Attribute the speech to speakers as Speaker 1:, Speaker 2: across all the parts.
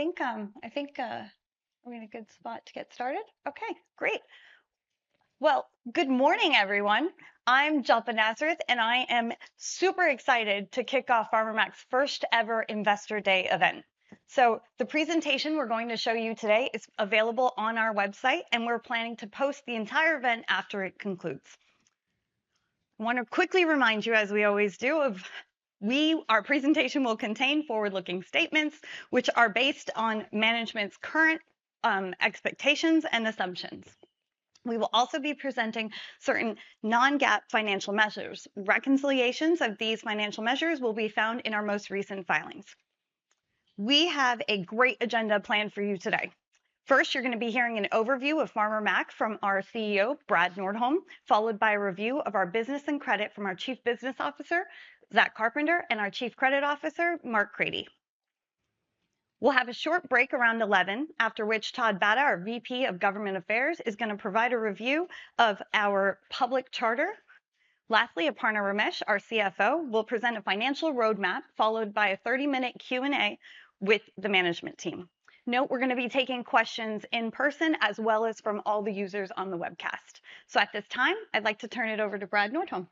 Speaker 1: I think we're in a good spot to get started. Okay, great! Well, good morning, everyone. I'm Jalpa Nazareth, and I am super excited to kick off Farmer Mac's first-ever Investor Day event. So the presentation we're going to show you today is available on our website, and we're planning to post the entire event after it concludes. I wanna quickly remind you, as we always do, of our presentation will contain forward-looking statements which are based on management's current expectations and assumptions. We will also be presenting certain non-GAAP financial measures. Reconciliations of these financial measures will be found in our most recent filings. We have a great agenda planned for you today. First, you're gonna be hearing an overview of Farmer Mac from our CEO, Brad Nordholm, followed by a review of our business and credit from our Chief Business Officer, Zach Carpenter, and our Chief Credit Officer, Marc Crady. We'll have a short break around 11, after which Todd Batta, our VP of Government Affairs, is gonna provide a review of our public charter. Lastly, Aparna Ramesh, our CFO, will present a financial roadmap, followed by a 30-minute Q&A with the management team. Note, we're gonna be taking questions in person as well as from all the users on the webcast. So at this time, I'd like to turn it over to Brad Nordholm.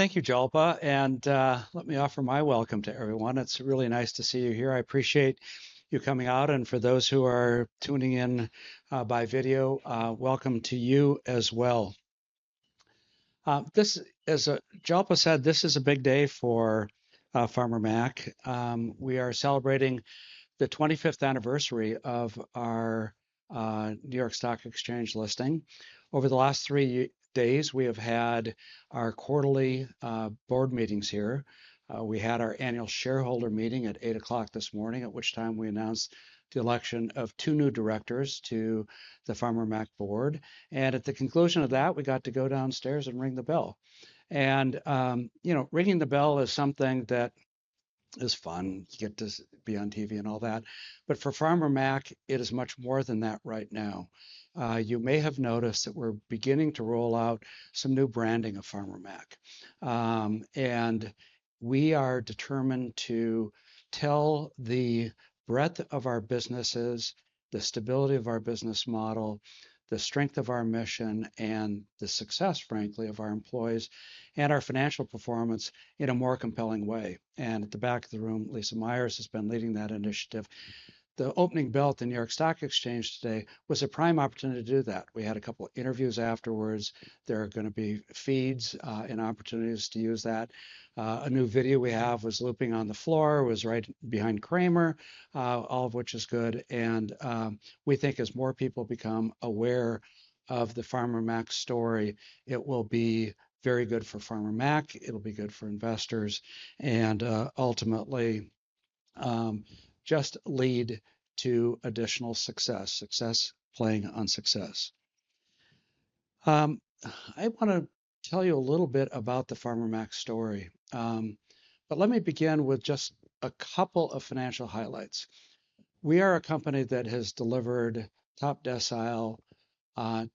Speaker 2: Thank you, Jalpa, and let me offer my welcome to everyone. It's really nice to see you here. I appreciate you coming out, and for those who are tuning in by video, welcome to you as well. This—as Jalpa said, this is a big day for Farmer Mac. We are celebrating the 25th anniversary of our New York Stock Exchange listing. Over the last three days, we have had our quarterly board meetings here. We had our annual shareholder meeting at 8:00 A.M. this morning, at which time we announced the election of two new directors to the Farmer Mac board. And at the conclusion of that, we got to go downstairs and ring the bell. And you know, ringing the bell is something that is fun. You get to be on TV and all that. But for Farmer Mac, it is much more than that right now. You may have noticed that we're beginning to roll out some new branding of Farmer Mac. We are determined to tell the breadth of our businesses, the stability of our business model, the strength of our mission, and the success, frankly, of our employees and our financial performance in a more compelling way. At the back of the room, Lisa Meyer has been leading that initiative. The opening bell at the New York Stock Exchange today was a prime opportunity to do that. We had a couple of interviews afterwards. There are gonna be feeds, and opportunities to use that. A new video we have was looping on the floor, it was right behind Cramer, all of which is good, and, we think as more people become aware of the Farmer Mac story, it will be very good for Farmer Mac, it'll be good for investors and, ultimately, just lead to additional success. Success playing on success. I wanna tell you a little bit about the Farmer Mac story. But let me begin with just a couple of financial highlights. We are a company that has delivered top decile,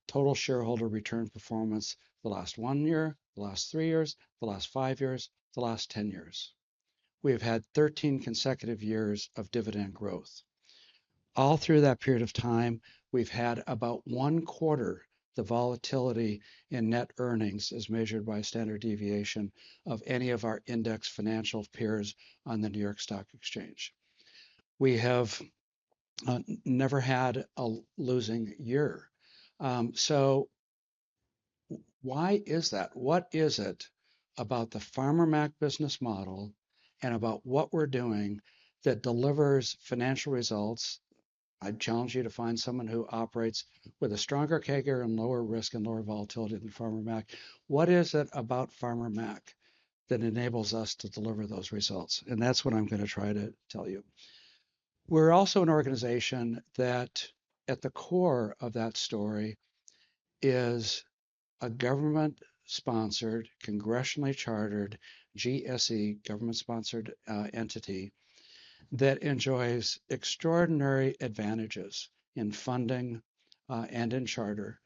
Speaker 2: total shareholder return performance the last 1 year, the last 3 years, the last 5 years, the last 10 years. We have had 13 consecutive years of dividend growth. All through that period of time, we've had about one quarter the volatility in net earnings, as measured by standard deviation, of any of our index financial peers on the New York Stock Exchange. We have never had a losing year. So why is that? What is it about the Farmer Mac business model and about what we're doing that delivers financial results? I challenge you to find someone who operates with a stronger CAGR and lower risk and lower volatility than Farmer Mac. What is it about Farmer Mac that enables us to deliver those results? And that's what I'm gonna try to tell you. We're also an organization that, at the core of that story, is a government-sponsored, congressionally chartered GSE, government-sponsored, entity, that enjoys extraordinary advantages in funding, and in charter,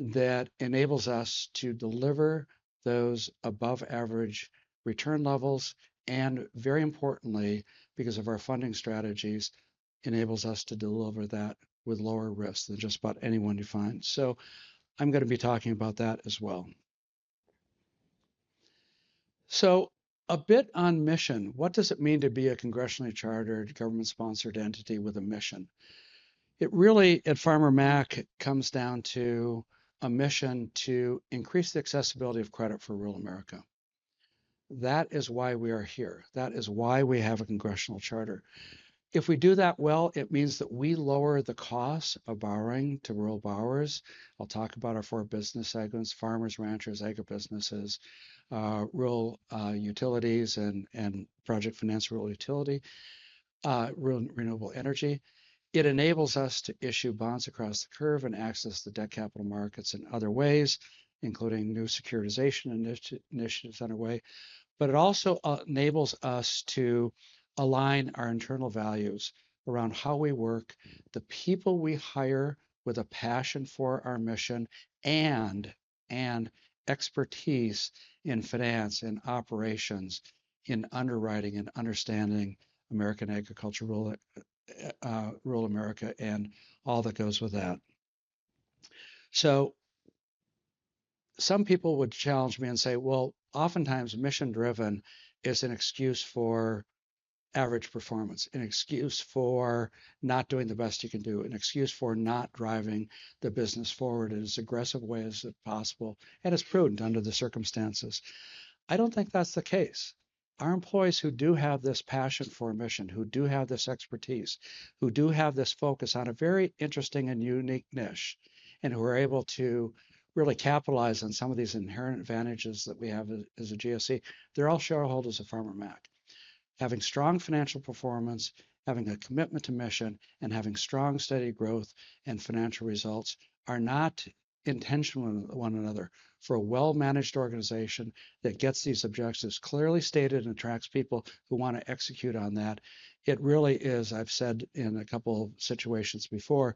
Speaker 2: that enables us to deliver those above-average return levels, and very importantly, because of our funding strategies, enables us to deliver that with lower risk than just about anyone you find. So I'm gonna be talking about that as well. So a bit on mission. What does it mean to be a congressionally chartered, government-sponsored entity with a mission? It really, at Farmer Mac, it comes down to a mission to increase the accessibility of credit for rural America. That is why we are here. That is why we have a congressional charter. If we do that well, it means that we lower the cost of borrowing to rural borrowers. I'll talk about our four business segments: farmers, ranchers, agribusinesses, Rural Utilities and project finance rural utility Renewable Energy. It enables us to issue bonds across the curve and access the debt capital markets in other ways, including new securitization initiatives underway. But it also enables us to align our internal values around how we work, the people we hire with a passion for our mission, and expertise in finance and operations, in underwriting and understanding American agricultural rural America and all that goes with that. So some people would challenge me and say: Well, oftentimes, mission-driven is an excuse for average performance, an excuse for not doing the best you can do, an excuse for not driving the business forward in as aggressive a way as possible, and it's prudent under the circumstances. I don't think that's the case. Our employees who do have this passion for mission, who do have this expertise, who do have this focus on a very interesting and unique niche, and who are able to really capitalize on some of these inherent advantages that we have as, as a GSE, they're all shareholders of Farmer Mac. Having strong financial performance, having a commitment to mission, and having strong, steady growth and financial results are not intentional with one another. For a well-managed organization that gets these objectives clearly stated and attracts people who want to execute on that, it really is... I've said in a couple of situations before,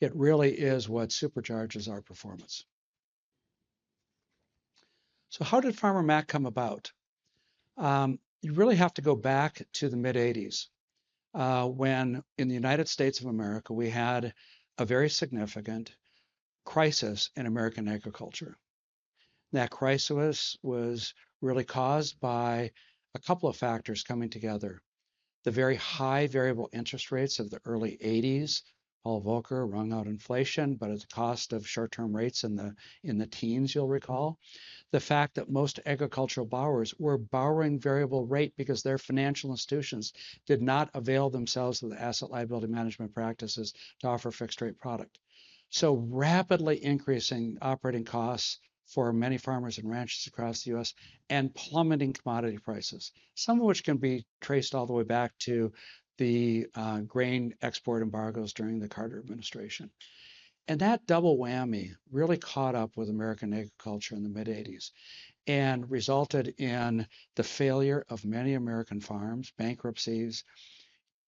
Speaker 2: it really is what supercharges our performance. So how did Farmer Mac come about? You really have to go back to the mid-1980s, when in the United States of America, we had a very significant crisis in American agriculture. That crisis was really caused by a couple of factors coming together. The very high variable interest rates of the early eighties. Paul Volcker wrung out inflation, but at the cost of short-term rates in the teens, you'll recall. The fact that most agricultural borrowers were borrowing variable rate because their financial institutions did not avail themselves of the asset liability management practices to offer fixed-rate product. So rapidly increasing operating costs for many farmers and ranchers across the U.S. and plummeting commodity prices, some of which can be traced all the way back to the grain export embargoes during the Carter administration. And that double whammy really caught up with American agriculture in the mid-eighties and resulted in the failure of many American farms, bankruptcies.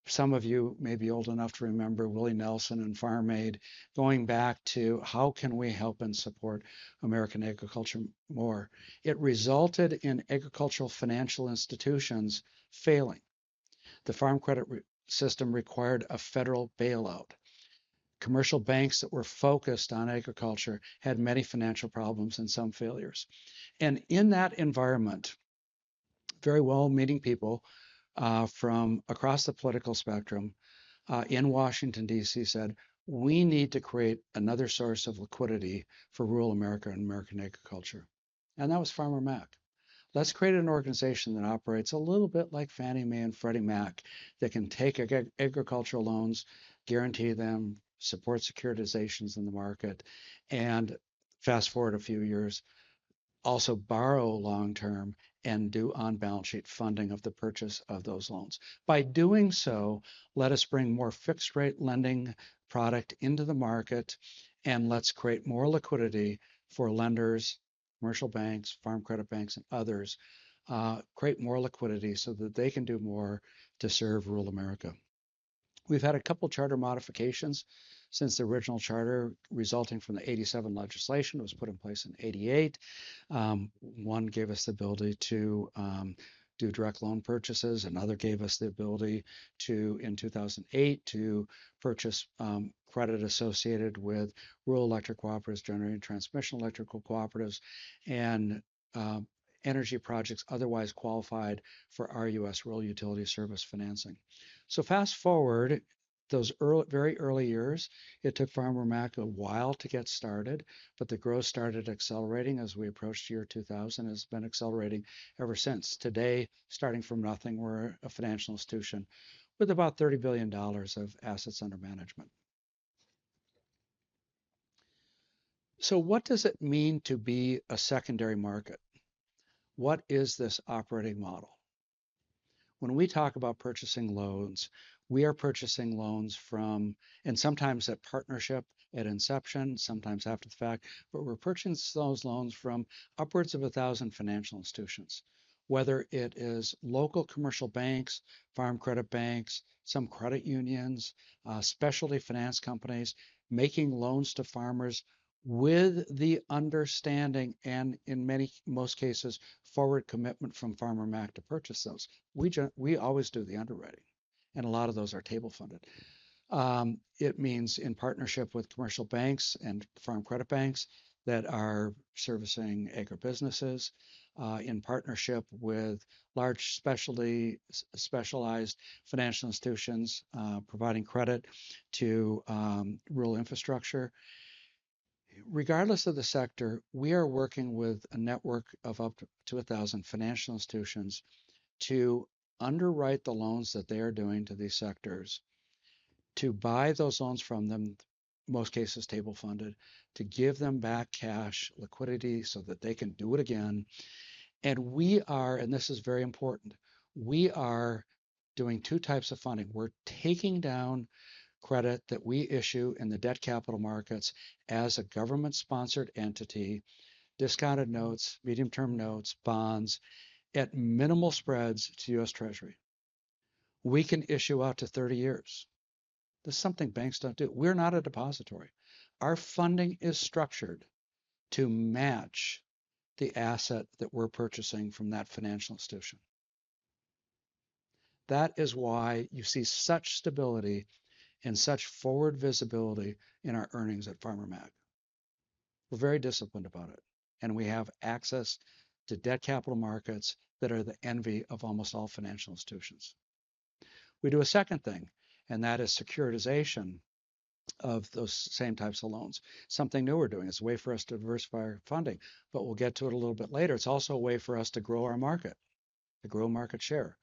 Speaker 2: Some of you may be old enough to remember Willie Nelson and Farm Aid, going back to: How can we help and support American agriculture more? It resulted in agricultural financial institutions failing. The Farm Credit System required a federal bailout. Commercial banks that were focused on agriculture had many financial problems and some failures. And in that environment, very well-meaning people, from across the political spectrum, in Washington, D.C., said, "We need to create another source of liquidity for rural America and American agriculture." And that was Farmer Mac. Let's create an organization that operates a little bit like Fannie Mae and Freddie Mac, that can take agricultural loans, guarantee them, support securitizations in the market, and fast-forward a few years, also borrow long-term and do on-balance sheet funding of the purchase of those loans. By doing so, let us bring more fixed-rate lending product into the market, and let's create more liquidity for lenders, commercial banks, Farm Credit banks, and others. Create more liquidity so that they can do more to serve rural America. We've had a couple charter modifications since the original charter, resulting from the 1987 legislation, was put in place in 1988. One gave us the ability to do direct loan purchases. Another gave us the ability to, in 2008, to purchase credit associated with rural electric cooperatives, generation and transmission electric cooperatives, and energy projects otherwise qualified for our U.S. Rural Utilities Service financing. So fast-forward, those very early years, it took Farmer Mac a while to get started, but the growth started accelerating as we approached the year 2000, and it's been accelerating ever since. Today, starting from nothing, we're a financial institution with about $30 billion of assets under management. So what does it mean to be a secondary market? What is this operating model? When we talk about purchasing loans, we are purchasing loans from... and sometimes that partnership at inception, sometimes after the fact, but we're purchasing those loans from upwards of 1,000 financial institutions. Whether it is local commercial banks, Farm Credit banks, some credit unions, specialty finance companies, making loans to farmers with the understanding, and in many, most cases, forward commitment from Farmer Mac to purchase those. We always do the underwriting, and a lot of those are table-funded. It means in partnership with commercial banks and Farm Credit banks that are servicing agribusinesses, in partnership with large specialized financial institutions, providing credit to Rural Infrastructure. Regardless of the sector, we are working with a network of up to 1,000 financial institutions to underwrite the loans that they are doing to these sectors, to buy those loans from them, most cases table-funded, to give them back cash liquidity so that they can do it again. And we are, and this is very important, we are doing two types of funding. We're taking down credit that we issue in the debt capital markets as a government-sponsored entity, discounted notes, medium-term notes, bonds, at minimal spreads to U.S. Treasury. We can issue out to 30 years. That's something banks don't do. We're not a depository. Our funding is structured to match the asset that we're purchasing from that financial institution. That is why you see such stability and such forward visibility in our earnings at Farmer Mac. We're very disciplined about it, and we have access to debt capital markets that are the envy of almost all financial institutions. We do a second thing, and that is securitization of those same types of loans. Something new we're doing. It's a way for us to diversify our funding, but we'll get to it a little bit later. It's also a way for us to grow our market, to grow market share.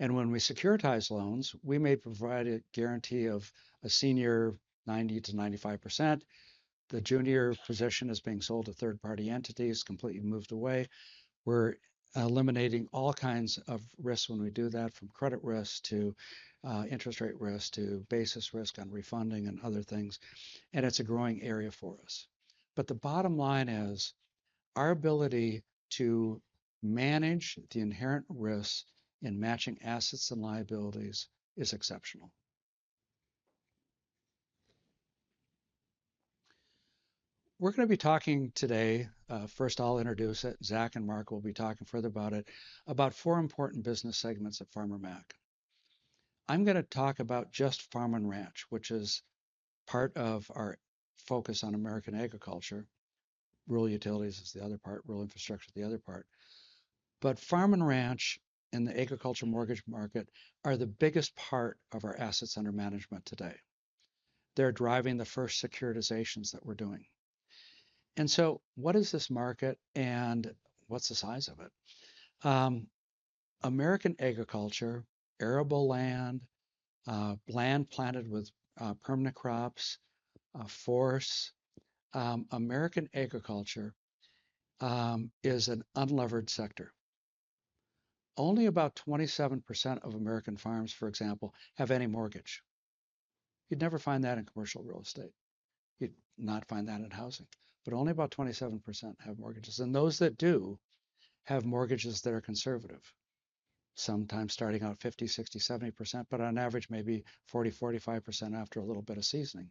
Speaker 2: And when we securitize loans, we may provide a guarantee of a senior 90%-95%. The junior position is being sold to third-party entities, completely moved away. We're eliminating all kinds of risks when we do that, from credit risk to, interest rate risk, to basis risk on refunding and other things, and it's a growing area for us. But the bottom line is, our ability to manage the inherent risks in matching assets and liabilities is exceptional. We're gonna be talking today, first I'll introduce it, Zach and Marc will be talking further about it, about four important business segments at Farmer Mac. I'm gonna talk about just Farm & Ranch, which is part of our focus on American agriculture. Rural utilities is the other part, Rural Infrastructure is the other part. But Farm & Ranch, and the agriculture mortgage market, are the biggest part of our assets under management today. They're driving the first securitizations that we're doing. And so what is this market, and what's the size of it? American agriculture, arable land, land planted with permanent crops, forest. American agriculture is an unlevered sector. Only about 27% of American farms, for example, have any mortgage. You'd never find that in commercial real estate. You'd not find that in housing. But only about 27% have mortgages, and those that do, have mortgages that are conservative, sometimes starting out 50%-70%, but on average, maybe 40%-45% after a little bit of seasoning.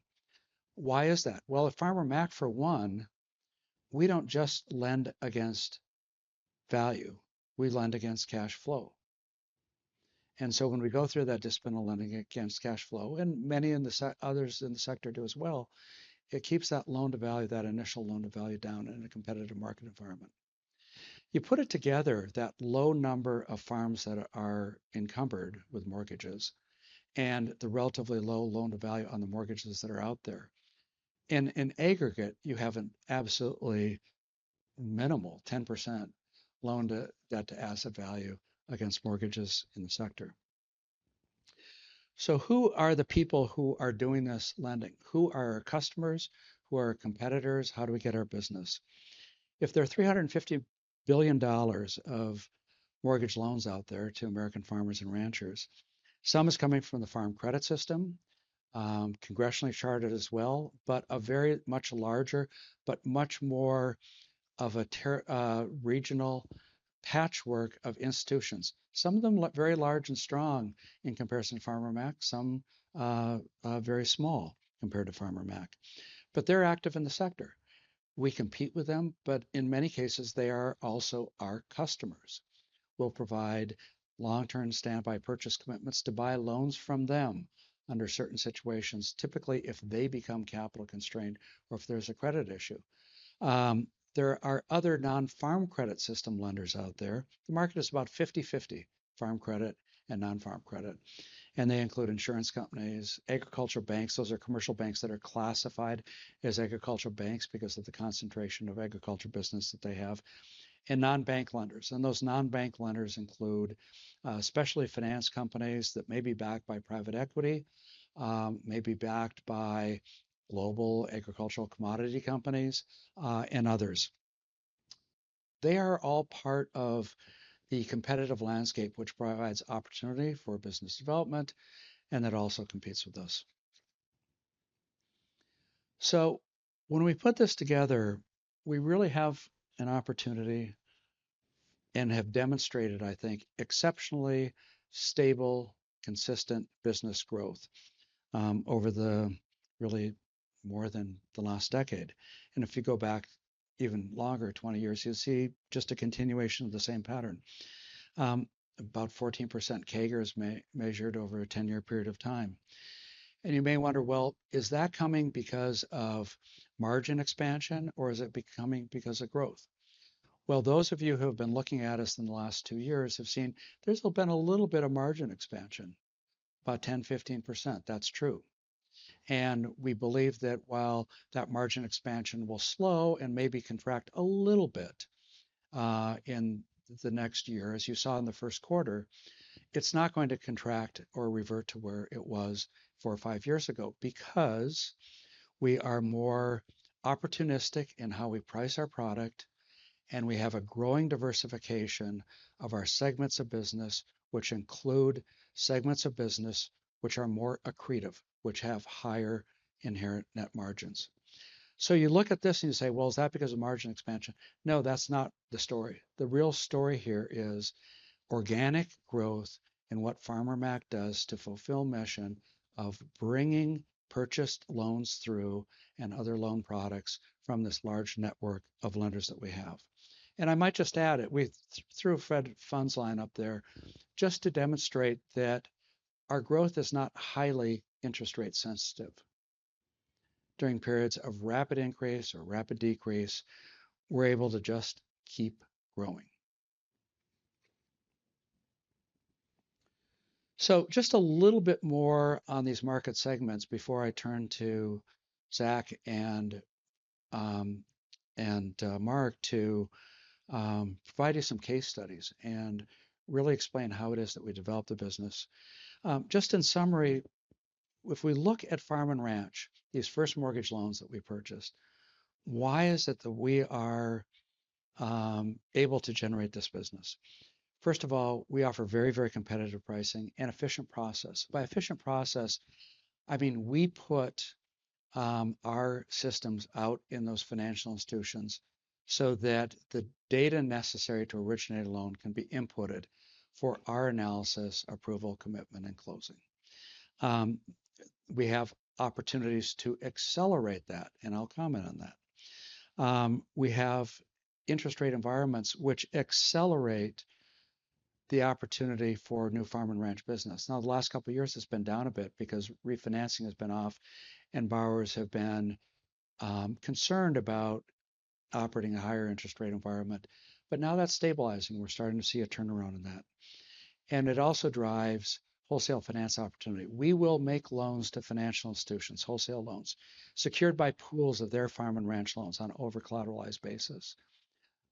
Speaker 2: Why is that? Well, at Farmer Mac, for one, we don't just lend against value, we lend against cash flow. And so when we go through that discipline of lending against cash flow, and many in the sector—others in the sector do as well, it keeps that loan-to-value, that initial loan-to-value down in a competitive market environment. You put it together, that low number of farms that are encumbered with mortgages and the relatively low loan-to-value on the mortgages that are out there, in aggregate, you have an absolutely minimal 10% debt-to-asset value against mortgages in the sector. So who are the people who are doing this lending? Who are our customers? Who are our competitors? How do we get our business? If there are $350 billion of mortgage loans out there to American farmers and ranchers, some is coming from the Farm Credit System, congressionally chartered as well, but a very much larger but much more of a regional patchwork of institutions. Some of them very large and strong in comparison to Farmer Mac, some very small compared to Farmer Mac. But they're active in the sector. We compete with them, but in many cases, they are also our customers. We'll provide long-term standby purchase commitments to buy loans from them under certain situations, typically, if they become capital constrained or if there's a credit issue. There are other non-Farm Credit System lenders out there. The market is about 50/50, Farm Credit and non-Farm Credit, and they include insurance companies, agricultural banks, those are commercial banks that are classified as agricultural banks because of the concentration of agriculture business that they have, and non-bank lenders. Those non-bank lenders include, specialty finance companies that may be backed by private equity, may be backed by global agricultural commodity companies, and others. They are all part of the competitive landscape, which provides opportunity for business development and that also competes with us. So when we put this together, we really have an opportunity and have demonstrated, I think, exceptionally stable, consistent business growth over the really more than the last decade. And if you go back even longer, 20 years, you'll see just a continuation of the same pattern. About 14% CAGRs measured over a 10-year period of time. And you may wonder, well, is that coming because of margin expansion, or is it becoming because of growth? Well, those of you who have been looking at us in the last 2 years have seen there's been a little bit of margin expansion, about 10%-15%. That's true. We believe that while that margin expansion will slow and maybe contract a little bit, in the next year, as you saw in the first quarter, it's not going to contract or revert to where it was four or five years ago, because we are more opportunistic in how we price our product, and we have a growing diversification of our segments of business, which include segments of business which are more accretive, which have higher inherent net margins. So you look at this and you say, "Well, is that because of margin expansion?" No, that's not the story. The real story here is organic growth and what Farmer Mac does to fulfill mission of bringing purchased loans through, and other loan products, from this large network of lenders that we have. I might just add it, we threw a Fed funds line up there just to demonstrate that our growth is not highly interest rate sensitive... during periods of rapid increase or rapid decrease, we're able to just keep growing. So just a little bit more on these market segments before I turn to Zach and Marc to provide you some case studies and really explain how it is that we developed the business. Just in summary, if we look at Farm & Ranch, these first mortgage loans that we purchased, why is it that we are able to generate this business? First of all, we offer very, very competitive pricing and efficient process. By efficient process, I mean, we put our systems out in those financial institutions so that the data necessary to originate a loan can be inputted for our analysis, approval, commitment, and closing. We have opportunities to accelerate that, and I'll comment on that. We have interest rate environments which accelerate the opportunity for new Farm & Ranch business. Now, the last couple of years has been down a bit because refinancing has been off and borrowers have been concerned about operating a higher interest rate environment. But now that's stabilizing. We're starting to see a turnaround in that. And it also drives wholesale finance opportunity. We will make loans to financial institutions, wholesale loans, secured by pools of their Farm & Ranch loans on an over-collateralized basis.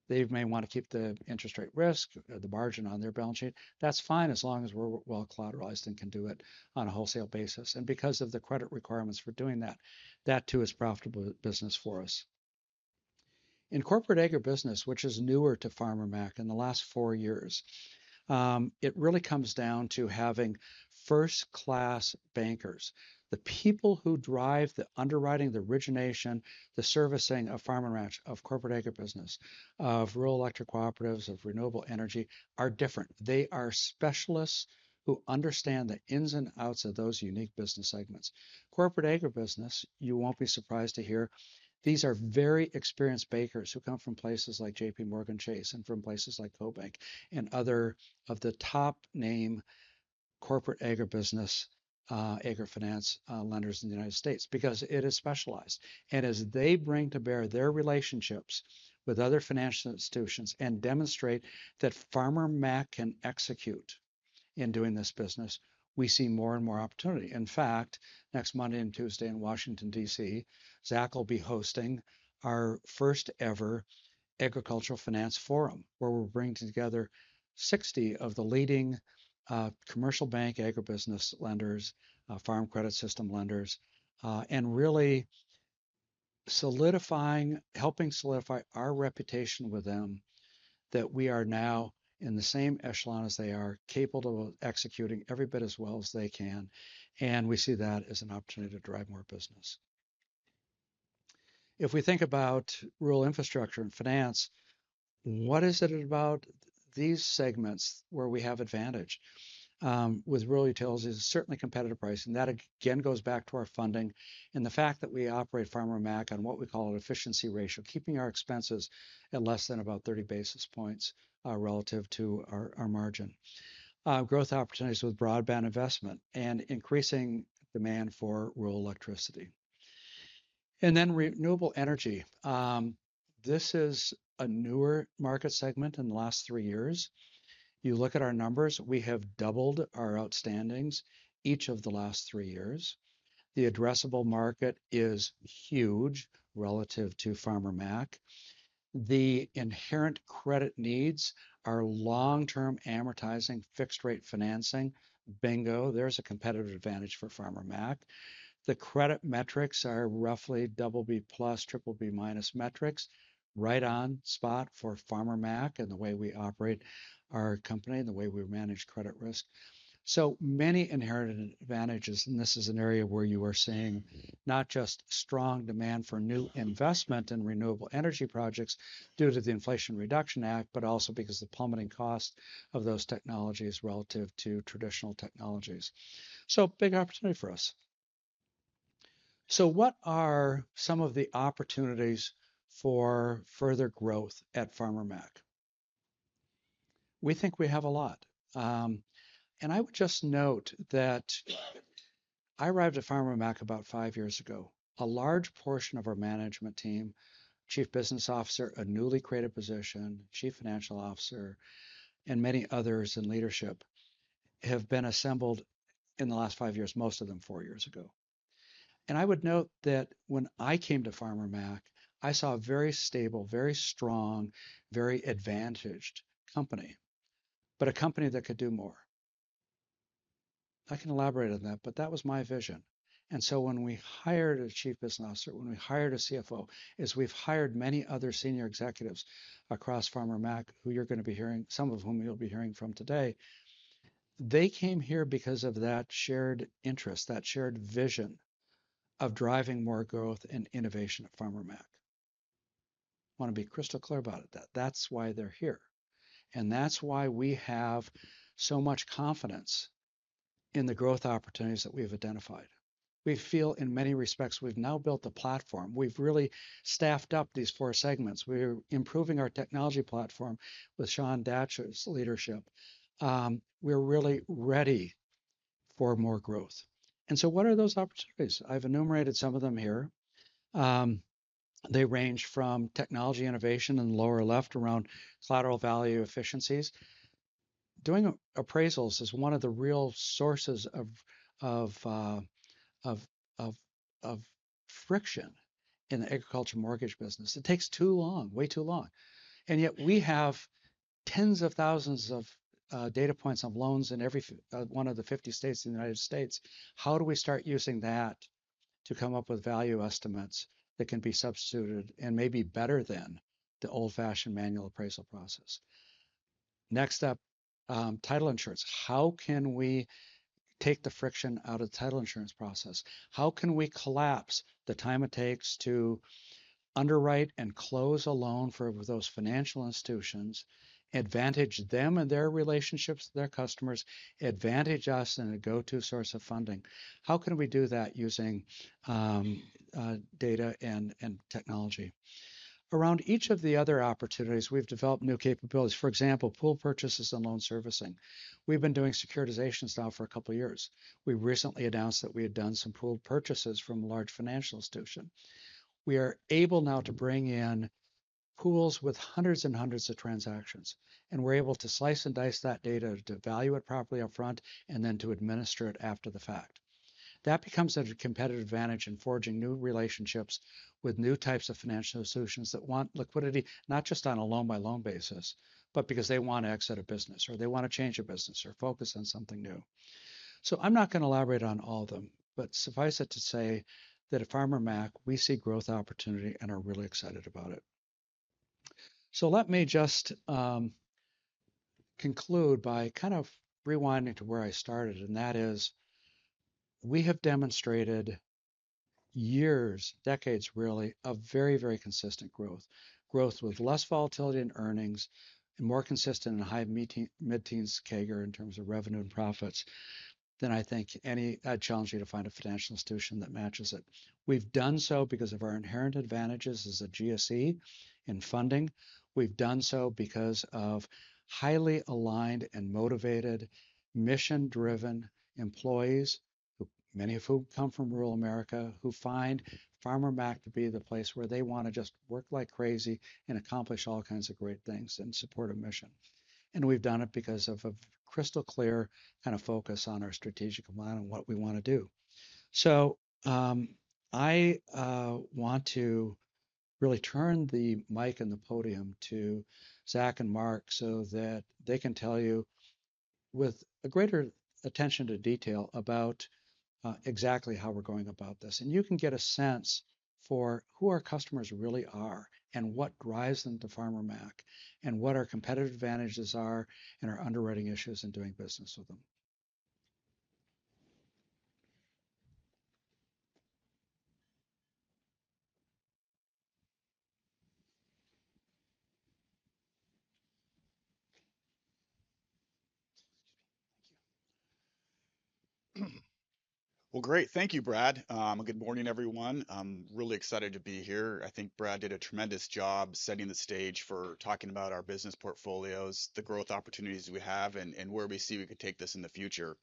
Speaker 2: They may want to keep the interest rate risk, the margin on their balance sheet. That's fine, as long as we're well collateralized and can do it on a wholesale basis. And because of the credit requirements for doing that, that too, is profitable business for us. In corporate agribusiness, which is newer to Farmer Mac in the last four years, it really comes down to having first-class bankers. The people who drive the underwriting, the origination, the servicing of Farm & Ranch, of corporate agribusiness, of rural electric cooperatives, of renewable energy, are different. They are specialists who understand the ins and outs of those unique business segments. Corporate agribusiness, you won't be surprised to hear, these are very experienced bankers who come from places like JPMorgan Chase and from places like CoBank and other of the top name corporate agribusiness, agri-finance, lenders in the United States, because it is specialized. As they bring to bear their relationships with other financial institutions and demonstrate that Farmer Mac can execute in doing this business, we see more and more opportunity. In fact, next Monday and Tuesday in Washington, D.C., Zach will be hosting our first-ever Agricultural Finance Forum, where we're bringing together 60 of the leading, commercial bank, agribusiness lenders, Farm Credit System lenders, and really solidifying, helping solidify our reputation with them, that we are now in the same echelon as they are, capable of executing every bit as well as they can, and we see that as an opportunity to drive more business. If we think about rural infrastructure and finance, what is it about these segments where we have advantage? With rural utilities, it's certainly competitive pricing. That again, goes back to our funding and the fact that we operate Farmer Mac on what we call an efficiency ratio, keeping our expenses at less than about 30 basis points relative to our margin. Growth opportunities with broadband investment and increasing demand for rural electricity. And then renewable energy. This is a newer market segment in the last three years. You look at our numbers, we have doubled our outstandings each of the last three years. The addressable market is huge relative to Farmer Mac. The inherent credit needs are long-term amortizing, fixed-rate financing. Bingo! There's a competitive advantage for Farmer Mac. The credit metrics are roughly BB plus, BBB minus metrics, right on spot for Farmer Mac and the way we operate our company and the way we manage credit risk. So many inherited advantages, and this is an area where you are seeing not just strong demand for new investment in renewable energy projects due to the Inflation Reduction Act, but also because of the plummeting cost of those technologies relative to traditional technologies. So, big opportunity for us. So what are some of the opportunities for further growth at Farmer Mac? We think we have a lot. And I would just note that I arrived at Farmer Mac about five years ago. A large portion of our management team, Chief Business Officer, a newly created position, Chief Financial Officer, and many others in leadership, have been assembled in the last five years, most of them four years ago. And I would note that when I came to Farmer Mac, I saw a very stable, very strong, very advantaged company, but a company that could do more. I can elaborate on that, but that was my vision. And so when we hired a Chief Business Officer, when we hired a CFO, as we've hired many other senior executives across Farmer Mac, who you're gonna be hearing, some of whom you'll be hearing from today, they came here because of that shared interest, that shared vision of driving more growth and innovation at Farmer Mac. Want to be crystal clear about it, that that's why they're here, and that's why we have so much confidence in the growth opportunities that we've identified. We feel in many respects, we've now built the platform. We've really staffed up these four segments. We're improving our technology platform with Shaun Datcher's leadership. We're really ready for more growth. And so what are those opportunities? I've enumerated some of them here. They range from technology innovation in the lower left around collateral value efficiencies. Doing appraisals is one of the real sources of of friction in the agriculture mortgage business. It takes too long, way too long. And yet we have tens of thousands of data points of loans in every one of the 50 states in the United States. How do we start using that to come up with value estimates that can be substituted and may be better than the old-fashioned manual appraisal process? Next up, title insurance. How can we take the friction out of the title insurance process? How can we collapse the time it takes to underwrite and close a loan for those financial institutions, advantage them and their relationships with their customers, advantage us in a go-to source of funding? How can we do that using data and technology? Around each of the other opportunities, we've developed new capabilities. For example, pool purchases and loan servicing. We've been doing securitizations now for a couple of years. We recently announced that we had done some pooled purchases from a large financial institution. We are able now to bring in pools with hundreds and hundreds of transactions, and we're able to slice and dice that data to value it properly upfront, and then to administer it after the fact. That becomes a competitive advantage in forging new relationships with new types of financial solutions that want liquidity, not just on a loan-by-loan basis, but because they want to exit a business, or they want to change a business or focus on something new. So I'm not going to elaborate on all of them, but suffice it to say that at Farmer Mac, we see growth opportunity and are really excited about it. So let me just conclude by kind of rewinding to where I started, and that is, we have demonstrated years, decades, really, of very, very consistent growth. Growth with less volatility in earnings and more consistent and high mid-teen, mid-teens CAGR in terms of revenue and profits, than I think any. I'd challenge you to find a financial institution that matches it. We've done so because of our inherent advantages as a GSE in funding. We've done so because of highly aligned and motivated, mission-driven employees, who, many of whom come from rural America, who find Farmer Mac to be the place where they want to just work like crazy and accomplish all kinds of great things and support a mission. We've done it because of a crystal-clear kind of focus on our strategic alignment and what we want to do. So, I want to really turn the mic and the podium to Zach and Marc so that they can tell you with a greater attention to detail about exactly how we're going about this. You can get a sense for who our customers really are and what drives them to Farmer Mac, and what our competitive advantages are, and our underwriting issues in doing business with them.
Speaker 3: Thank you. Well, great. Thank you, Brad. Good morning, everyone. I'm really excited to be here. I think Brad did a tremendous job setting the stage for talking about our business portfolios, the growth opportunities we have, and where we see we could take this in the future.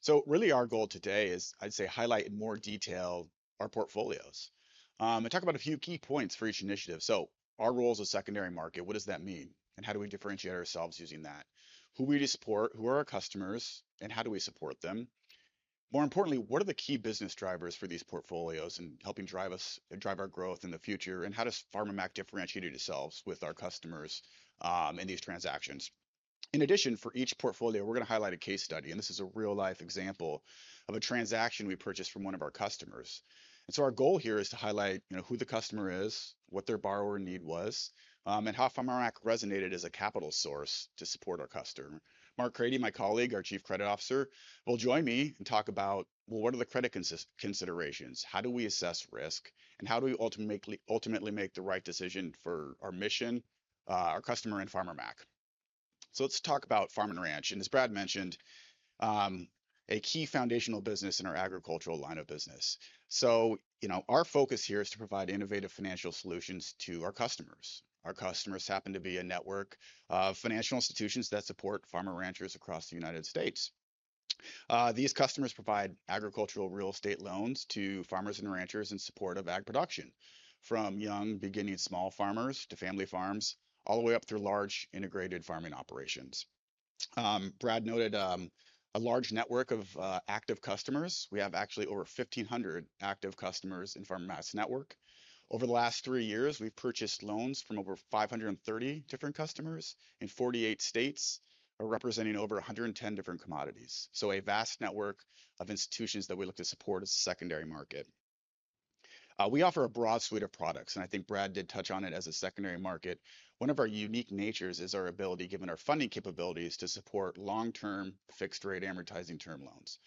Speaker 3: So really, our goal today is, I'd say, highlight in more detail our portfolios, and talk about a few key points for each initiative. So our role as a secondary market, what does that mean? And how do we differentiate ourselves using that? Who we support, who are our customers, and how do we support them? More importantly, what are the key business drivers for these portfolios in helping drive us-- drive our growth in the future, and how does Farmer Mac differentiate ourselves with our customers, in these transactions? In addition, for each portfolio, we're going to highlight a case study, and this is a real-life example of a transaction we purchased from one of our customers. And so our goal here is to highlight, you know, who the customer is, what their borrower need was, and how Farmer Mac resonated as a capital source to support our customer. Marc Crady, my colleague, our Chief Credit Officer, will join me and talk about, well, what are the credit considerations? How do we assess risk, and how do we ultimately, ultimately make the right decision for our mission, our customer, and Farmer Mac? So let's talk about Farm & Ranch, and as Brad mentioned, a key foundational business in our agricultural line of business. So, you know, our focus here is to provide innovative financial solutions to our customers. Our customers happen to be a network of financial institutions that support farmers and ranchers across the United States. These customers provide agricultural real estate loans to farmers and ranchers in support of ag production, from young, beginning, small farmers to family farms, all the way up through large, integrated farming operations. Brad noted a large network of active customers. We have actually over 1,500 active customers in Farmer Mac's network. Over the last three years, we've purchased loans from over 530 different customers in 48 states, representing over 110 different commodities. So a vast network of institutions that we look to support as a secondary market. We offer a broad suite of products, and I think Brad did touch on it as a secondary market. One of our unique natures is our ability, given our funding capabilities, to support long-term fixed-rate amortizing term loans.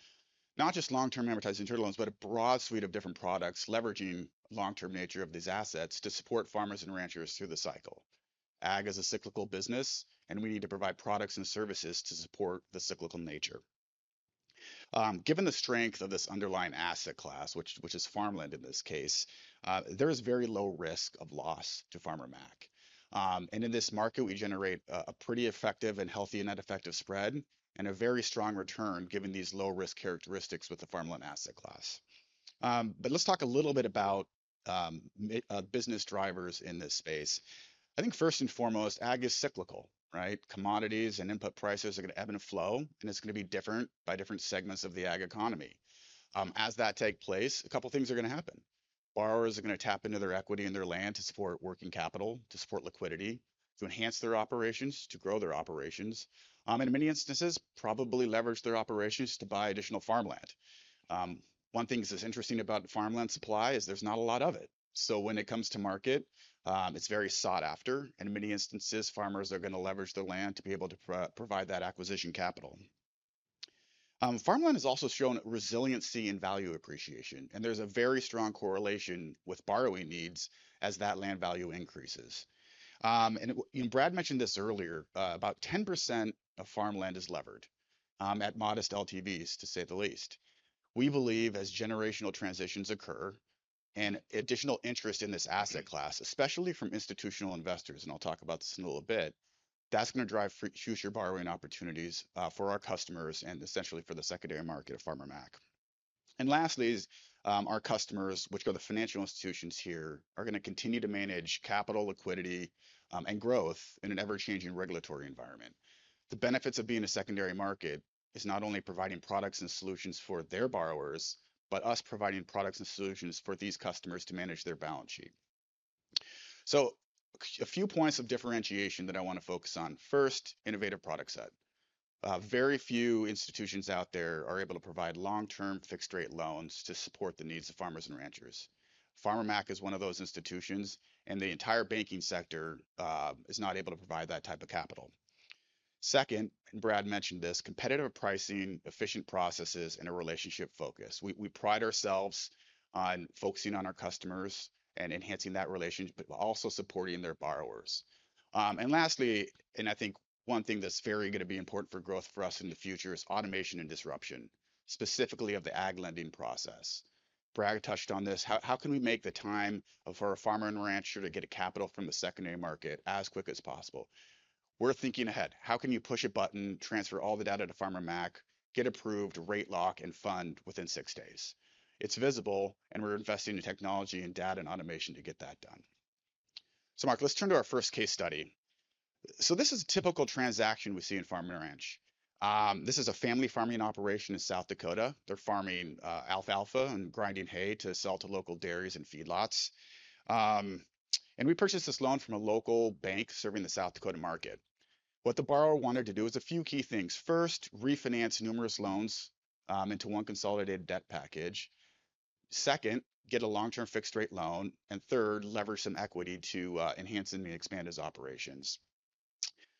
Speaker 3: Not just long-term amortizing term loans, but a broad suite of different products, leveraging long-term nature of these assets to support farmers and ranchers through the cycle. Ag is a cyclical business, and we need to provide products and services to support the cyclical nature. Given the strength of this underlying asset class, which is farmland, in this case, there is very low risk of loss to Farmer Mac. And in this market, we generate a pretty effective and healthy Net Effective Spread and a very strong return, given these low-risk characteristics with the farmland asset class. But let's talk a little bit about business drivers in this space. I think first and foremost, ag is cyclical, right? Commodities and input prices are gonna ebb and flow, and it's gonna be different by different segments of the ag economy. As that take place, a couple things are gonna happen. Borrowers are gonna tap into their equity and their land to support working capital, to support liquidity, to enhance their operations, to grow their operations, and in many instances, probably leverage their operations to buy additional farmland. One thing that's interesting about farmland supply is there's not a lot of it, so when it comes to market, it's very sought after, and in many instances, farmers are gonna leverage their land to be able to provide that acquisition capital. Farmland has also shown resiliency and value appreciation, and there's a very strong correlation with borrowing needs as that land value increases. And Brad mentioned this earlier, about 10% of farmland is levered, at modest LTVs, to say the least. We believe as generational transitions occur, and additional interest in this asset class, especially from institutional investors, and I'll talk about this in a little bit, that's gonna drive future borrowing opportunities, for our customers and essentially for the secondary market of Farmer Mac. And lastly, our customers, which are the financial institutions here, are gonna continue to manage capital, liquidity, and growth in an ever-changing regulatory environment. The benefits of being a secondary market is not only providing products and solutions for their borrowers, but us providing products and solutions for these customers to manage their balance sheet. So a few points of differentiation that I want to focus on. First, innovative product set. Very few institutions out there are able to provide long-term fixed-rate loans to support the needs of farmers and ranchers. Farmer Mac is one of those institutions, and the entire banking sector is not able to provide that type of capital. Second, and Brad mentioned this, competitive pricing, efficient processes, and a relationship focus. We pride ourselves on focusing on our customers and enhancing that relationship, but while also supporting their borrowers. And lastly, and I think one thing that's very gonna be important for growth for us in the future, is automation and disruption, specifically of the ag lending process. Brad touched on this. How can we make the time for a farmer and rancher to get a capital from the secondary market as quick as possible? We're thinking ahead. How can you push a button, transfer all the data to Farmer Mac, get approved, rate lock, and fund within six days? It's visible, and we're investing in technology and data and automation to get that done. So Marc, let's turn to our first case study. So this is a typical transaction we see in Farm & Ranch. This is a family farming operation in South Dakota. They're farming, alfalfa and grinding hay to sell to local dairies and feedlots. And we purchased this loan from a local bank serving the South Dakota market. What the borrower wanted to do is a few key things. First, refinance numerous loans, into one consolidated debt package. Second, get a long-term fixed-rate loan. And third, leverage some equity to, enhance and expand his operations.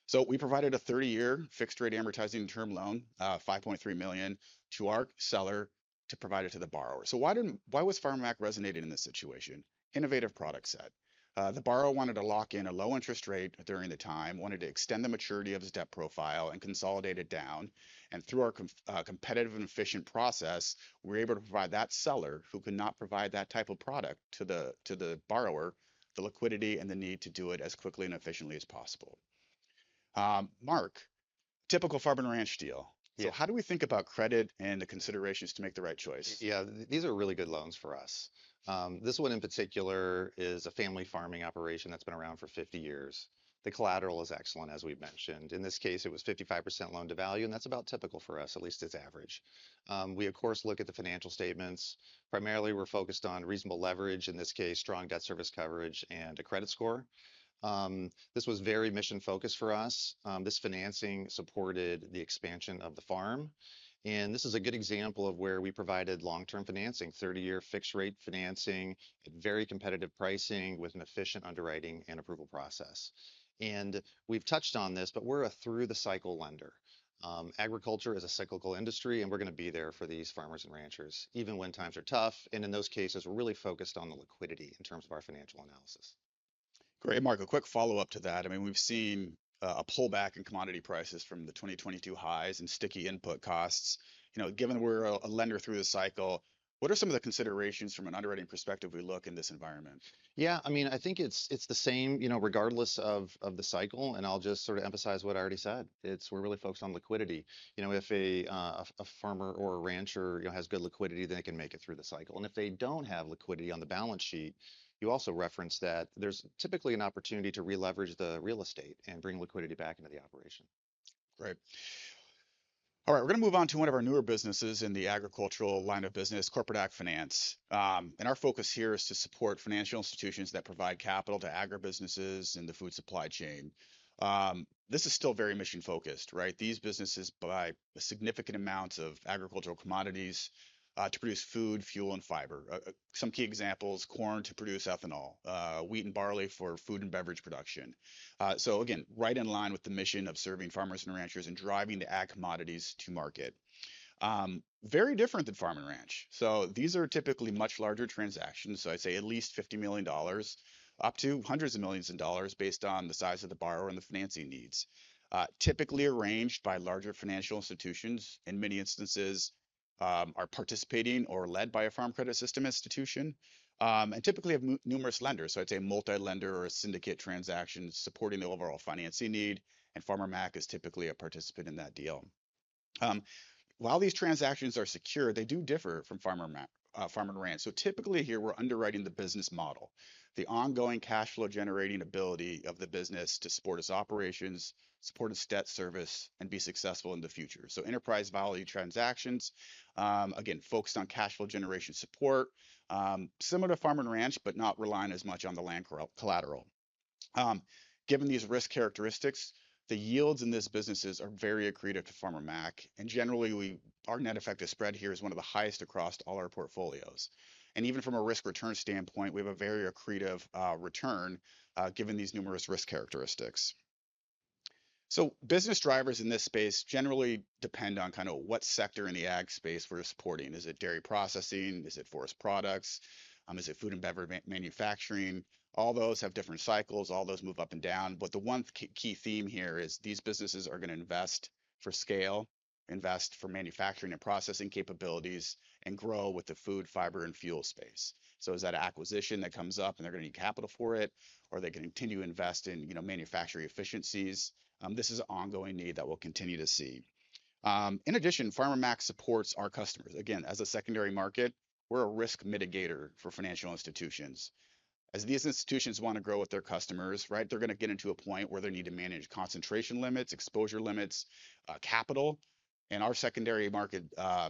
Speaker 3: So we provided a 30-year fixed-rate amortizing term loan, $5.3 million, to our seller to provide it to the borrower. Why was Farmer Mac resonating in this situation? Innovative product set. The borrower wanted to lock in a low interest rate during the time, wanted to extend the maturity of his debt profile and consolidate it down, and through our competitive and efficient process, we're able to provide that seller, who cannot provide that type of product to the borrower, the liquidity and the need to do it as quickly and efficiently as possible. Marc, typical Farm & Ranch deal.
Speaker 4: Yeah.
Speaker 3: So how do we think about credit and the considerations to make the right choice?
Speaker 4: Yeah, these are really good loans for us. This one in particular is a family farming operation that's been around for 50 years. The collateral is excellent, as we've mentioned. In this case, it was 55% loan-to-value, and that's about typical for us, at least it's average. We, of course, look at the financial statements. Primarily, we're focused on reasonable leverage, in this case, strong debt service coverage and a credit score. This was very mission-focused for us. This financing supported the expansion of the farm, and this is a good example of where we provided long-term financing, 30-year fixed-rate financing at very competitive pricing with an efficient underwriting and approval process. We've touched on this, but we're a through-the-cycle lender. Agriculture is a cyclical industry, and we're gonna be there for these farmers and ranchers, even when times are tough. In those cases, we're really focused on the liquidity in terms of our financial analysis.
Speaker 3: Great. Marc, a quick follow-up to that. I mean, we've seen a pullback in commodity prices from the 2022 highs and sticky input costs. You know, given we're a lender through the cycle, what are some of the considerations from an underwriting perspective we look in this environment?
Speaker 4: Yeah, I mean, I think it's the same, you know, regardless of the cycle, and I'll just sort of emphasize what I already said. It's we're really focused on liquidity. You know, if a farmer or a rancher, you know, has good liquidity, then they can make it through the cycle. And if they don't have liquidity on the balance sheet, you also referenced that there's typically an opportunity to re-leverage the real estate and bring liquidity back into the operation.
Speaker 3: Great. All right, we're gonna move on to one of our newer businesses in the agricultural line of business, Corporate Ag Finance. And our focus here is to support financial institutions that provide capital to agribusinesses and the food supply chain. This is still very mission focused, right? These businesses buy significant amounts of agricultural commodities to produce food, fuel, and fiber. Some key examples: corn to produce ethanol, wheat and barley for food and beverage production. So again, right in line with the mission of serving farmers and ranchers and driving the ag commodities to market. Very different than Farm & Ranch. These are typically much larger transactions, so I'd say at least $50 million, up to hundreds of millions of dollars, based on the size of the borrower and the financing needs. Typically arranged by larger financial institutions, in many instances are participating or led by a Farm Credit System institution, and typically have numerous lenders. So it's a multi-lender or a syndicate transaction supporting the overall financing need, and Farmer Mac is typically a participant in that deal. While these transactions are secure, they do differ from Farmer Mac, Farm & Ranch. So typically here, we're underwriting the business model, the ongoing cash flow-generating ability of the business to support its operations, support its debt service, and be successful in the future. So enterprise value transactions, again, focused on cash flow generation support, similar to Farm & Ranch, but not relying as much on the land collateral. Given these risk characteristics, the yields in these businesses are very accretive to Farmer Mac, and generally, our Net Effective Spread here is one of the highest across all our portfolios. And even from a risk-return standpoint, we have a very accretive return given these numerous risk characteristics. So business drivers in this space generally depend on kind of what sector in the ag space we're supporting. Is it dairy processing? Is it forest products? Is it food and beverage manufacturing? All those have different cycles, all those move up and down, but the one key theme here is these businesses are going to invest for scale, invest for manufacturing and processing capabilities, and grow with the food, fiber, and fuel space. So is that an acquisition that comes up, and they're going to need capital for it, or they can continue to invest in, you know, manufacturing efficiencies? This is an ongoing need that we'll continue to see. In addition, Farmer Mac supports our customers. Again, as a secondary market, we're a risk mitigator for financial institutions. As these institutions want to grow with their customers, right, they're going to get into a point where they need to manage concentration limits, exposure limits, capital, and our secondary market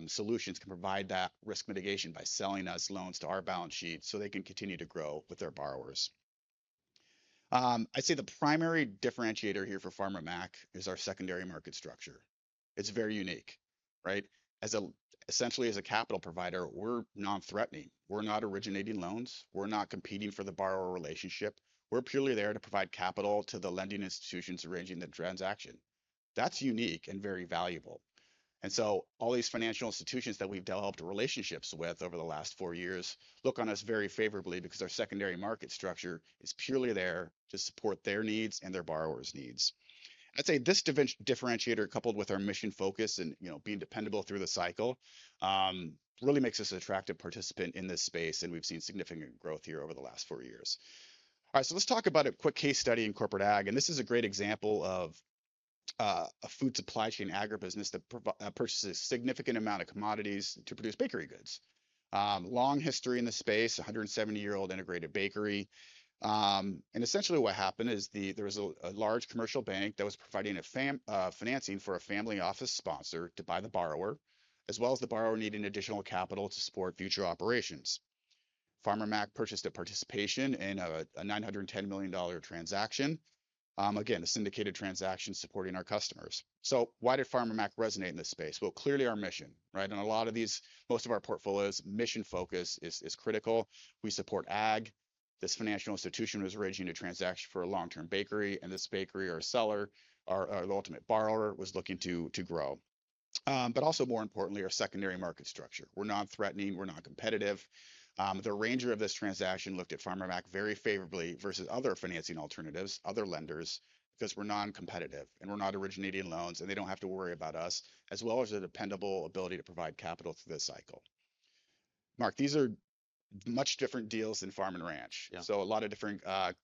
Speaker 3: solutions can provide that risk mitigation by selling us loans to our balance sheet so they can continue to grow with their borrowers. I'd say the primary differentiator here for Farmer Mac is our secondary market structure. It's very unique, right? As a-- essentially, as a capital provider, we're non-threatening. We're not originating loans. We're not competing for the borrower relationship. We're purely there to provide capital to the lending institutions arranging the transaction. That's unique and very valuable. And so all these financial institutions that we've developed relationships with over the last four years look on us very favorably because our secondary market structure is purely there to support their needs and their borrowers' needs. I'd say this differentiator, coupled with our mission focus and, you know, being dependable through the cycle, really makes us an attractive participant in this space, and we've seen significant growth here over the last four years. All right, so let's talk about a quick case study in corporate ag, and this is a great example of a food supply chain agribusiness that purchases a significant amount of commodities to produce bakery goods. Long history in the space, a 170-year-old integrated bakery. And essentially what happened is there was a large commercial bank that was providing financing for a family office sponsor to buy the borrower, as well as the borrower needing additional capital to support future operations. Farmer Mac purchased a participation in a $910 million transaction. Again, a syndicated transaction supporting our customers. So why did Farmer Mac resonate in this space? Well, clearly our mission, right? In a lot of these, most of our portfolios, mission focus is critical. We support ag. This financial institution was arranging a transaction for a long-term bakery, and this bakery or seller, or the ultimate borrower, was looking to grow. But also more importantly, our secondary market structure. We're non-threatening, we're non-competitive. The arranger of this transaction looked at Farmer Mac very favorably versus other financing alternatives, other lenders, because we're non-competitive and we're not originating loans, and they don't have to worry about us, as well as the dependable ability to provide capital through this cycle. Marc, these are much different deals than Farm & Ranch.
Speaker 4: Yeah.
Speaker 3: So a lot of different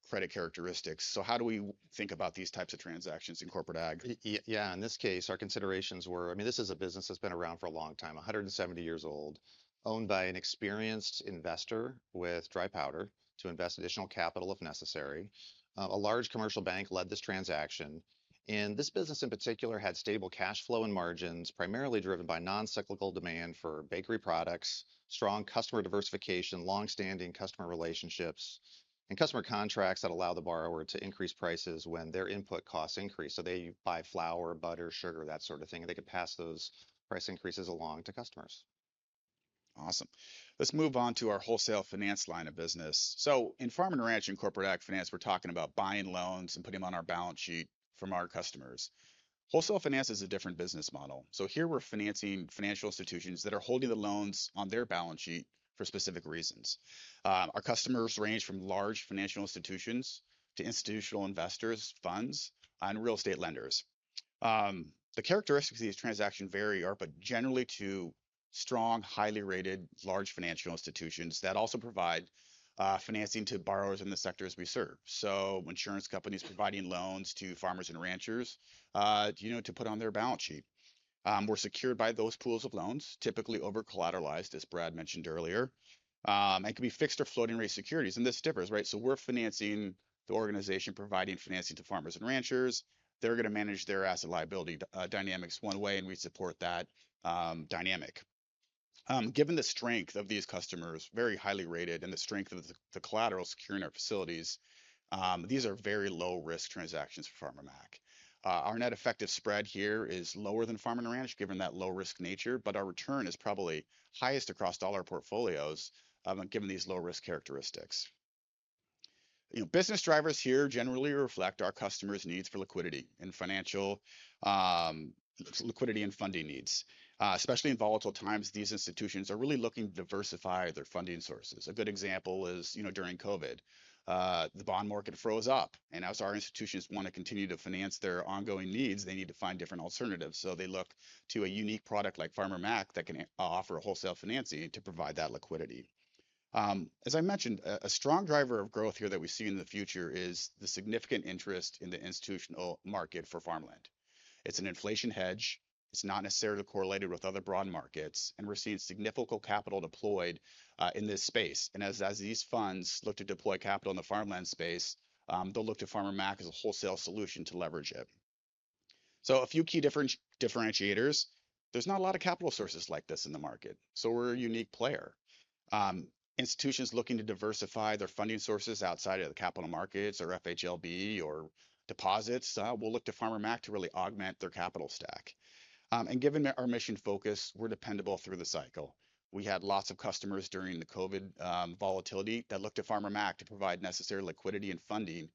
Speaker 3: credit characteristics. So how do we think about these types of transactions in corporate ag?
Speaker 4: Yeah, in this case, our considerations were, I mean, this is a business that's been around for a long time, 170 years old, owned by an experienced investor with dry powder to invest additional capital if necessary. A large commercial bank led this transaction, and this business, in particular, had stable cash flow and margins, primarily driven by non-cyclical demand for bakery products, strong customer diversification, long-standing customer relationships, and customer contracts that allow the borrower to increase prices when their input costs increase. So they buy flour, butter, sugar, that sort of thing, and they can pass those price increases along to customers.
Speaker 3: Awesome. Let's move on to our wholesale finance line of business. So in Farm & Ranch and Corporate Ag finance, we're talking about buying loans and putting them on our balance sheet from our customers. Wholesale finance is a different business model. So here we're financing financial institutions that are holding the loans on their balance sheet for specific reasons. Our customers range from large financial institutions to institutional investors, funds, and real estate lenders. The characteristics of these transactions vary, but generally to strong, highly rated, large financial institutions that also provide financing to borrowers in the sectors we serve. So insurance companies providing loans to farmers and ranchers, you know, to put on their balance sheet, were secured by those pools of loans, typically over-collateralized, as Brad mentioned earlier, and can be fixed or floating-rate securities, and this differs, right? So we're financing the organization, providing financing to farmers and ranchers. They're going to manage their asset liability dynamics one way, and we support that dynamic. Given the strength of these customers, very highly rated, and the strength of the collateral securing our facilities, these are very low-risk transactions for Farmer Mac. Our Net Effective Spread here is lower than Farm & Ranch, given that low-risk nature, but our return is probably highest across all our portfolios, given these low-risk characteristics. You know, business drivers here generally reflect our customers' needs for liquidity and financial liquidity and funding needs. Especially in volatile times, these institutions are really looking to diversify their funding sources. A good example is, you know, during COVID, the bond market froze up, and as our institutions want to continue to finance their ongoing needs, they need to find different alternatives. So they look to a unique product like Farmer Mac that can offer wholesale financing to provide that liquidity. As I mentioned, a strong driver of growth here that we see in the future is the significant interest in the institutional market for farmland. It's an inflation hedge. It's not necessarily correlated with other broad markets, and we're seeing significant capital deployed in this space. And as these funds look to deploy capital in the farmland space, they'll look to Farmer Mac as a wholesale solution to leverage it. So a few key differentiators. There's not a lot of capital sources like this in the market, so we're a unique player. Institutions looking to diversify their funding sources outside of the capital markets or FHLB or deposits will look to Farmer Mac to really augment their capital stack. And given that our mission focus, we're dependable through the cycle. We had lots of customers during the COVID volatility that looked to Farmer Mac to provide necessary liquidity and funding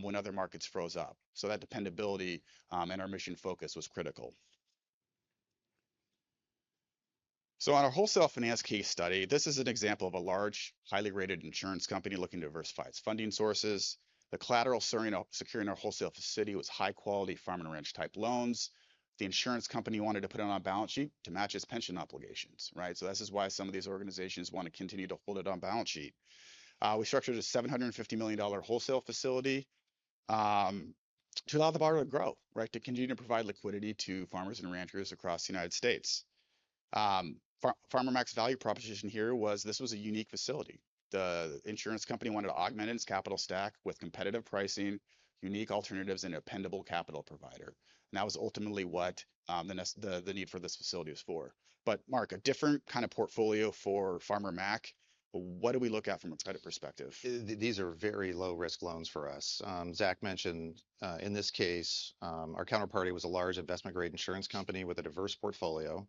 Speaker 3: when other markets froze up, so that dependability and our mission focus was critical. So on our wholesale finance case study, this is an example of a large, highly rated insurance company looking to diversify its funding sources. The collateral securing our wholesale facility was high quality farm and ranch-type loans. The insurance company wanted to put it on our balance sheet to match its pension obligations, right? So this is why some of these organizations want to continue to hold it on balance sheet. We structured a $750 million wholesale facility to allow the borrower to grow, right? To continue to provide liquidity to farmers and ranchers across the United States. Farmer Mac's value proposition here was, this was a unique facility. The insurance company wanted to augment its capital stack with competitive pricing, unique alternatives, and a dependable capital provider, and that was ultimately what the need for this facility was for. But Marc, a different kind of portfolio for Farmer Mac, what do we look at from a credit perspective?
Speaker 4: These are very low-risk loans for us. Zach mentioned, in this case, our counterparty was a large investment-grade insurance company with a diverse portfolio,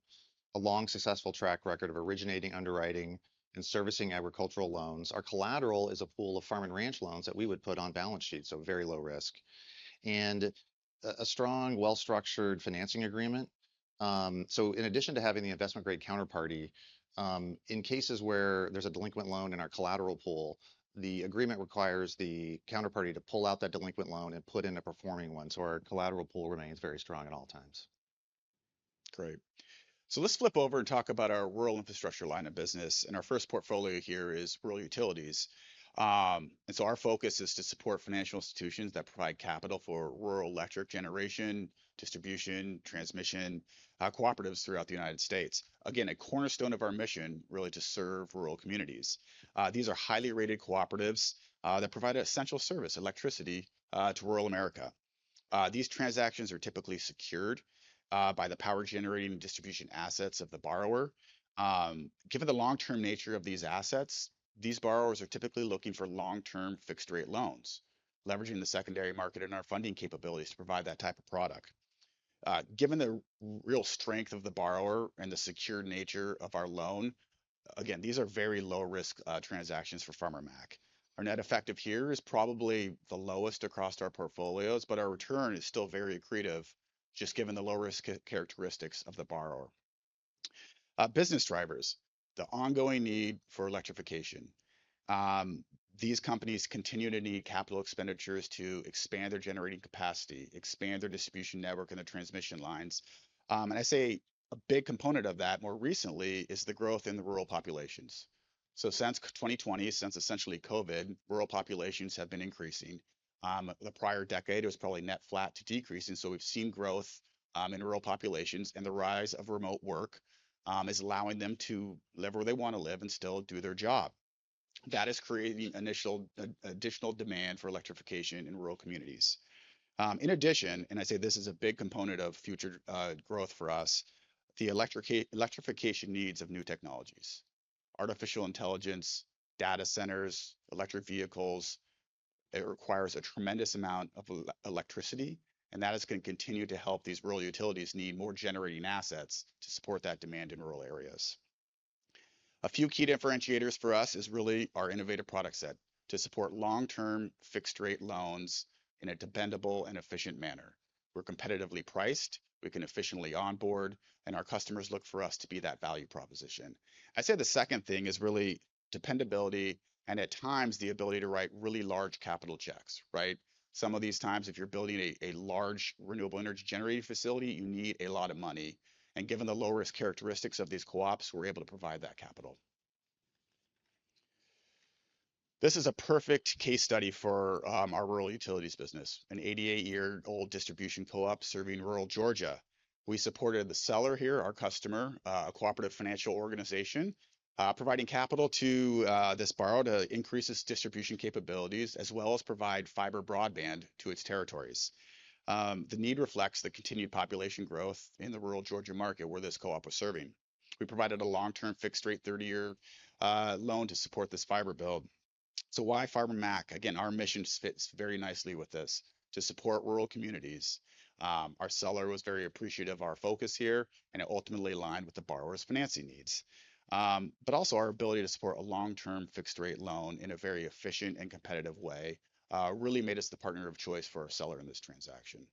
Speaker 4: a long, successful track record of originating, underwriting, and servicing agricultural loans. Our collateral is a pool of farm and ranch loans that we would put on balance sheet, so very low risk. And a strong, well-structured financing agreement. So in addition to having the investment grade counterparty, in cases where there's a delinquent loan in our collateral pool, the agreement requires the counterparty to pull out that delinquent loan and put in a performing one, so our collateral pool remains very strong at all times.
Speaker 3: Great. So let's flip over and talk about our rural infrastructure line of business, and our first portfolio here is rural utilities. And so our focus is to support financial institutions that provide capital for rural electric generation, distribution, transmission, cooperatives throughout the United States. Again, a cornerstone of our mission, really, to serve rural communities. These are highly rated cooperatives, that provide an essential service, electricity, to rural America. These transactions are typically secured, by the power generating and distribution assets of the borrower. Given the long-term nature of these assets, these borrowers are typically looking for long-term, fixed-rate loans, leveraging the secondary market and our funding capabilities to provide that type of product. Given the real strength of the borrower and the secure nature of our loan, again, these are very low-risk, transactions for Farmer Mac. Our net effective here is probably the lowest across our portfolios, but our return is still very accretive, just given the low-risk characteristics of the borrower. Business drivers, the ongoing need for electrification. These companies continue to need capital expenditures to expand their generating capacity, expand their distribution network and the transmission lines. And I'd say a big component of that, more recently, is the growth in the rural populations. So since 2020, since essentially COVID, rural populations have been increasing. The prior decade, it was probably net flat to decrease, and so we've seen growth in rural populations, and the rise of remote work is allowing them to live where they want to live and still do their job. That is creating additional demand for electrification in rural communities. In addition, I'd say this is a big component of future growth for us, the electrification needs of new technologies, artificial intelligence, data centers, electric vehicles. It requires a tremendous amount of electricity, and that is going to continue to help these rural utilities need more generating assets to support that demand in rural areas. A few key differentiators for us is really our innovative product set to support long-term, fixed-rate loans in a dependable and efficient manner. We're competitively priced, we can efficiently onboard, and our customers look for us to be that value proposition. I'd say the second thing is really dependability, and at times, the ability to write really large capital checks, right? Some of these times, if you're building a large renewable energy generating facility, you need a lot of money, and given the low-risk characteristics of these co-ops, we're able to provide that capital. This is a perfect case study for our rural utilities business, an 88-year-old distribution co-op serving rural Georgia. We supported the seller here, our customer, a cooperative financial organization, providing capital to this borrower to increase its distribution capabilities, as well as provide fiber broadband to its territories. The need reflects the continued population growth in the rural Georgia market, where this co-op was serving. We provided a long-term, fixed-rate, 30-year loan to support this fiber build. So why Farmer Mac? Again, our mission fits very nicely with this: to support rural communities. Our seller was very appreciative of our focus here, and it ultimately aligned with the borrower's financing needs. But also, our ability to support a long-term, fixed-rate loan in a very efficient and competitive way, really made us the partner of choice for our seller in this transaction.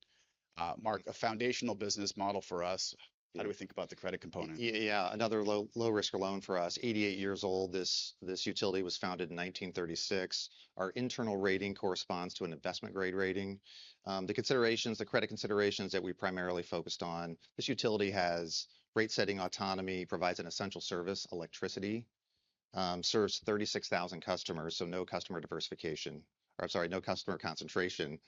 Speaker 3: Marc, a foundational business model for us. How do we think about the credit component?
Speaker 4: Yeah, yeah, yeah. Another low, low-risk loan for us. 88 years old, this utility was founded in 1936. Our internal rating corresponds to an investment-grade rating. The considerations, the credit considerations that we primarily focused on, this utility has rate-setting autonomy, provides an essential service, electricity, serves 36,000 customers, so no customer diversification, or I'm sorry, no customer concentration.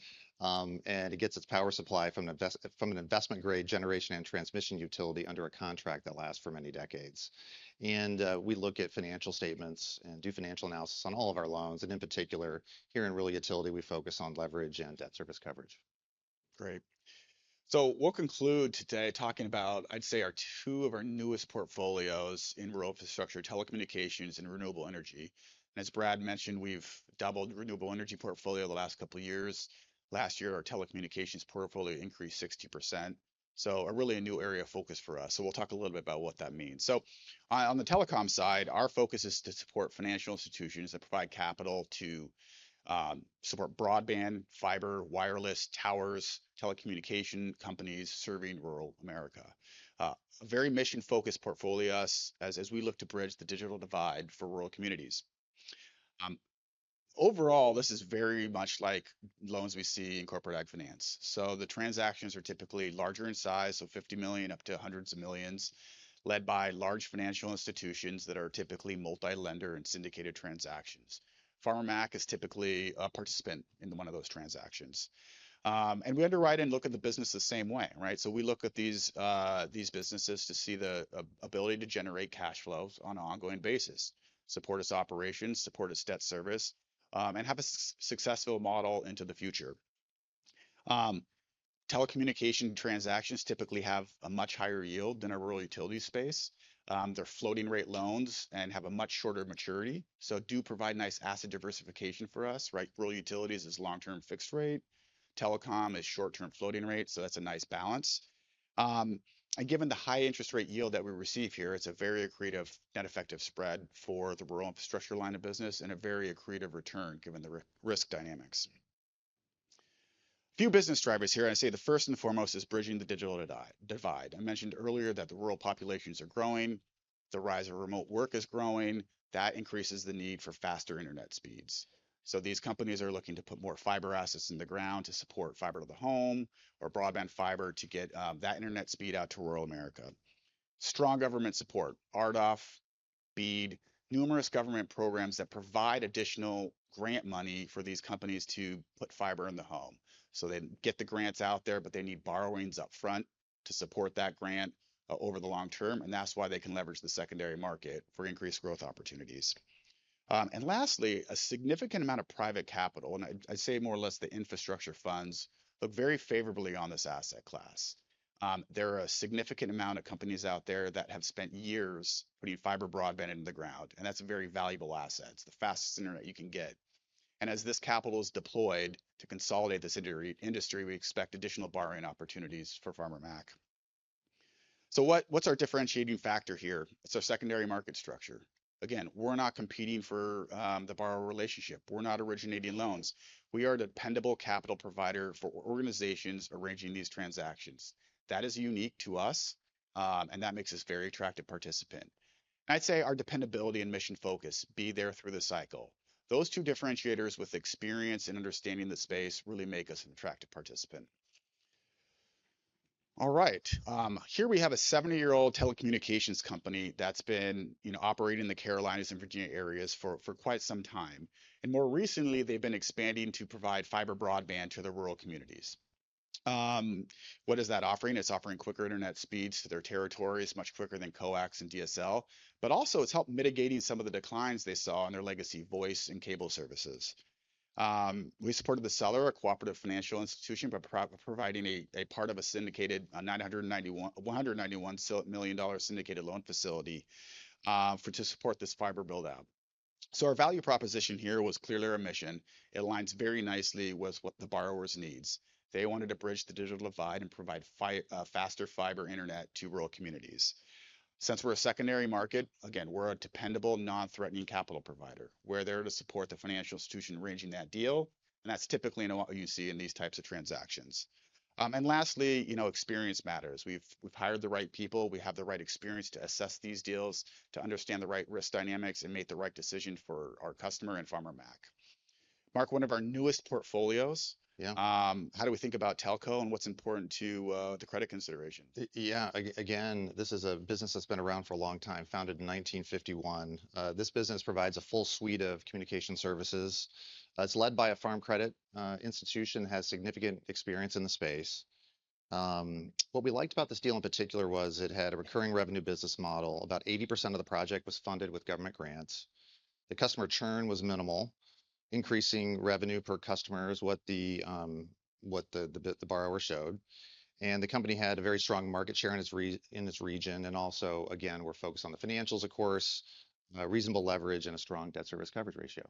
Speaker 4: And it gets its power supply from an investment-grade generation and transmission utility under a contract that lasts for many decades. And we look at financial statements and do financial analysis on all of our loans, and in particular, here in Rural Utilities, we focus on leverage and debt service coverage.
Speaker 3: Great. So we'll conclude today talking about, I'd say, our two of our newest portfolios in rural infrastructure, Telecommunications, and renewable energy. As Brad mentioned, we've doubled renewable energy portfolio the last couple of years. Last year, our Telecommunications portfolio increased 60%, so a really new area of focus for us. So we'll talk a little bit about what that means. So, on the telecom side, our focus is to support financial institutions that provide capital to support broadband, fiber, wireless, towers, telecommunication companies serving rural America. A very mission-focused portfolio as we look to bridge the digital divide for rural communities. Overall, this is very much like loans we see in corporate ag finance. So the transactions are typically larger in size, so $50 million up to hundreds of millions, led by large financial institutions that are typically multi-lender and syndicated transactions. Farmer Mac is typically a participant in one of those transactions. And we underwrite and look at the business the same way, right? So we look at these these businesses to see the ability to generate cash flows on an ongoing basis, support its operations, support its debt service, and have a successful model into the future. Telecommunication transactions typically have a much higher yield than a Rural Utilities space. They're floating-rate loans and have a much shorter maturity, so do provide nice asset diversification for us, right? Rural utilities is long-term fixed rate. Telecom is short-term floating rate, so that's a nice balance. And given the high interest rate yield that we receive here, it's a very accretive and effective spread for the rural infrastructure line of business and a very accretive return, given the risk dynamics. Few business drivers here, and I'd say the first and foremost is bridging the digital divide. I mentioned earlier that the rural populations are growing. The rise of remote work is growing. That increases the need for faster internet speeds. So these companies are looking to put more fiber assets in the ground to support fiber to the home or broadband fiber to get that internet speed out to rural America. Strong government support, RDOF, BEAD, numerous government programs that provide additional grant money for these companies to put fiber in the home. So they get the grants out there, but they need borrowings upfront to support that grant over the long term, and that's why they can leverage the secondary market for increased growth opportunities. And lastly, a significant amount of private capital, and I'd say more or less, the infrastructure funds look very favorably on this asset class. There are a significant amount of companies out there that have spent years putting fiber broadband in the ground, and that's a very valuable asset. It's the fastest internet you can get. And as this capital is deployed to consolidate this industry, we expect additional borrowing opportunities for Farmer Mac. So what's our differentiating factor here? It's our secondary market structure. Again, we're not competing for the borrower relationship. We're not originating loans. We are a dependable capital provider for organizations arranging these transactions. That is unique to us, and that makes us a very attractive participant. I'd say our dependability and mission focus, be there through the cycle. Those two differentiators with experience and understanding the space really make us an attractive participant. All right, here we have a 70-year-old Telecommunications company that's been, you know, operating in the Carolinas and Virginia areas for quite some time. And more recently, they've been expanding to provide fiber broadband to the rural communities. What is that offering? It's offering quicker internet speeds to their territories, much quicker than coax and DSL, but also it's helped mitigating some of the declines they saw in their legacy voice and cable services. We supported the seller, a cooperative financial institution, by providing a part of a syndicated $191 million syndicated loan facility to support this fiber build-out. So our value proposition here was clearly our mission. It aligns very nicely with what the borrower's needs. They wanted to bridge the digital divide and provide faster fiber internet to rural communities. Since we're a secondary market, again, we're a dependable, non-threatening capital provider. We're there to support the financial institution arranging that deal, and that's typically what you see in these types of transactions. And lastly, you know, experience matters. We've hired the right people. We have the right experience to assess these deals, to understand the right risk dynamics, and make the right decision for our customer and Farmer Mac. Marc, one of our newest portfolios-
Speaker 4: Yeah.
Speaker 3: How do we think about telco and what's important to the credit consideration?
Speaker 4: Yeah. Again, this is a business that's been around for a long time, founded in 1951. This business provides a full suite of communication services. It's led by a Farm Credit institution, has significant experience in the space. What we liked about this deal in particular was it had a recurring revenue business model. About 80% of the project was funded with government grants. The customer churn was minimal, increasing revenue per customer is what the borrower showed, and the company had a very strong market share in its region, and also, again, we're focused on the financials, of course, a reasonable leverage and a strong debt service coverage ratio.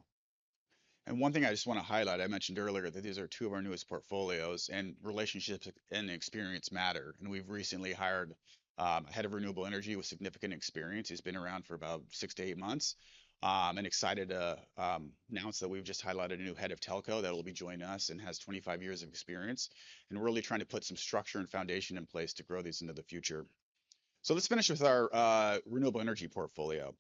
Speaker 3: One thing I just want to highlight, I mentioned earlier that these are two of our newest portfolios, and relationships and experience matter. We've recently hired a Head of Renewable Energy with significant experience. He's been around for about 6-8 months, and excited to announce that we've just highlighted a new Head of Telco that will be joining us and has 25 years of experience. We're really trying to put some structure and foundation in place to grow these into the future. Let's finish with our Renewable Energy portfolio.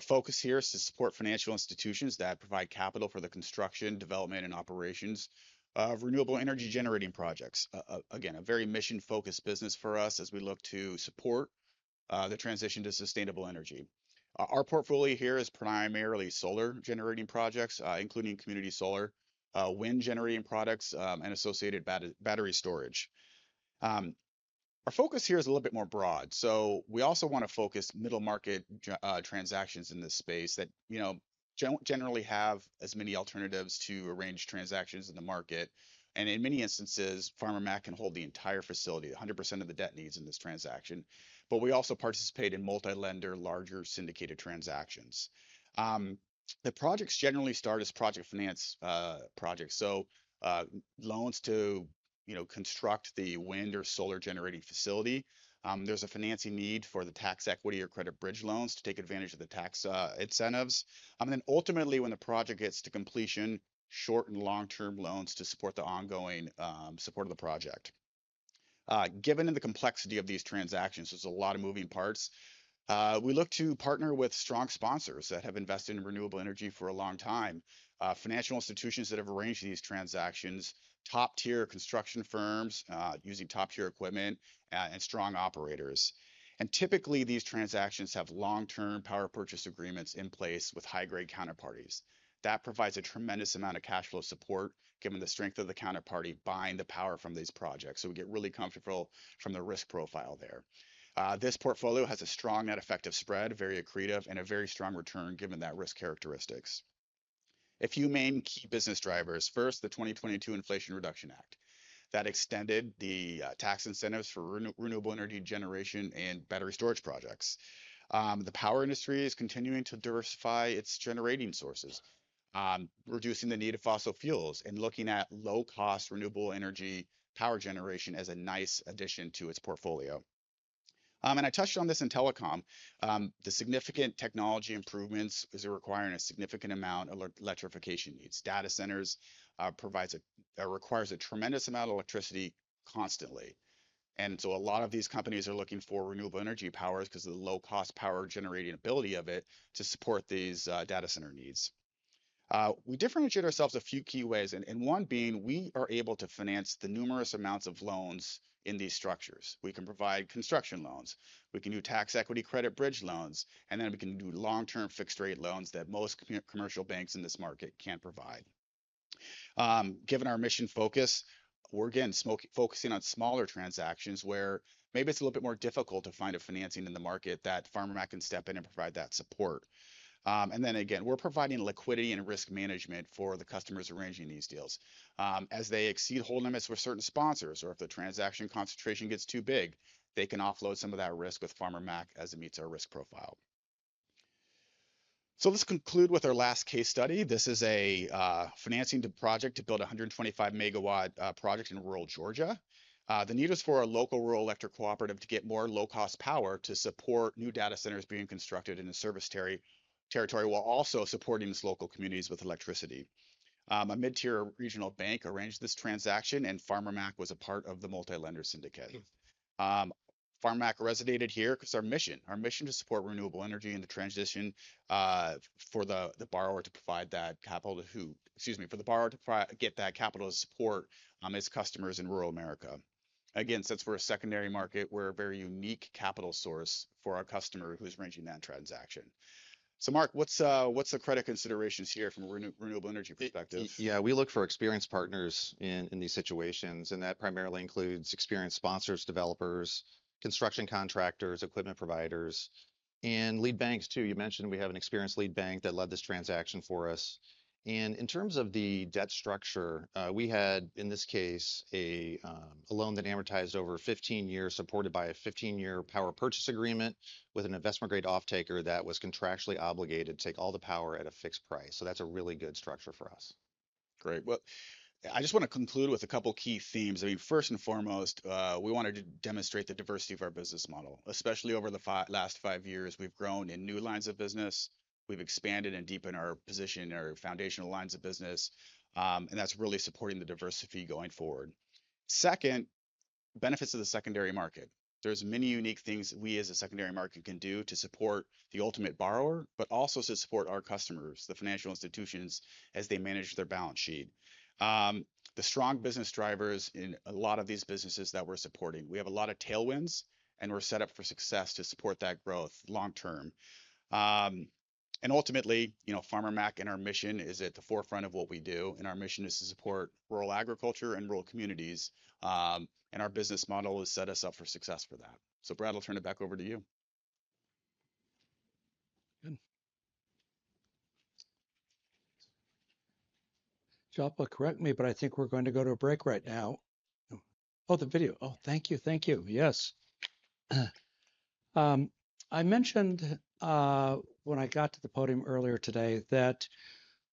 Speaker 3: Focus here is to support financial institutions that provide capital for the construction, development, and operations of Renewable Energy generating projects. Again, a very mission-focused business for us as we look to support the transition to sustainable energy. Our portfolio here is primarily solar-generating projects, including community solar, wind-generating products, and associated battery storage. Our focus here is a little bit more broad, so we also want to focus middle-market transactions in this space that, you know, generally have as many alternatives to arrange transactions in the market. In many instances, Farmer Mac can hold the entire facility, 100% of the debt needs in this transaction, but we also participate in multi-lender, larger syndicated transactions. The projects generally start as project finance projects. So, loans to, you know, construct the wind or solar-generating facility. There's a financing need for the tax equity or credit bridge loans to take advantage of the tax incentives. And then ultimately, when the project gets to completion, short- and long-term loans to support the ongoing support of the project. Given the complexity of these transactions, there's a lot of moving parts, we look to partner with strong sponsors that have invested in Renewable Energy for a long time, financial institutions that have arranged these transactions, top-tier construction firms, using top-tier equipment, and strong operators. And typically, these transactions have long-term power purchase agreements in place with high-grade counterparties. That provides a tremendous amount of cash flow support, given the strength of the counterparty buying the power from these projects, so we get really comfortable from the risk profile there. This portfolio has a strong Net Effective Spread, very accretive, and a very strong return, given that risk characteristics. A few main key business drivers. First, the 2022 Inflation Reduction Act that extended the tax incentives for Renewable Energy generation and battery storage projects. The power industry is continuing to diversify its generating sources, reducing the need of fossil fuels and looking at low-cost Renewable Energy power generation as a nice addition to its portfolio. And I touched on this in telecom. The significant technology improvements is requiring a significant amount of electrification needs. Data centers requires a tremendous amount of electricity constantly, and so a lot of these companies are looking for Renewable Energy powers because of the low-cost power-generating ability of it to support these data center needs. We differentiate ourselves a few key ways, and one being, we are able to finance the numerous amounts of loans in these structures. We can provide construction loans, we can do tax equity credit bridge loans, and then we can do long-term fixed-rate loans that most commercial banks in this market can't provide. Given our mission focus, we're again focusing on smaller transactions, where maybe it's a little bit more difficult to find a financing in the market that Farmer Mac can step in and provide that support. And then again, we're providing liquidity and risk management for the customers arranging these deals. As they exceed hold limits with certain sponsors or if the transaction concentration gets too big, they can offload some of that risk with Farmer Mac as it meets our risk profile. So let's conclude with our last case study. This is a financing project to build a 125-MW project in rural Georgia. The need is for a local rural electric cooperative to get more low-cost power to support new data centers being constructed in the service territory, while also supporting its local communities with electricity. A mid-tier regional bank arranged this transaction, and Farmer Mac was a part of the multi-lender syndicate. Farmer Mac resonated here 'cause our mission, our mission to support Renewable Energy and the transition for the borrower to get that capital to support its customers in rural America. Again, since we're a secondary market, we're a very unique capital source for our customer who's arranging that transaction. So, Marc, what's, what's the credit considerations here from a Renewable Energy perspective?
Speaker 4: Yeah, we look for experienced partners in these situations, and that primarily includes experienced sponsors, developers, construction contractors, equipment providers, and lead banks, too. You mentioned we have an experienced lead bank that led this transaction for us. And in terms of the debt structure, we had, in this case, a loan that amortized over 15 years, supported by a 15-year power purchase agreement with an investment-grade off-taker that was contractually obligated to take all the power at a fixed price. So that's a really good structure for us.
Speaker 3: Great. Well, I just want to conclude with a couple key themes. I mean, first and foremost, we wanted to demonstrate the diversity of our business model. Especially over the last five years, we've grown in new lines of business. We've expanded and deepened our position in our foundational lines of business, and that's really supporting the diversity going forward. Second, benefits of the secondary market. There's many unique things we as a secondary market can do to support the ultimate borrower, but also to support our customers, the financial institutions, as they manage their balance sheet. The strong business drivers in a lot of these businesses that we're supporting, we have a lot of tailwinds, and we're set up for success to support that growth long term. And ultimately, you know, Farmer Mac and our mission is at the forefront of what we do, and our mission is to support rural agriculture and rural communities, and our business model has set us up for success for that. So, Brad, I'll turn it back over to you.
Speaker 2: Good. Jalpa, correct me, but I think we're going to go to a break right now. Oh, the video. Oh, thank you, thank you. Yes. I mentioned, when I got to the podium earlier today that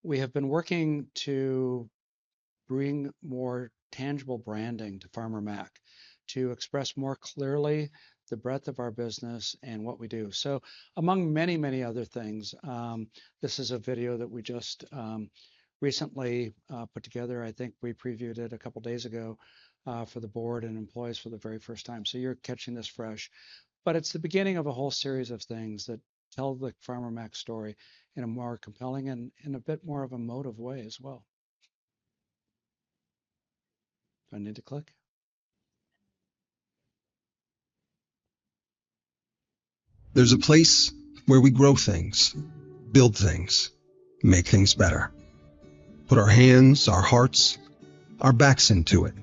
Speaker 2: we have been working to bring more tangible branding to Farmer Mac, to express more clearly the breadth of our business and what we do. So among many, many other things, this is a video that we just, recently, put together. I think we previewed it a couple of days ago, for the board and employees for the very first time, so you're catching this fresh. But it's the beginning of a whole series of things that tell the Farmer Mac story in a more compelling and in a bit more of a emotive way as well.... Do I need to click?
Speaker 5: There's a place where we grow things, build things, make things better. Put our hands, our hearts, our backs into it.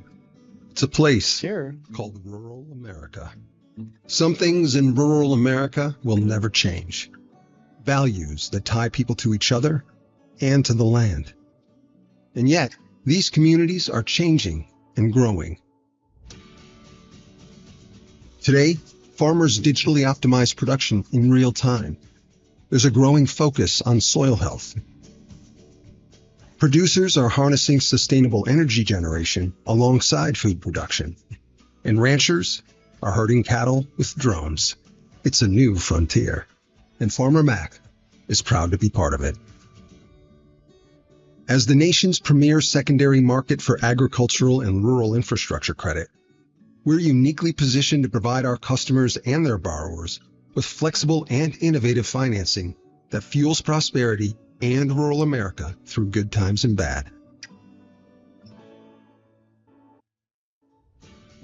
Speaker 5: It's a place here called rural America. Some things in rural America will never change. Values that tie people to each other and to the land, and yet these communities are changing and growing. Today, farmers digitally optimize production in real time. There's a growing focus on soil health. Producers are harnessing sustainable energy generation alongside food production, and ranchers are herding cattle with drones. It's a new frontier, and Farmer Mac is proud to be part of it. As the nation's premier secondary market for agricultural and rural infrastructure credit, we're uniquely positioned to provide our customers and their borrowers with flexible and innovative financing that fuels prosperity and rural America through good times and bad.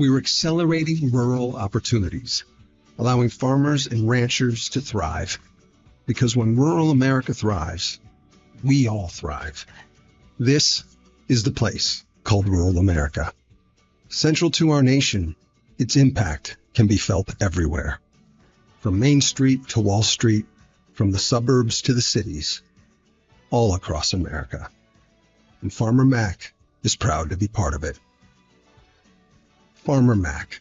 Speaker 5: We're accelerating rural opportunities, allowing farmers and ranchers to thrive, because when rural America thrives, we all thrive. This is the place called rural America. Central to our nation, its impact can be felt everywhere, from Main Street to Wall Street, from the suburbs to the cities, all across America, and Farmer Mac is proud to be part of it. Farmer Mac,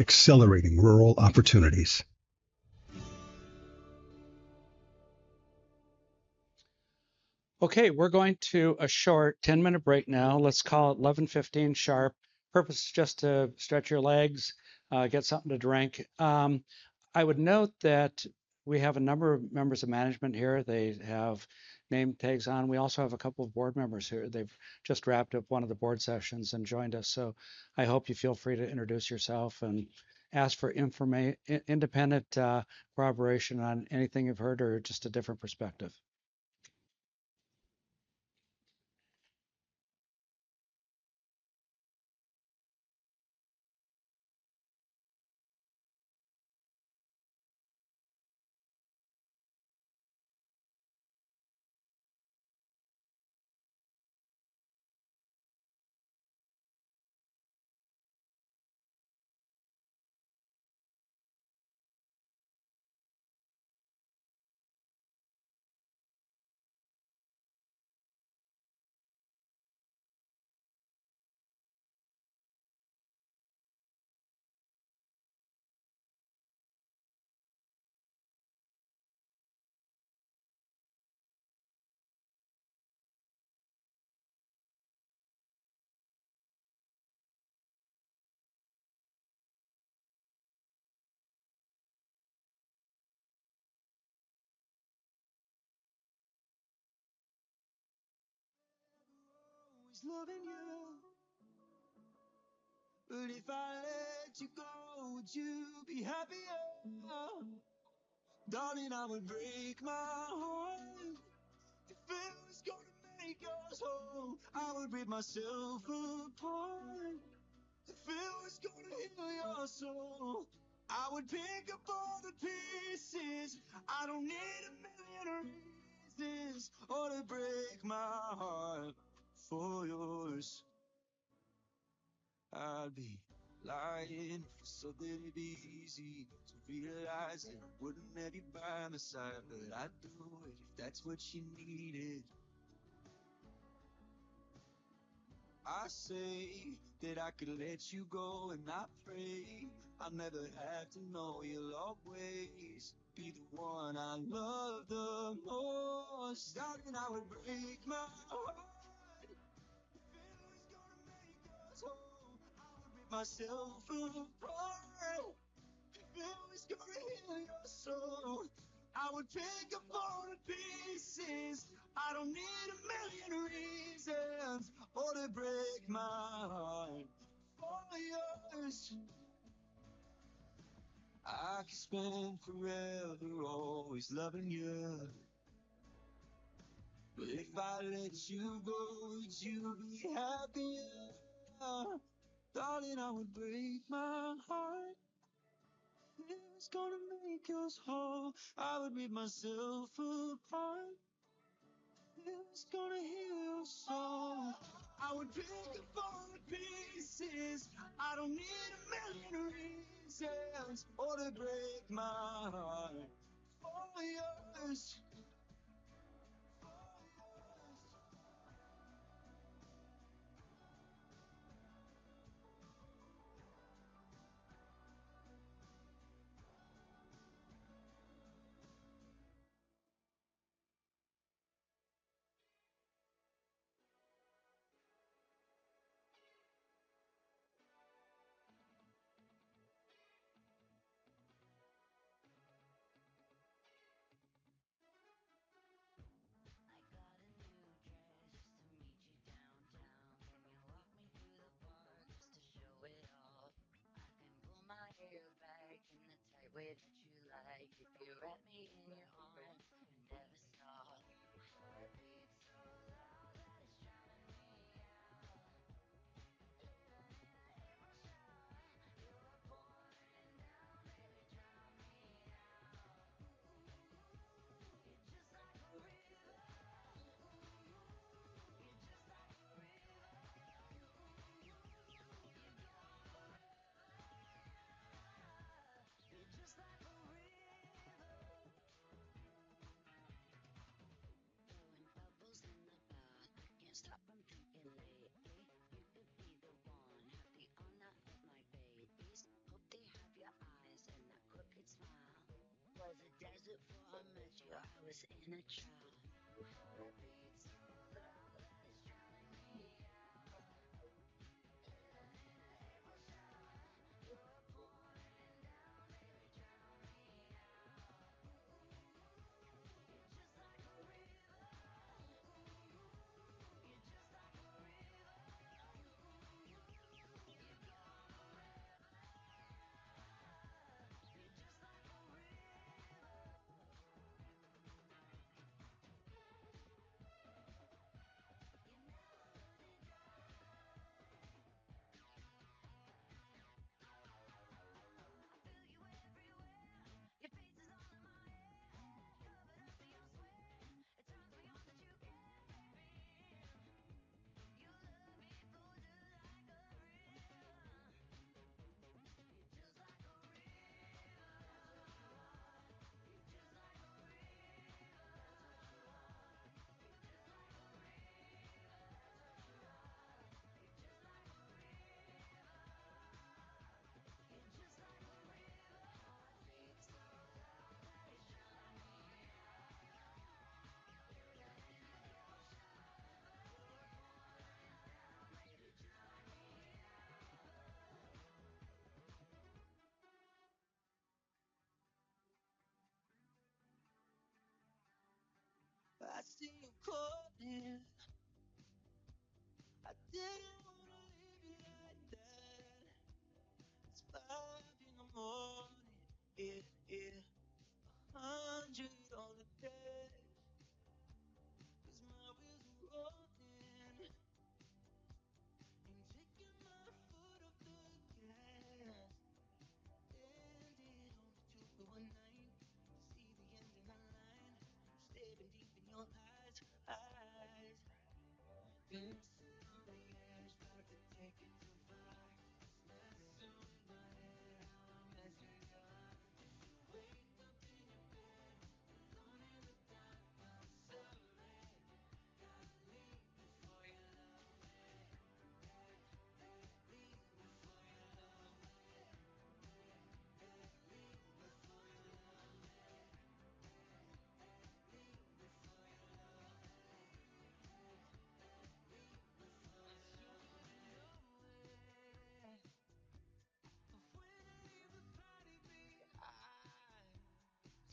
Speaker 5: accelerating rural opportunities.
Speaker 2: Okay, we're going to a short 10-minute break now. Let's call it 11:15 sharp. Purpose is just to stretch your legs, get something to drink. I would note that we have a number of members of management here. They have name tags on. We also have a couple of board members here. They've just wrapped up one of the board sessions and joined us, so I hope you feel free to introduce yourself and ask for independent corroboration on anything you've heard or just a different perspective.
Speaker 5: Always loving you. But if I let you go, would you be happier? Darling, I would break my heart if it was gonna make us whole. I would rip myself apart if it was gonna heal your soul. I would pick up all the pieces. I don't need a million reasons. Oh, to break my heart for yours. I'd be lying if I said that it'd be easy, to realize that I wouldn't have you by my side, but I'd do it if that's what you needed. I say that I could let you go, and I pray I'll never have to know. You'll always be the one I love the most. Darling, I would break my heart if it was gonna make us whole. I would rip myself apart if it was gonna heal your soul. I would pick up all the pieces. I don't need a million reasons. Oh, to break my heart for yours. I could spend forever always loving you. But if I let you go, would you be happier? Darling, I would break my heart if it was gonna make us whole. I would rip myself apart if it was gonna heal your soul. I would pick up all the pieces. I don't need a million reasons. Oh, to break my heart for yours,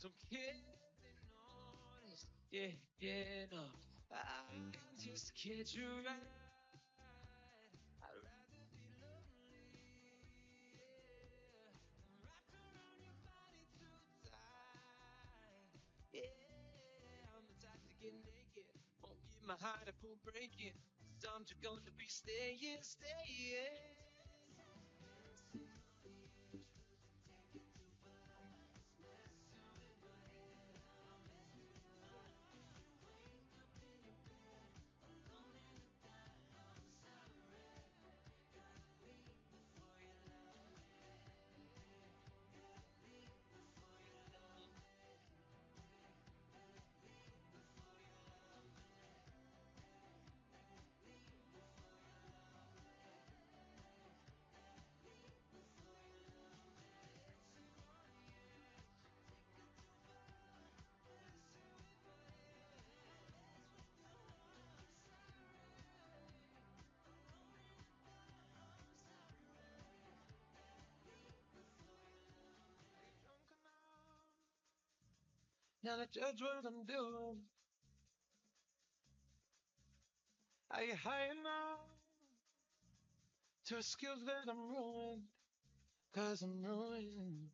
Speaker 5: take it too far. Messing with my head, how I'm messing you up. If you wake up in your bed, alone in the dark, I'm sorry. Gotta leave before you love me. Hey, hey, leave before you love me. Hey, hey, leave before you love me. Hey, hey, leave before you love me. Hey, hey, leave before you love me. I should be going, but when I leave, a part of me, I... So I'm getting honest, yeah, yeah, no. If I can just get you right. I'd rather be lonely, yeah, than rocking on your body through the night. Yeah, I'm the type to get naked. Won't get my heart up or breaking, 'cause I'm too gone to be staying, staying. Been sitting on the edge, 'bout to take it too far. Messing with my head, how I'm messing you up. If you wake up in your bed, alone in the dark, I'm sorry. Gotta leave before you love me. Hey, hey, gotta leave before you love me. Hey, hey, leave before you love me. Hey, hey, leave before you love me. Hey, hey, leave before you love me. Sitting on the edge, take it too far. Messing with my head, how I'm messing you up. I'm sorry. Alone in the dark, I'm sorry. Hey, leave before you love me. Are you drunk enough, not to judge what I'm doing? Are you high enough, to excuse that I'm ruined? 'Cause I'm ruined.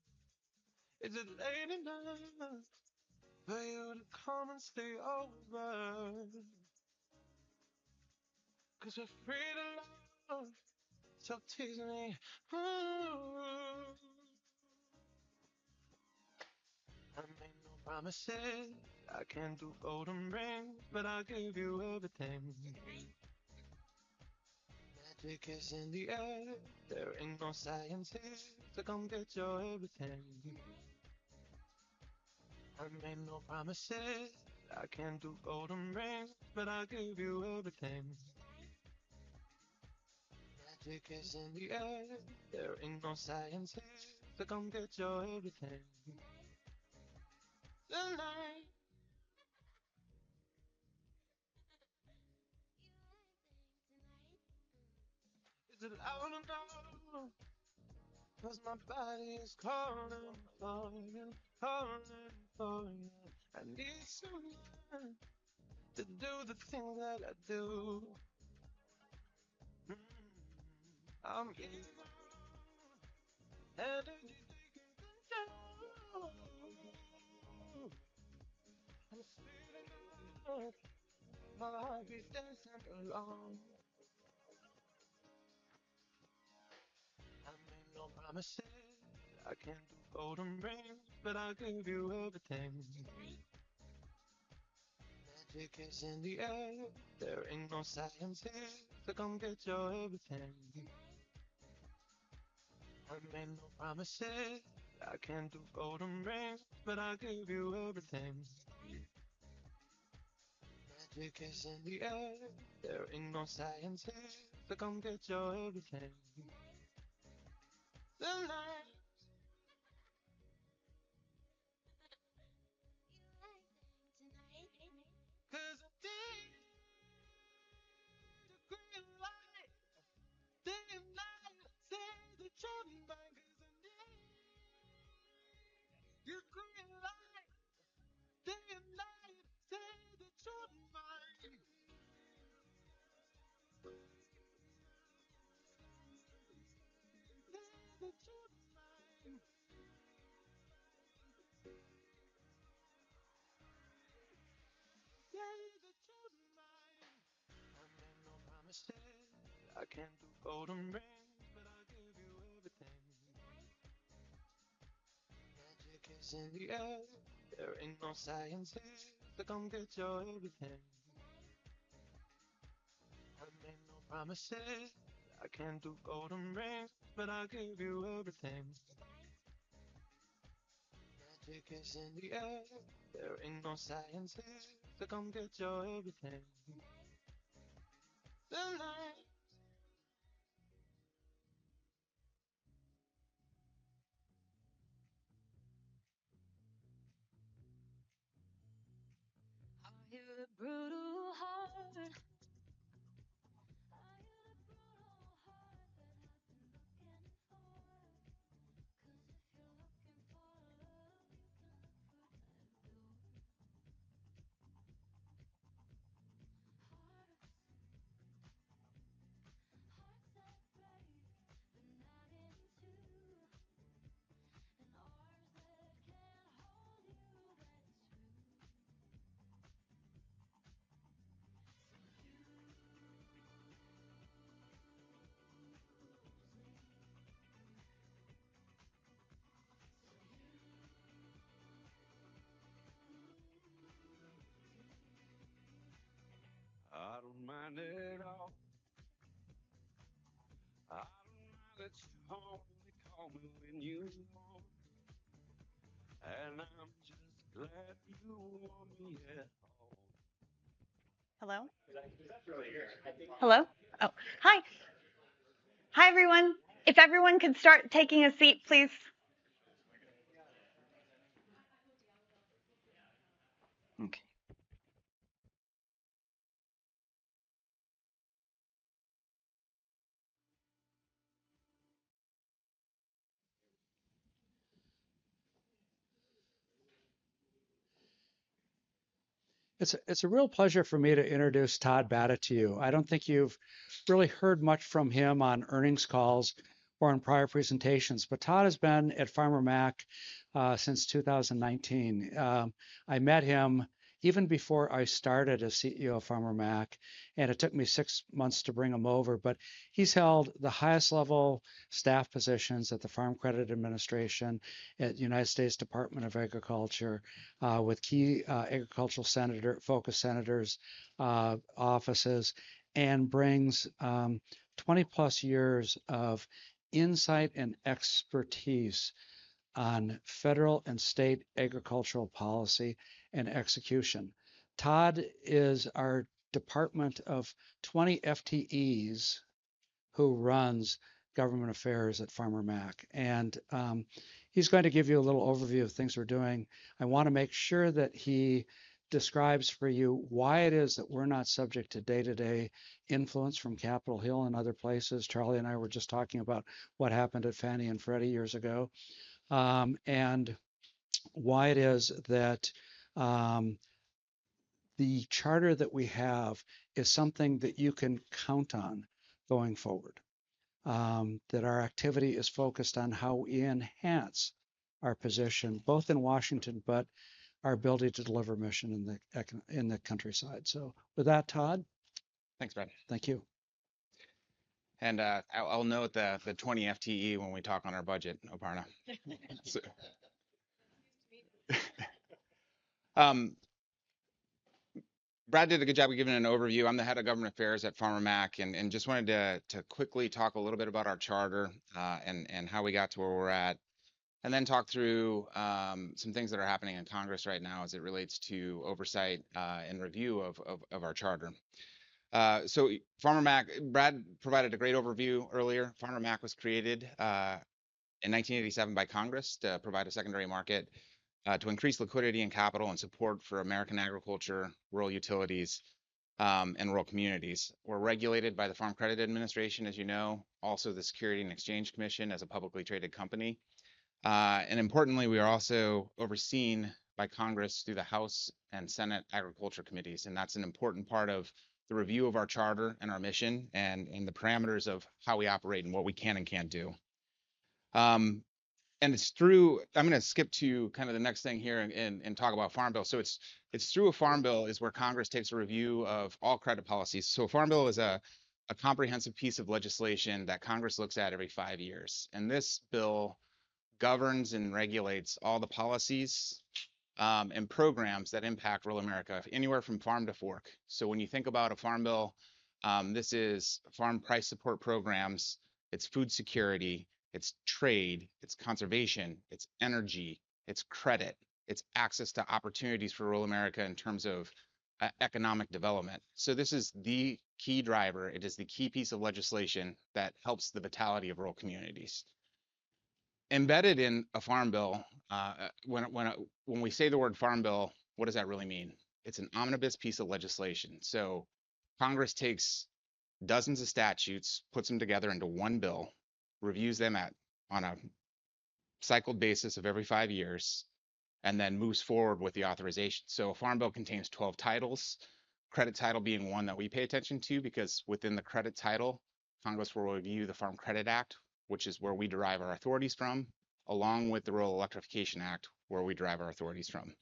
Speaker 5: Is it late enough, for you to come and stay over? 'Cause we're free to love, so tease me, ooh. I make no promises, I can't do golden rings, but I'll give you everything. Magic is in the air, there ain't no science here, so come get your everything. I make no promises, I can't do golden rings, but I'll give you everything. Magic is in the air, there ain't no science here, so come get your everything. Tonight! You want everything tonight? Is it loud enough? 'Cause my body is calling for you, calling for you. I need someone, to do the thing that I do.... Hmm, I'm getting low, energy taking control. I'm speeding up, my heartbeat dancing along. I make no promises, I can't do golden rings, but I'll give you everything. Magic is in the air, there ain't no science here, so come get your everything. I make no promises, I can't do golden rings, but I'll give you everything. Magic is in the air, there ain't no science here, so come get your everything. Tonight. You like tonight. 'Cause I need your green light, day and night,
Speaker 2: Okay. It's a real pleasure for me to introduce Todd Batta to you. I don't think you've really heard much from him on earnings calls or on prior presentations, but Todd has been at Farmer Mac since 2019. I met him even before I started as CEO of Farmer Mac, and it took me six months to bring him over. But he's held the highest level staff positions at the Farm Credit Administration, at the United States Department of Agriculture, with key agricultural senator focus senators offices, and brings twenty-plus years of insight and expertise on federal and state agricultural policy and execution. Todd is our department of 20 FTEs who runs Government Affairs at Farmer Mac, and he's going to give you a little overview of things we're doing. I wanna make sure that he describes for you why it is that we're not subject to day-to-day influence from Capitol Hill and other places. Charlie and I were just talking about what happened at Fannie and Freddie years ago, and why it is that the charter that we have is something that you can count on going forward. That our activity is focused on how we enhance our position, both in Washington, but our ability to deliver mission in the countryside. So with that, Todd?
Speaker 6: Thanks, Brad.
Speaker 2: Thank you.
Speaker 6: I'll note the 20 FTE when we talk on our budget, Aparna. Brad did a good job of giving an overview. I'm the Head of Government Affairs at Farmer Mac, and just wanted to quickly talk a little bit about our charter, and how we got to where we're at, and then talk through some things that are happening in Congress right now as it relates to oversight, and review of our charter. So Farmer Mac, Brad provided a great overview earlier. Farmer Mac was created in 1987 by Congress to provide a secondary market to increase liquidity and capital and support for American agriculture, rural utilities, and rural communities. We're regulated by the Farm Credit Administration, as you know, also the Securities and Exchange Commission, as a publicly traded company. And importantly, we are also overseen by Congress through the House and Senate Agriculture Committees, and that's an important part of the review of our charter and our mission and the parameters of how we operate and what we can and can't do. And it's through—I'm gonna skip to kind of the next thing here and talk about Farm Bill. So it's through a Farm Bill is where Congress takes a review of all credit policies. So a Farm Bill is a comprehensive piece of legislation that Congress looks at every five years, and this bill governs and regulates all the policies and programs that impact rural America, anywhere from farm to fork. So when you think about a Farm Bill, this is farm price support programs, it's food security, it's trade, it's conservation, it's energy, it's credit, it's access to opportunities for rural America in terms of economic development. So this is the key driver. It is the key piece of legislation that helps the vitality of rural communities. Embedded in a Farm Bill, when we say the word Farm Bill, what does that really mean? It's an omnibus piece of legislation. So Congress takes dozens of statutes, puts them together into one bill, reviews them on a cyclical basis of every five years, and then moves forward with the authorization. A Farm Bill contains 12 titles, credit title being one that we pay attention to, because within the credit title, Congress will review the Farm Credit Act, which is where we derive our authorities from, along with the Rural Electrification Act, where we derive our authorities from.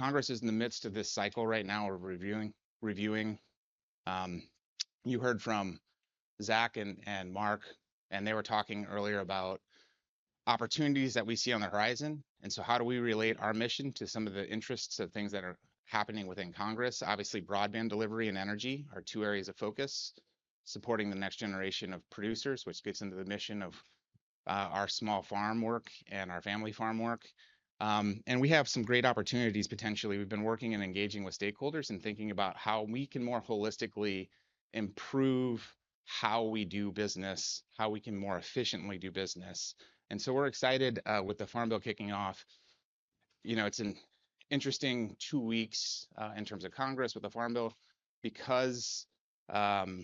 Speaker 6: Congress is in the midst of this cycle right now of reviewing. You heard from Zach and Marc, and they were talking earlier about opportunities that we see on the horizon. And so how do we relate our mission to some of the interests of things that are happening within Congress? Obviously, broadband delivery and energy are two areas of focus, supporting the next generation of producers, which gets into the mission of our small farm work and our family farm work. And we have some great opportunities, potentially. We've been working and engaging with stakeholders and thinking about how we can more holistically improve how we do business, how we can more efficiently do business. And so we're excited with the Farm Bill kicking off. You know, it's an interesting two weeks in terms of Congress with the Farm Bill because the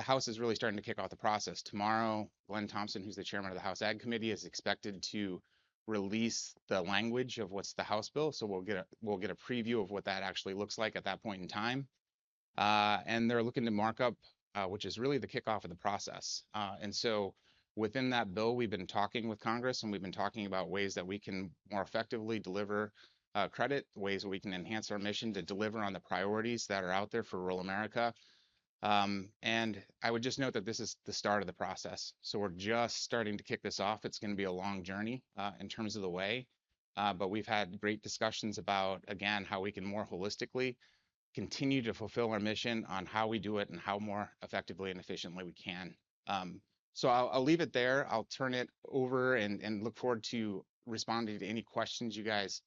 Speaker 6: House is really starting to kick off the process. Tomorrow, Glenn Thompson, who's the chairman of the House Ag Committee, is expected to release the language of what's the House bill, so we'll get a, we'll get a preview of what that actually looks like at that point in time. And they're looking to mark up, which is really the kickoff of the process. And so within that bill, we've been talking with Congress, and we've been talking about ways that we can more effectively deliver credit, ways that we can enhance our mission to deliver on the priorities that are out there for rural America. And I would just note that this is the start of the process, so we're just starting to kick this off. It's gonna be a long journey in terms of the way, but we've had great discussions about, again, how we can more holistically continue to fulfill our mission on how we do it and how more effectively and efficiently we can. So I'll leave it there. I'll turn it over and look forward to responding to any questions you guys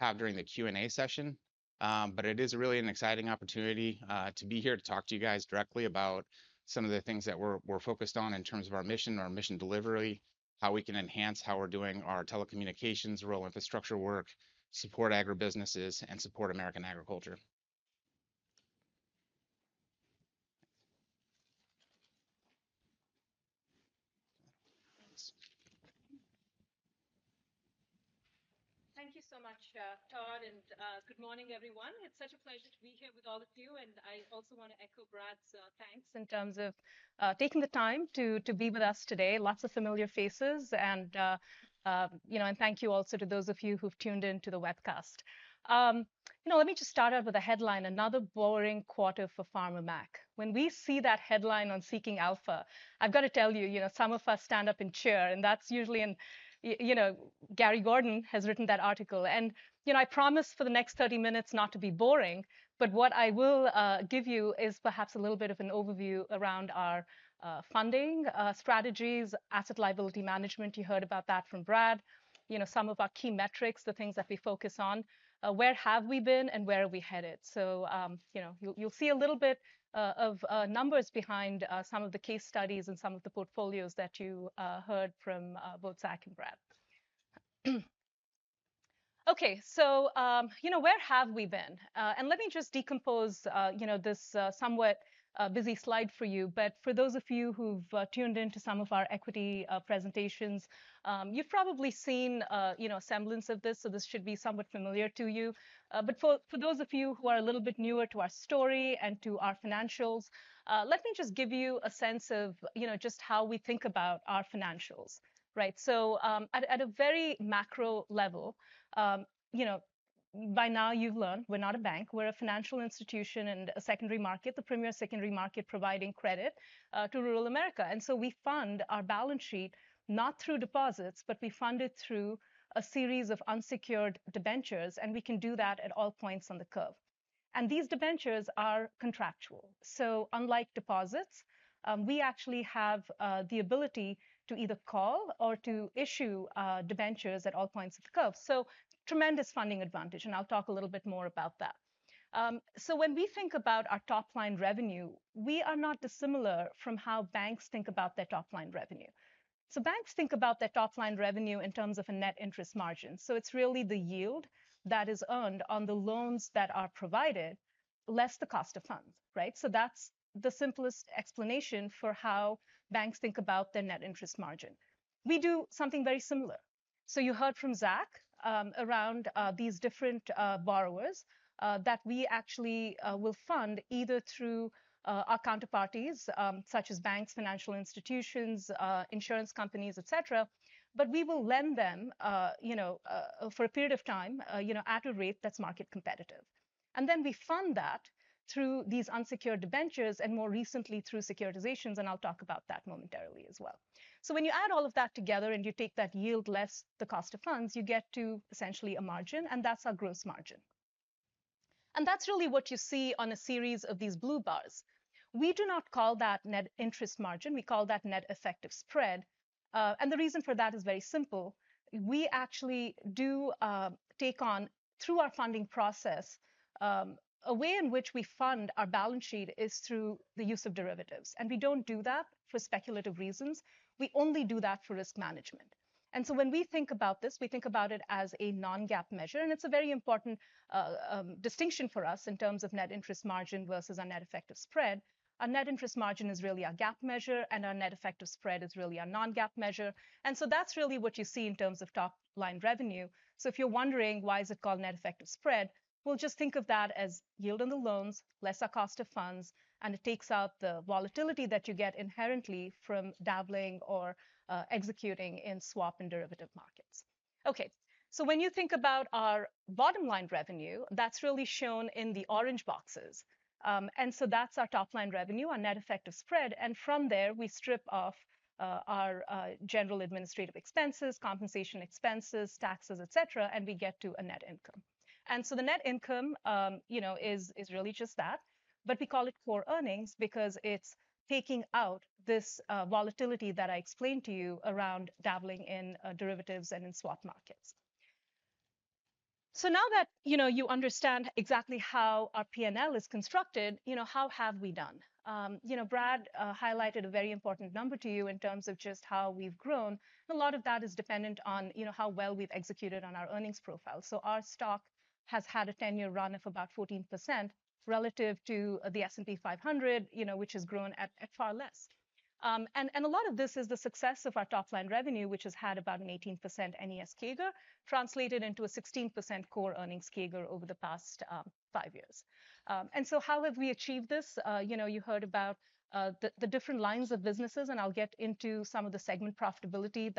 Speaker 6: have during the Q&A session. But it is really an exciting opportunity to be here to talk to you guys directly about some of the things that we're focused on in terms of our mission, our mission delivery, how we can enhance how we're doing our Telecommunications, rural infrastructure work, support agribusinesses, and support American agriculture.
Speaker 7: Thank you so much, Todd, and good morning, everyone. It's such a pleasure to be here with all of you, and I also want to echo Brad's thanks in terms of taking the time to be with us today. Lots of familiar faces, and you know, and thank you also to those of you who've tuned in to the webcast. You know, let me just start out with a headline: Another boring quarter for Farmer Mac. When we see that headline on Seeking Alpha, I've got to tell you, you know, some of us stand up and cheer, and that's usually in you know, Gary Gordon has written that article. You know, I promise for the next 30 minutes not to be boring, but what I will give you is perhaps a little bit of an overview around our funding strategies, asset liability management, you heard about that from Brad, you know, some of our key metrics, the things that we focus on, where have we been and where are we headed. So, you know, you'll see a little bit of numbers behind some of the case studies and some of the portfolios that you heard from both Zach and Brad. Okay, so, you know, where have we been? Let me just decompose, you know, this somewhat busy slide for you. But for those of you who've tuned in to some of our equity presentations, you've probably seen, you know, a semblance of this, so this should be somewhat familiar to you. But for those of you who are a little bit newer to our story and to our financials, let me just give you a sense of, you know, just how we think about our financials. Right? So, at a very macro level, you know, by now you've learned we're not a bank, we're a financial institution and a secondary market, the premier secondary market, providing credit to rural America. And so we fund our balance sheet not through deposits, but we fund it through a series of unsecured debentures, and we can do that at all points on the curve. And these debentures are contractual. So unlike deposits, we actually have the ability to either call or to issue debentures at all points of the curve. So tremendous funding advantage, and I'll talk a little bit more about that. So when we think about our top-line revenue, we are not dissimilar from how banks think about their top-line revenue. So banks think about their top-line revenue in terms of a net interest margin, so it's really the yield that is earned on the loans that are provided, less the cost of funds, right? So that's the simplest explanation for how banks think about their net interest margin. We do something very similar.... So you heard from Zach around these different borrowers that we actually will fund either through our counterparties, such as banks, financial institutions, insurance companies, etc. But we will lend them, you know, for a period of time, you know, at a rate that's market competitive. And then we fund that through these unsecured debentures and more recently, through securitizations, and I'll talk about that momentarily as well. So when you add all of that together and you take that yield less the cost of funds, you get to essentially a margin, and that's our gross margin. And that's really what you see on a series of these blue bars. We do not call that net interest margin, we call that net effective spread. And the reason for that is very simple: we actually do take on, through our funding process, A way in which we fund our balance sheet is through the use of derivatives, and we don't do that for speculative reasons, we only do that for risk management. And so when we think about this, we think about it as a non-GAAP measure, and it's a very important distinction for us in terms of net interest margin versus our Net Effective Spread. Our net interest margin is really our GAAP measure, and our Net Effective Spread is really our non-GAAP measure, and so that's really what you see in terms of top-line revenue. So if you're wondering, why is it called Net Effective Spread? Well, just think of that as yield on the loans, lesser cost of funds, and it takes out the volatility that you get inherently from dabbling or executing in swap and derivative markets. Okay, so when you think about our bottom line revenue, that's really shown in the orange boxes. And so that's our top-line revenue, our net effective spread, and from there, we strip off our general administrative expenses, compensation expenses, taxes, etc., and we get to a net income. And so the net income, you know, is really just that, but we call it Core Earnings because it's taking out this volatility that I explained to you around dabbling in derivatives and in swap markets. So now that you know, you understand exactly how our P&L is constructed, you know, how have we done? You know, Brad highlighted a very important number to you in terms of just how we've grown, and a lot of that is dependent on, you know, how well we've executed on our earnings profile. So our stock has had a 10-year run of about 14% relative to the S&P 500, you know, which has grown at far less. And a lot of this is the success of our top-line revenue, which has had about an 18% NES CAGR, translated into a 16% Core Earnings CAGR over the past 5 years. And so how have we achieved this? You know, you heard about the different lines of businesses, and I'll get into some of the segment profitability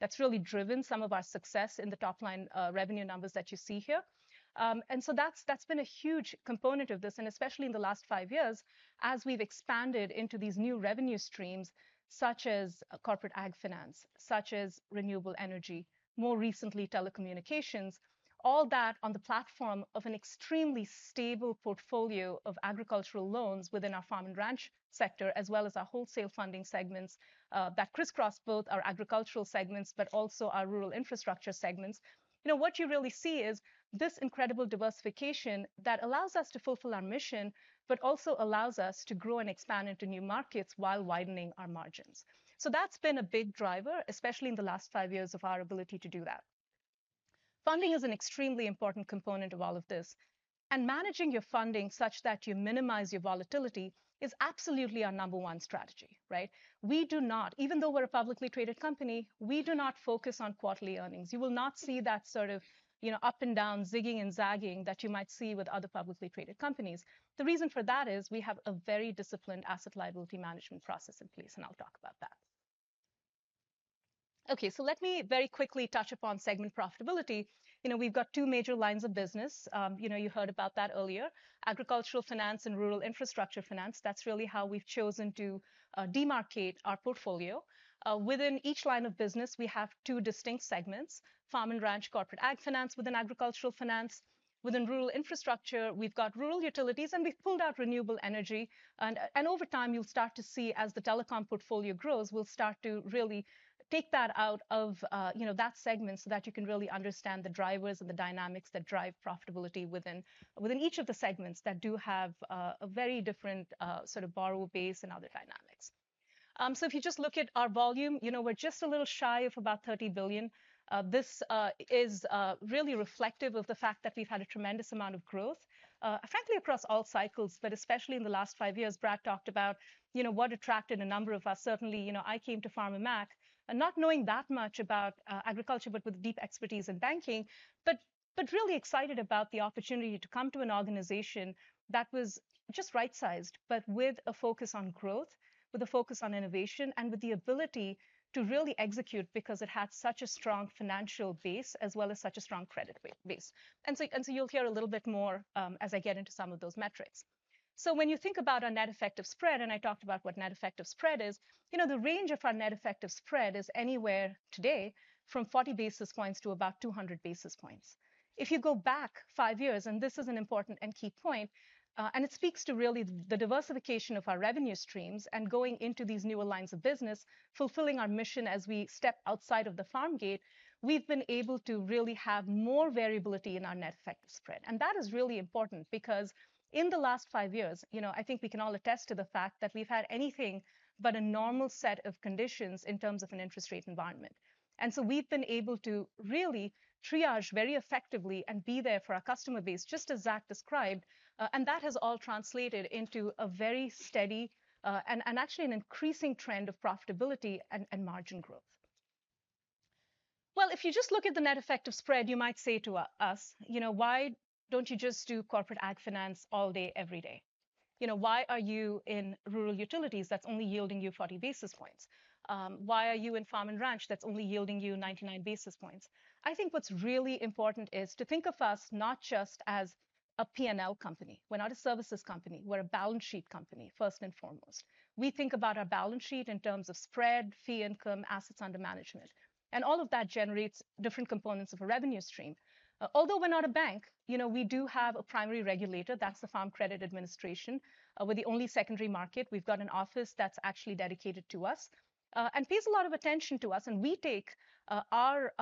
Speaker 7: that's really driven some of our success in the top-line revenue numbers that you see here. And so that's, that's been a huge component of this, and especially in the last five years, as we've expanded into these new revenue streams, such as corporate ag finance, such as Renewable Energy, more recently, Telecommunications, all that on the platform of an extremely stable portfolio of agricultural loans within our farm and ranch sector, as well as our wholesale funding segments, that crisscross both our agricultural segments, but also our rural infrastructure segments. You know, what you really see is this incredible diversification that allows us to fulfill our mission, but also allows us to grow and expand into new markets while widening our margins. So that's been a big driver, especially in the last five years, of our ability to do that. Funding is an extremely important component of all of this, and managing your funding such that you minimize your volatility is absolutely our number one strategy, right? Even though we're a publicly traded company, we do not focus on quarterly earnings. You will not see that sort of, you know, up and down, zigging and zagging, that you might see with other publicly traded companies. The reason for that is we have a very disciplined asset liability management process in place, and I'll talk about that. Okay, so let me very quickly touch upon segment profitability. You know, we've got two major lines of business. You know, you heard about that earlier: agricultural finance and rural infrastructure finance. That's really how we've chosen to demarcate our portfolio. Within each line of business, we have two distinct segments: farm and ranch, corporate ag finance within agricultural finance. Within rural infrastructure, we've got rural utilities, and we've pulled out Renewable Energy. And over time, you'll start to see, as the telecom portfolio grows, we'll start to really take that out of, you know, that segment, so that you can really understand the drivers and the dynamics that drive profitability within each of the segments that do have a very different sort of borrower base and other dynamics. So if you just look at our volume, you know, we're just a little shy of about $30 billion. This is really reflective of the fact that we've had a tremendous amount of growth, frankly, across all cycles, but especially in the last five years. Brad talked about, you know, what attracted a number of us. Certainly, you know, I came to Farmer Mac and not knowing that much about agriculture, but with deep expertise in banking, but really excited about the opportunity to come to an organization that was just right-sized, but with a focus on growth, with a focus on innovation, and with the ability to really execute because it had such a strong financial base, as well as such a strong credit base. So you'll hear a little bit more as I get into some of those metrics. So when you think about our net effective spread, and I talked about what net effective spread is, you know, the range of our net effective spread is anywhere, today, from 40 basis points to about 200 basis points. If you go back five years, and this is an important and key point, and it speaks to really the diversification of our revenue streams and going into these newer lines of business, fulfilling our mission as we step outside of the farm gate, we've been able to really have more variability in our net effective spread. That is really important because in the last five years, you know, I think we can all attest to the fact that we've had anything but a normal set of conditions in terms of an interest rate environment. So we've been able to really triage very effectively and be there for our customer base, just as Zach described, and that has all translated into a very steady, and actually an increasing trend of profitability and margin growth... Well, if you just look at the net effective spread, you might say to us, "You know, why don't you just do corporate ag finance all day, every day? You know, why are you in rural utilities that's only yielding you 40 basis points? Why are you in farm and ranch that's only yielding you 99 basis points?" I think what's really important is to think of us not just as a P&L company. We're not a services company. We're a balance sheet company, first and foremost. We think about our balance sheet in terms of spread, fee income, assets under management, and all of that generates different components of a revenue stream. Although we're not a bank, you know, we do have a primary regulator. That's the Farm Credit Administration. We're the only secondary market. We've got an office that's actually dedicated to us, and pays a lot of attention to us, and we take our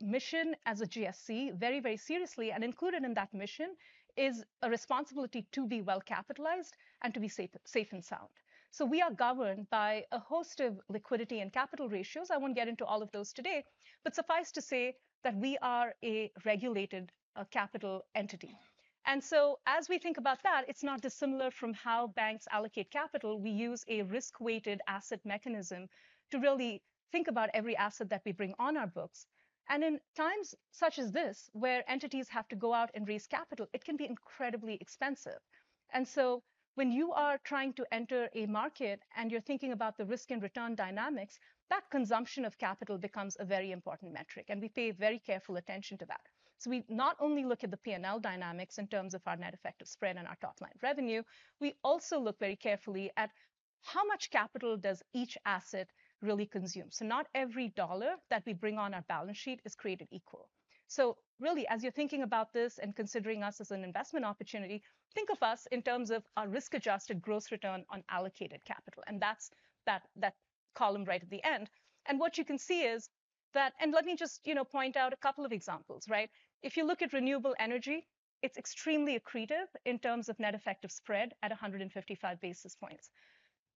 Speaker 7: mission as a GSE very, very seriously, and included in that mission is a responsibility to be well-capitalized and to be safe, safe and sound. So we are governed by a host of liquidity and capital ratios. I won't get into all of those today, but suffice to say that we are a regulated capital entity. And so as we think about that, it's not dissimilar from how banks allocate capital. We use a risk-weighted asset mechanism to really think about every asset that we bring on our books. And in times such as this, where entities have to go out and raise capital, it can be incredibly expensive. And so when you are trying to enter a market and you're thinking about the risk and return dynamics, that consumption of capital becomes a very important metric, and we pay very careful attention to that. So we not only look at the P&L dynamics in terms of our net effective spread and our top-line revenue, we also look very carefully at how much capital does each asset really consume. So not every dollar that we bring on our balance sheet is created equal. So really, as you're thinking about this and considering us as an investment opportunity, think of us in terms of our risk-adjusted gross return on allocated capital, and that's that, that column right at the end. And what you can see is that, and let me just, you know, point out a couple of examples, right? If you look at Renewable Energy, it's extremely accretive in terms of net effective spread at 155 basis points.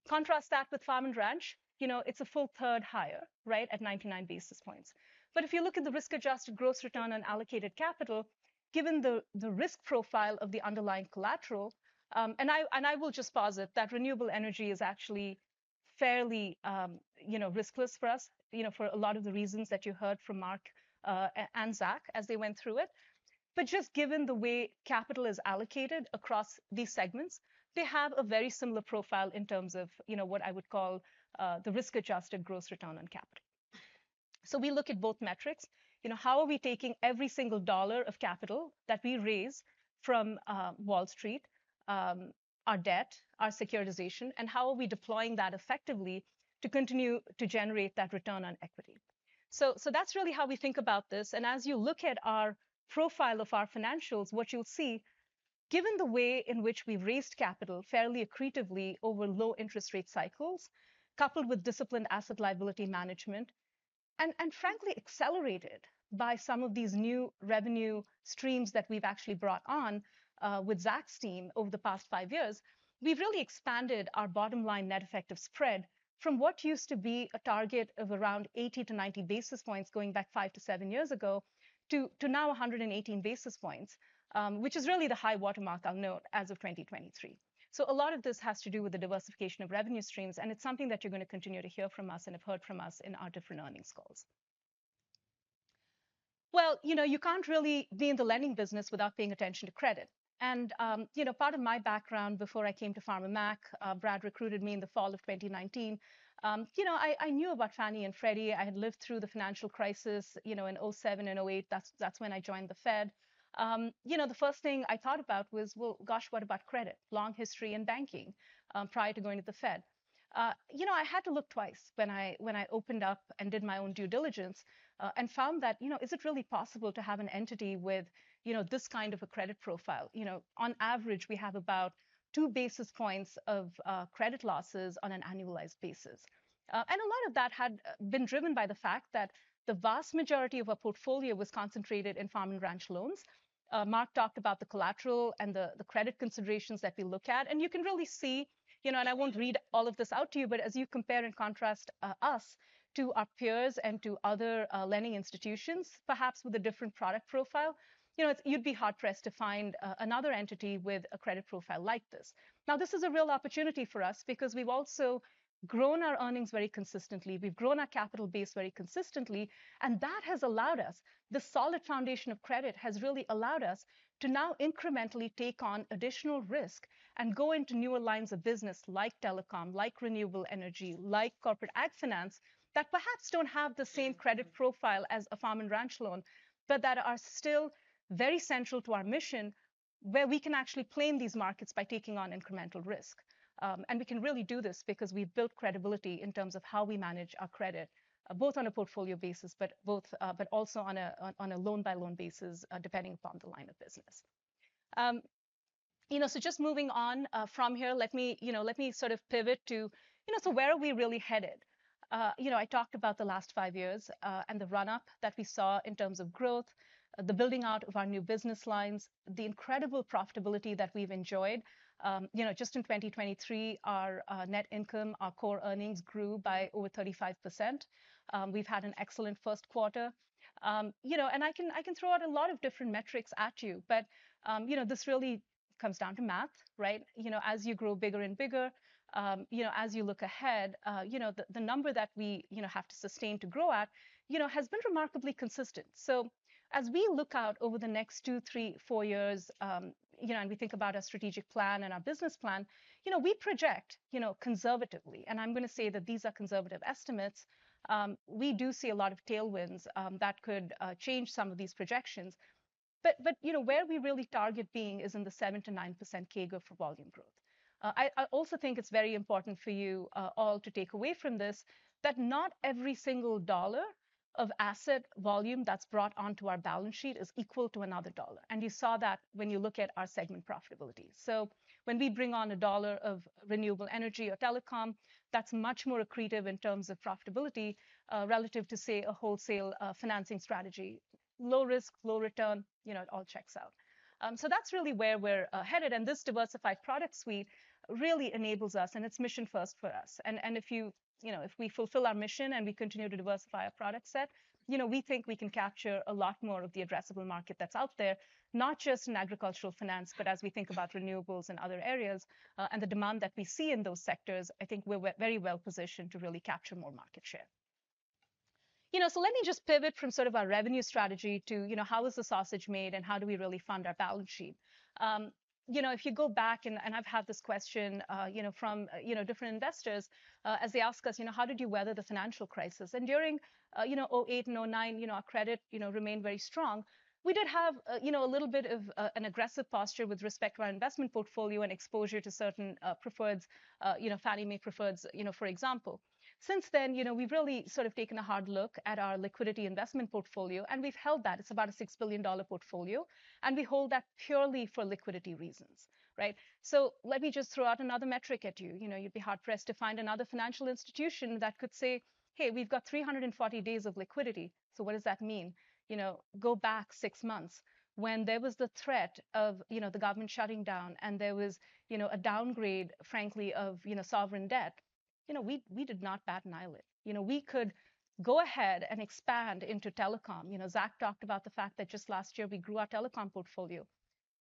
Speaker 7: Contrast that with farm and ranch. You know, it's a full third higher, right, at 99 basis points. But if you look at the risk-adjusted gross return on allocated capital, given the risk profile of the underlying collateral. And I will just posit that Renewable Energy is actually fairly, you know, riskless for us, you know, for a lot of the reasons that you heard from Marc and Zach as they went through it. But just given the way capital is allocated across these segments, they have a very similar profile in terms of, you know, what I would call the risk-adjusted gross return on capital. So we look at both metrics. You know, how are we taking every single dollar of capital that we raise from, Wall Street, our debt, our securitization, and how are we deploying that effectively to continue to generate that return on equity? So, so that's really how we think about this. As you look at our profile of our financials, what you'll see, given the way in which we've raised capital fairly accretively over low interest rate cycles, coupled with disciplined asset liability management, and frankly, accelerated by some of these new revenue streams that we've actually brought on with Zach's team over the past five years, we've really expanded our bottom-line net effective spread from what used to be a target of around 80-90 basis points going back five to seven years ago, to now 118 basis points, which is really the high-water mark I'll note as of 2023. So a lot of this has to do with the diversification of revenue streams, and it's something that you're going to continue to hear from us and have heard from us in our different earnings calls. Well, you know, you can't really be in the lending business without paying attention to credit. And, you know, part of my background before I came to Farmer Mac, Brad recruited me in the fall of 2019. You know, I knew about Fannie and Freddie. I had lived through the financial crisis, you know, in 2007 and 2008. That's when I joined the Fed. You know, the first thing I thought about was, "Well, gosh, what about credit?" Long history in banking, prior to going to the Fed. You know, I had to look twice when I opened up and did my own due diligence, and found that, you know, is it really possible to have an entity with, you know, this kind of a credit profile? You know, on average, we have about two basis points of credit losses on an annualized basis. And a lot of that had been driven by the fact that the vast majority of our portfolio was concentrated in farm and ranch loans. Marc talked about the collateral and the credit considerations that we look at, and you can really see, you know. And I won't read all of this out to you, but as you compare and contrast us to our peers and to other lending institutions, perhaps with a different product profile, you know, it's you'd be hard-pressed to find another entity with a credit profile like this. Now, this is a real opportunity for us because we've also grown our earnings very consistently. We've grown our capital base very consistently, and that has allowed us. The solid foundation of credit has really allowed us to now incrementally take on additional risk and go into newer lines of business like telecom, like Renewable Energy, like corporate ag finance, that perhaps don't have the same credit profile as a farm and ranch loan, but that are still very central to our mission, where we can actually play in these markets by taking on incremental risk. And we can really do this because we've built credibility in terms of how we manage our credit, both on a portfolio basis, but also on a loan-by-loan basis, depending upon the line of business. You know, so just moving on, from here, let me, you know, let me sort of pivot to, you know, so where are we really headed?... You know, I talked about the last five years and the run-up that we saw in terms of growth, the building out of our new business lines, the incredible profitability that we've enjoyed. You know, just in 2023, our net income, our Core Earnings grew by over 35%. We've had an excellent first quarter. You know, and I can, I can throw out a lot of different metrics at you, but you know, this really comes down to math, right? You know, as you grow bigger and bigger, you know, as you look ahead, you know, the number that we, you know, have to sustain to grow at, you know, has been remarkably consistent. So as we look out over the next two, three, four years, you know, and we think about our strategic plan and our business plan, you know, we project, you know, conservatively, and I'm going to say that these are conservative estimates. We do see a lot of tailwinds that could change some of these projections. But, you know, where we really target being is in the 7%-9% CAGR for volume growth. I also think it's very important for you all to take away from this, that not every single dollar of asset volume that's brought onto our balance sheet is equal to another dollar, and you saw that when you look at our segment profitability. So when we bring on a dollar of Renewable Energy or telecom, that's much more accretive in terms of profitability relative to, say, a wholesale financing strategy. Low risk, low return, you know, it all checks out. So that's really where we're headed, and this diversified product suite really enables us, and it's mission first for us. And you know, if we fulfill our mission and we continue to diversify our product set, you know, we think we can capture a lot more of the addressable market that's out there, not just in agricultural finance, but as we think about renewables and other areas, and the demand that we see in those sectors, I think we're very well positioned to really capture more market share. You know, so let me just pivot from sort of our revenue strategy to, you know, how is the sausage made, and how do we really fund our balance sheet? You know, if you go back and I've had this question, you know, from, you know, different investors, as they ask us, "You know, how did you weather the financial crisis?" During, you know, 2008 and 2009, you know, our credit, you know, remained very strong. We did have, you know, a little bit of an aggressive posture with respect to our investment portfolio and exposure to certain preferreds, you know, Fannie Mae preferreds, you know, for example. Since then, you know, we've really sort of taken a hard look at our liquidity investment portfolio, and we've held that. It's about a $6 billion portfolio, and we hold that purely for liquidity reasons, right? So let me just throw out another metric at you. You know, you'd be hard-pressed to find another financial institution that could say, "Hey, we've got 340 days of liquidity." So what does that mean? You know, go back six months when there was the threat of, you know, the government shutting down, and there was, you know, a downgrade, frankly, of, you know, sovereign debt. You know, we, we did not bat an eyelid. You know, we could go ahead and expand into telecom. You know, Zach talked about the fact that just last year, we grew our telecom portfolio.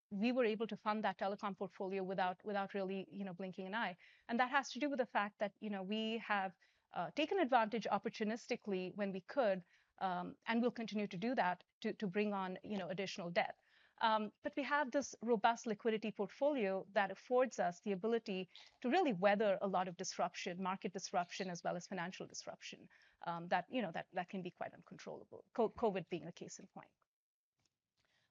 Speaker 7: We were able to fund that telecom portfolio without really, you know, blinking an eye, and that has to do with the fact that, you know, we have taken advantage opportunistically when we could, and we'll continue to do that to bring on, you know, additional debt. But we have this robust liquidity portfolio that affords us the ability to really weather a lot of disruption, market disruption, as well as financial disruption, that, you know, that can be quite uncontrollable, COVID being a case in point.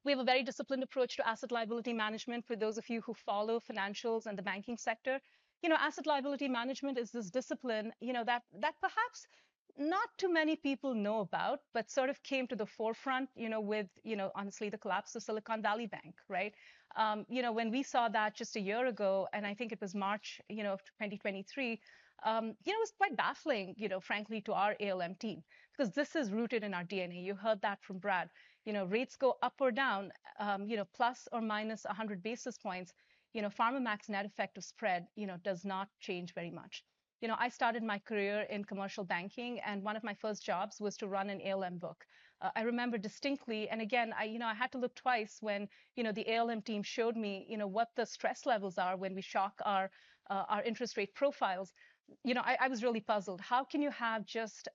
Speaker 7: We have a very disciplined approach to asset liability management. For those of you who follow financials and the banking sector, you know, asset liability management is this discipline, you know, that perhaps not too many people know about, but sort of came to the forefront, you know, with, you know, honestly, the collapse of Silicon Valley Bank, right? You know, when we saw that just a year ago, and I think it was March, you know, of 2023, you know, it was quite baffling, you know, frankly, to our ALM team, because this is rooted in our DNA. You heard that from Brad. You know, rates go up or down, you know, ±100 basis points, you know, Farmer Mac net effective spread, you know, does not change very much. You know, I started my career in commercial banking, and one of my first jobs was to run an ALM book. I remember distinctly, and again, I, you know, I had to look twice when, you know, the ALM team showed me, you know, what the stress levels are when we shock our our interest rate profiles. You know, I, I was really puzzled. How can you have just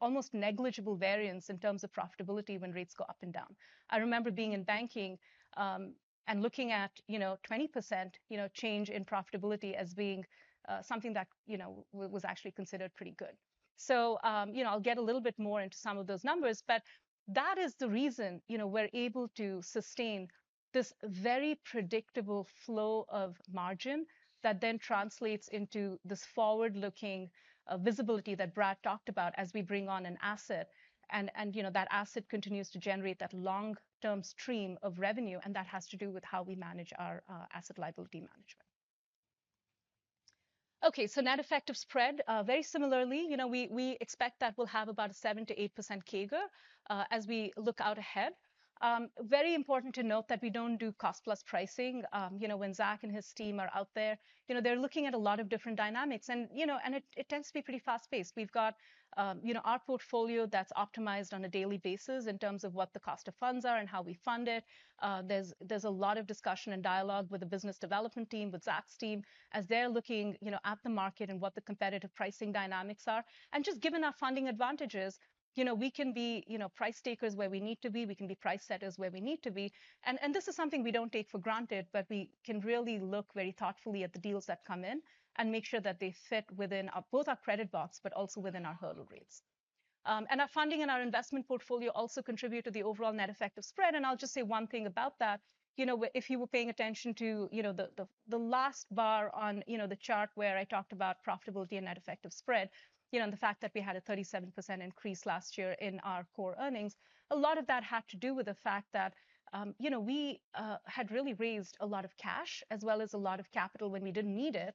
Speaker 7: almost negligible variance in terms of profitability when rates go up and down? I remember being in banking, and looking at, you know, 20% you know, change in profitability as being something that, you know, was actually considered pretty good. So, you know, I'll get a little bit more into some of those numbers, but that is the reason, you know, we're able to sustain this very predictable flow of margin that then translates into this forward-looking visibility that Brad talked about as we bring on an asset, and, you know, that asset continues to generate that long-term stream of revenue, and that has to do with how we manage our asset-liability management. Okay, so Net Effective Spread, very similarly, you know, we expect that we'll have about a 7%-8% CAGR as we look out ahead. Very important to note that we don't do cost-plus pricing. You know, when Zach and his team are out there, you know, they're looking at a lot of different dynamics, and, you know, it tends to be pretty fast-paced. We've got, you know, our portfolio that's optimized on a daily basis in terms of what the cost of funds are and how we fund it. There's a lot of discussion and dialogue with the business development team, with Zach's team, as they're looking, you know, at the market and what the competitive pricing dynamics are. And just given our funding advantages, you know, we can be, you know, price takers where we need to be, we can be price setters where we need to be. And this is something we don't take for granted, but we can really look very thoughtfully at the deals that come in and make sure that they fit within both our credit box, but also within our hurdle rates.... and our funding and our investment portfolio also contribute to the overall net effective spread, and I'll just say one thing about that. You know, if you were paying attention to, you know, the last bar on, you know, the chart where I talked about profitability and net effective spread, you know, and the fact that we had a 37% increase last year in our Core Earnings, a lot of that had to do with the fact that, you know, we had really raised a lot of cash, as well as a lot of capital when we didn't need it,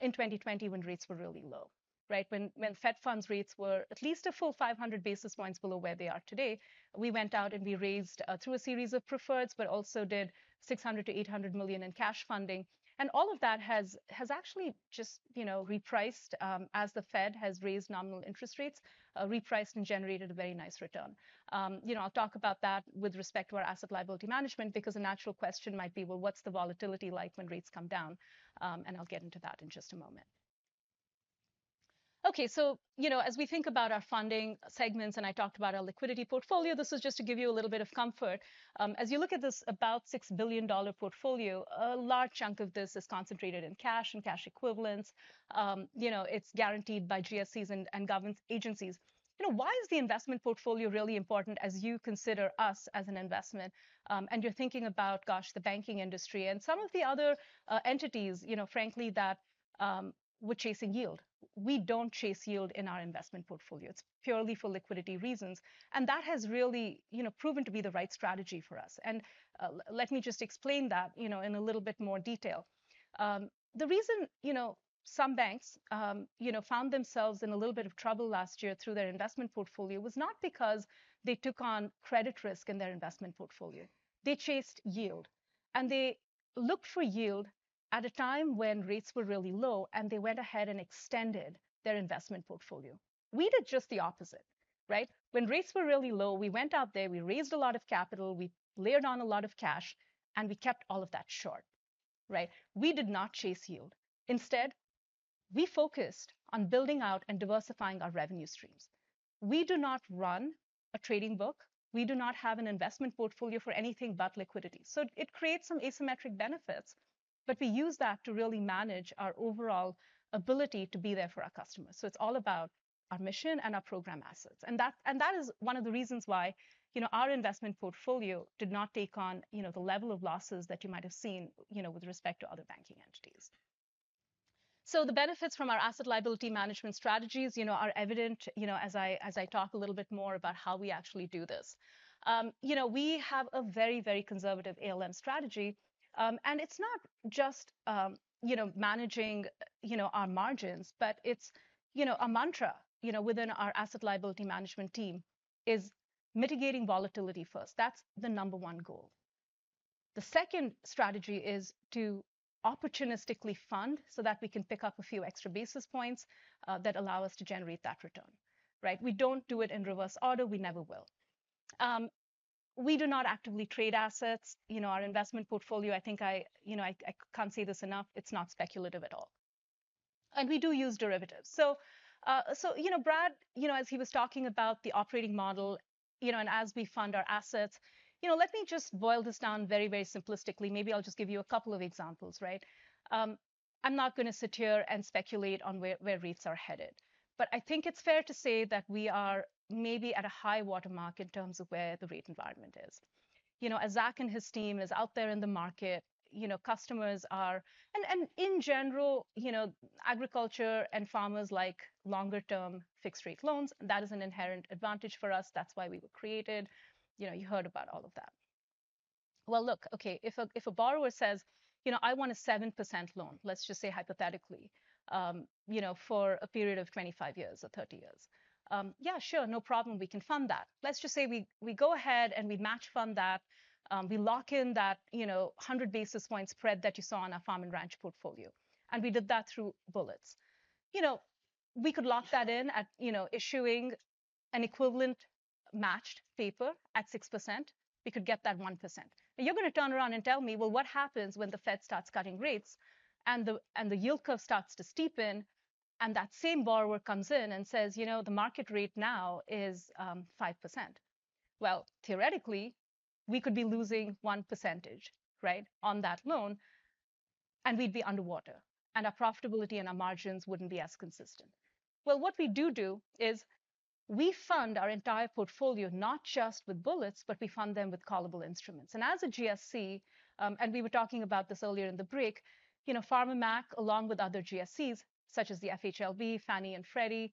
Speaker 7: in 2020, when rates were really low, right? When Fed Funds rates were at least a full 500 basis points below where they are today, we went out and we raised, through a series of preferreds, but also did $600 million-$800 million in cash funding. And all of that has actually just, you know, repriced as the Fed has raised nominal interest rates, repriced and generated a very nice return. You know, I'll talk about that with respect to our asset liability management, because a natural question might be: Well, what's the volatility like when rates come down? And I'll get into that in just a moment. Okay, so, you know, as we think about our funding segments, and I talked about our liquidity portfolio, this is just to give you a little bit of comfort. As you look at this, about $6 billion portfolio, a large chunk of this is concentrated in cash and cash equivalents. You know, it's guaranteed by GSEs and government agencies. You know, why is the investment portfolio really important as you consider us as an investment, and you're thinking about, gosh, the banking industry and some of the other entities, you know, frankly, that we're chasing yield? We don't chase yield in our investment portfolio. It's purely for liquidity reasons, and that has really, you know, proven to be the right strategy for us. And, let me just explain that, you know, in a little bit more detail. The reason, you know, some banks, you know, found themselves in a little bit of trouble last year through their investment portfolio was not because they took on credit risk in their investment portfolio. They chased yield, and they looked for yield at a time when rates were really low, and they went ahead and extended their investment portfolio. We did just the opposite, right? When rates were really low, we went out there, we raised a lot of capital, we layered on a lot of cash, and we kept all of that short, right? We did not chase yield. Instead, we focused on building out and diversifying our revenue streams. We do not run a trading book. We do not have an investment portfolio for anything but liquidity. So it creates some asymmetric benefits, but we use that to really manage our overall ability to be there for our customers. So it's all about our mission and our program assets. That is one of the reasons why, you know, our investment portfolio did not take on, you know, the level of losses that you might have seen, you know, with respect to other banking entities. So the benefits from our asset liability management strategies, you know, are evident, you know, as I talk a little bit more about how we actually do this. You know, we have a very, very conservative ALM strategy, and it's not just, you know, managing, you know, our margins, but it's, you know, a mantra, you know, within our asset liability management team, is mitigating volatility first. That's the number one goal. The second strategy is to opportunistically fund so that we can pick up a few extra basis points, that allow us to generate that return, right? We don't do it in reverse order; we never will. We do not actively trade assets. You know, our investment portfolio, I think I... You know, I, I can't say this enough, it's not speculative at all. And we do use derivatives. So, so you know, Brad, you know, as he was talking about the operating model, you know, and as we fund our assets, you know, let me just boil this down very, very simplistically. Maybe I'll just give you a couple of examples, right? I'm not gonna sit here and speculate on where rates are headed, but I think it's fair to say that we are maybe at a high water mark in terms of where the rate environment is. You know, as Zach and his team is out there in the market, you know, customers are... In general, you know, agriculture and farmers like longer-term, fixed-rate loans. That is an inherent advantage for us. That's why we were created. You know, you heard about all of that. Well, look, okay, if a borrower says, "You know, I want a 7% loan," let's just say hypothetically, you know, "for a period of 25 years or 30 years." Yeah, sure, no problem. We can fund that. Let's just say we go ahead, and we match fund that, we lock in that, you know, 100 basis point spread that you saw on our Farm and Ranch portfolio, and we did that through bullets. You know, we could lock that in at, you know, issuing an equivalent matched paper at 6%. We could get that 1%. Now, you're gonna turn around and tell me, "Well, what happens when the Fed starts cutting rates, and the yield curve starts to steepen, and that same borrower comes in and says, 'You know, the market rate now is 5%?'" Well, theoretically, we could be losing 1%, right, on that loan, and we'd be underwater, and our profitability and our margins wouldn't be as consistent. Well, what we do do is we fund our entire portfolio, not just with bullets, but we fund them with callable instruments. And as a GSE, and we were talking about this earlier in the break, you know, Farmer Mac, along with other GSEs, such as the FHLB, Fannie and Freddie,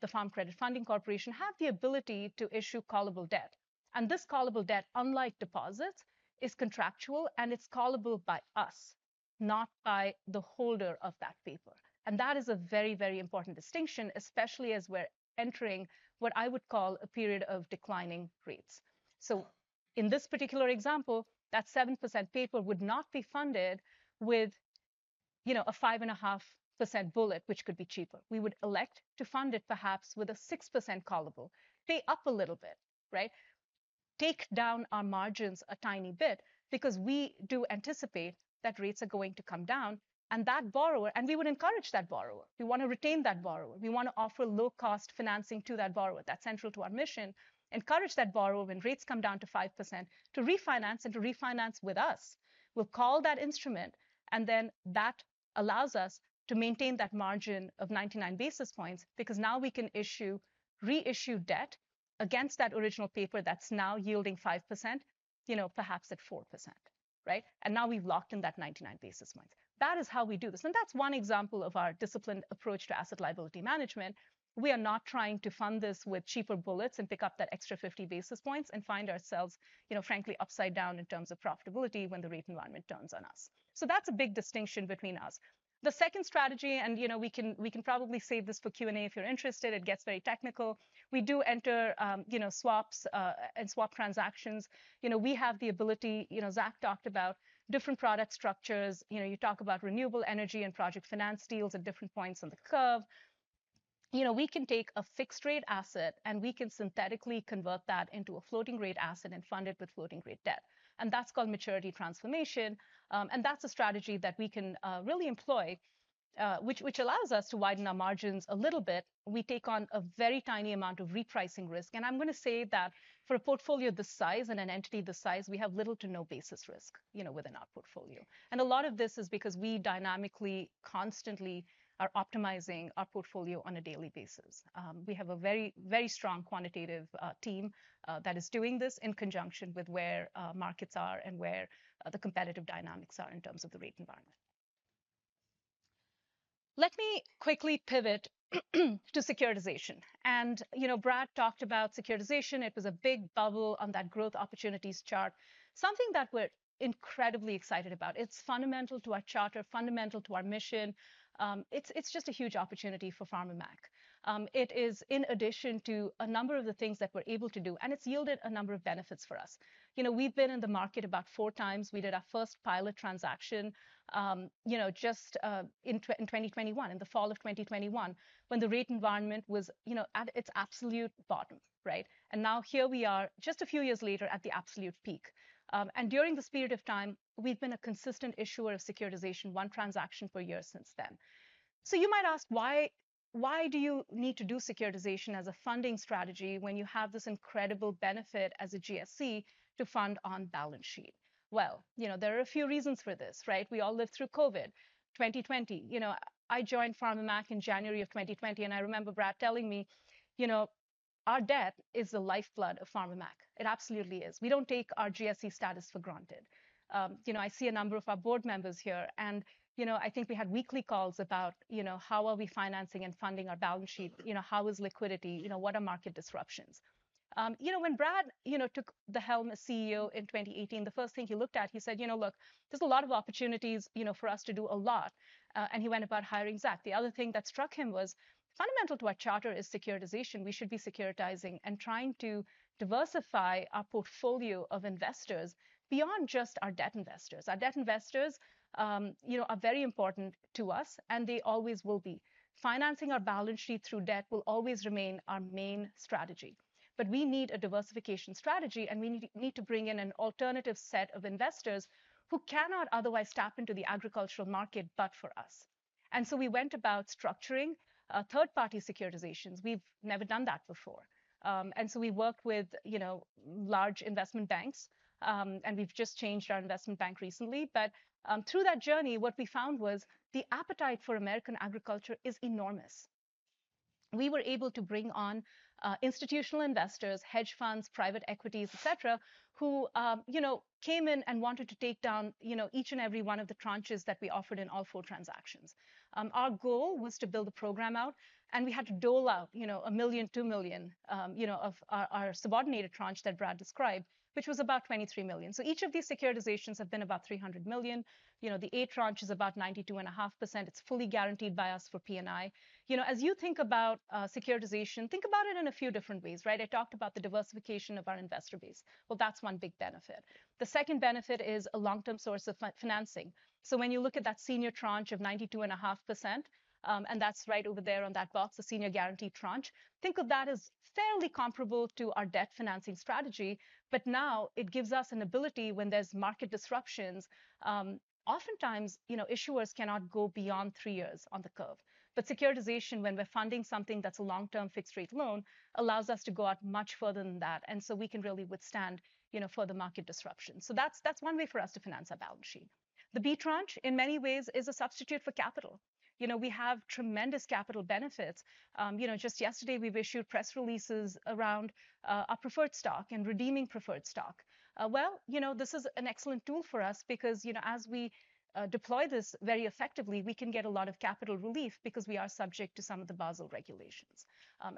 Speaker 7: the Farm Credit Funding Corporation, have the ability to issue callable debt. And this callable debt, unlike deposits, is contractual, and it's callable by us, not by the holder of that paper. And that is a very, very important distinction, especially as we're entering what I would call a period of declining rates. So in this particular example, that 7% paper would not be funded with, you know, a 5.5% bullet, which could be cheaper. We would elect to fund it perhaps with a 6% callable, pay up a little bit, right? Take down our margins a tiny bit because we do anticipate that rates are going to come down, and that borrower. And we would encourage that borrower. We want to retain that borrower. We want to offer low-cost financing to that borrower. That's central to our mission, encourage that borrower, when rates come down to 5%, to refinance and to refinance with us. We'll call that instrument, and then that allows us to maintain that margin of 99 basis points because now we can issue, reissue debt against that original paper that's now yielding 5%, you know, perhaps at 4%... right? And now we've locked in that 99 basis points. That is how we do this, and that's one example of our disciplined approach to asset liability management. We are not trying to fund this with cheaper bullets and pick up that extra 50 basis points and find ourselves, you know, frankly, upside down in terms of profitability when the rate environment turns on us. So that's a big distinction between us. The second strategy, and, you know, we can, we can probably save this for Q&A if you're interested. It gets very technical. We do enter, you know, swaps and swap transactions. You know, we have the ability... You know, Zach talked about different product structures. You know, you talk about Renewable Energy and project finance deals at different points on the curve. You know, we can take a fixed-rate asset, and we can synthetically convert that into a floating-rate asset and fund it with floating-rate debt, and that's called maturity transformation. And that's a strategy that we can really employ, which allows us to widen our margins a little bit. We take on a very tiny amount of repricing risk, and I'm going to say that for a portfolio this size and an entity this size, we have little to no basis risk, you know, within our portfolio. And a lot of this is because we dynamically, constantly are optimizing our portfolio on a daily basis. We have a very, very strong quantitative team that is doing this in conjunction with where markets are and where the competitive dynamics are in terms of the rate environment. Let me quickly pivot to securitization. And, you know, Brad talked about securitization. It was a big bubble on that growth opportunities chart, something that we're incredibly excited about. It's fundamental to our charter, fundamental to our mission. It's just a huge opportunity for Farmer Mac. It is in addition to a number of the things that we're able to do, and it's yielded a number of benefits for us. You know, we've been in the market about four times. We did our first pilot transaction, you know, just in 2021, in the fall of 2021, when the rate environment was, you know, at its absolute bottom, right? And now here we are, just a few years later, at the absolute peak. And during this period of time, we've been a consistent issuer of securitization, one transaction per year since then. So you might ask, "Why, why do you need to do securitization as a funding strategy when you have this incredible benefit as a GSE to fund on-balance sheet?" Well, you know, there are a few reasons for this, right? We all lived through COVID, 2020. You know, I joined Farmer Mac in January of 2020, and I remember Brad telling me, "You know, our debt is the lifeblood of Farmer Mac." It absolutely is. We don't take our GSE status for granted. You know, I see a number of our board members here, and, you know, I think we had weekly calls about, you know, how are we financing and funding our balance sheet? You know, how is liquidity? You know, what are market disruptions? You know, when Brad, you know, took the helm as CEO in 2018, the first thing he looked at, he said: "You know, look, there's a lot of opportunities, you know, for us to do a lot," and he went about hiring Zach. The other thing that struck him was, fundamental to our charter is securitization. We should be securitizing and trying to diversify our portfolio of investors beyond just our debt investors. Our debt investors, you know, are very important to us, and they always will be. Financing our balance sheet through debt will always remain our main strategy. But we need a diversification strategy, and we need, we need to bring in an alternative set of investors who cannot otherwise tap into the agricultural market but for us. And so we went about structuring, third-party securitizations. We've never done that before. So we worked with, you know, large investment banks, and we've just changed our investment bank recently. Through that journey, what we found was the appetite for American agriculture is enormous. We were able to bring on institutional investors, hedge funds, private equities, et cetera, who, you know, came in and wanted to take down, you know, each and every one of the tranches that we offered in all four transactions. Our goal was to build a program out, and we had to dole out, you know, $1 million, $2 million, you know, of our subordinated tranche that Brad described, which was about $23 million. So each of these securitizations have been about $300 million. You know, the A tranche is about 92.5%. It's fully guaranteed by us for P&I. You know, as you think about securitization, think about it in a few different ways, right? I talked about the diversification of our investor base. Well, that's one big benefit. The second benefit is a long-term source of financing. So when you look at that senior tranche of 92.5%, and that's right over there on that box, the senior guaranteed tranche, think of that as fairly comparable to our debt financing strategy. But now it gives us an ability when there's market disruptions. Oftentimes, you know, issuers cannot go beyond 3 years on the curve. But securitization, when we're funding something that's a long-term fixed-rate loan, allows us to go out much further than that, and so we can really withstand, you know, further market disruption. So that's, that's one way for us to finance our balance sheet. The B tranche, in many ways, is a substitute for capital. You know, we have tremendous capital benefits. You know, just yesterday, we've issued press releases around our preferred stock and redeeming preferred stock. Well, you know, this is an excellent tool for us because, you know, as we deploy this very effectively, we can get a lot of capital relief because we are subject to some of the Basel regulations.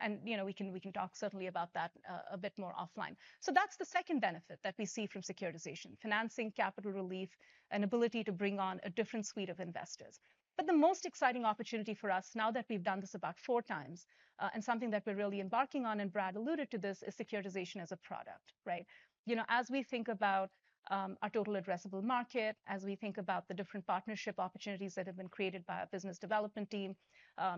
Speaker 7: And, you know, we can talk certainly about that a bit more offline. So that's the second benefit that we see from securitization: financing, capital relief, and ability to bring on a different suite of investors. But the most exciting opportunity for us, now that we've done this about four times, and something that we're really embarking on, and Brad alluded to this, is securitization as a product, right? You know, as we think about our total addressable market, as we think about the different partnership opportunities that have been created by our business development team,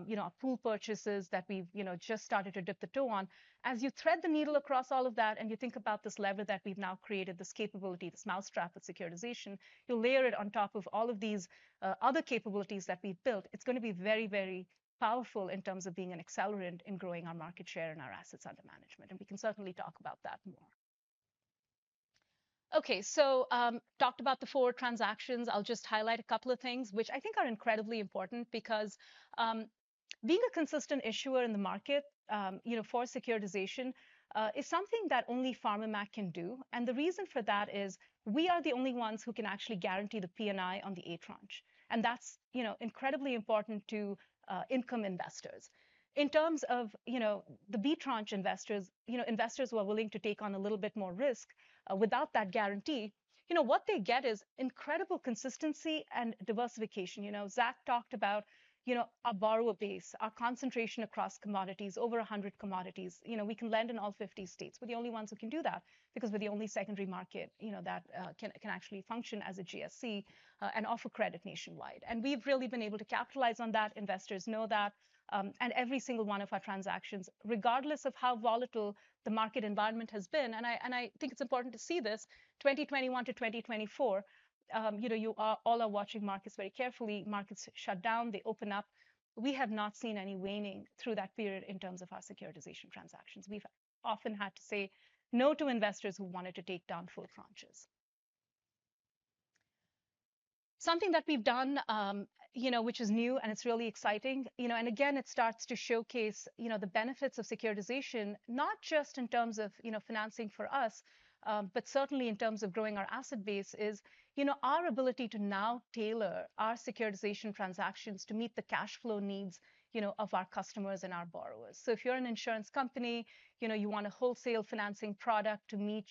Speaker 7: you know, our pool purchases that we've, you know, just started to dip the toe on, as you thread the needle across all of that, and you think about this lever that we've now created, this capability, this mousetrap of securitization, you'll layer it on top of all of these other capabilities that we've built. It's going to be very, very powerful in terms of being an accelerant in growing our market share and our assets under management, and we can certainly talk about that more. Okay, so, talked about the four transactions. I'll just highlight a couple of things, which I think are incredibly important because... Being a consistent issuer in the market, you know, for securitization, is something that only Farmer Mac can do. And the reason for that is we are the only ones who can actually guarantee the P&I on the A tranche. And that's, you know, incredibly important to income investors. In terms of, you know, the B tranche investors, you know, investors who are willing to take on a little bit more risk without that guarantee, you know, what they get is incredible consistency and diversification. You know, Zach talked about, you know, our borrower base, our concentration across commodities, over 100 commodities. You know, we can lend in all 50 states. We're the only ones who can do that because we're the only secondary market, you know, that can actually function as a GSE and offer credit nationwide. We've really been able to capitalize on that. Investors know that, and every single one of our transactions, regardless of how volatile the market environment has been, and I, and I think it's important to see this, 2021-2024, you know, you all are watching markets very carefully. Markets shut down, they open up. We have not seen any waning through that period in terms of our securitization transactions. We've often had to say no to investors who wanted to take down full tranches. Something that we've done, you know, which is new, and it's really exciting, you know, and again, it starts to showcase, you know, the benefits of securitization, not just in terms of, you know, financing for us, but certainly in terms of growing our asset base, is, you know, our ability to now tailor our securitization transactions to meet the cash flow needs, you know, of our customers and our borrowers. So if you're an insurance company, you know, you want a wholesale financing product to meet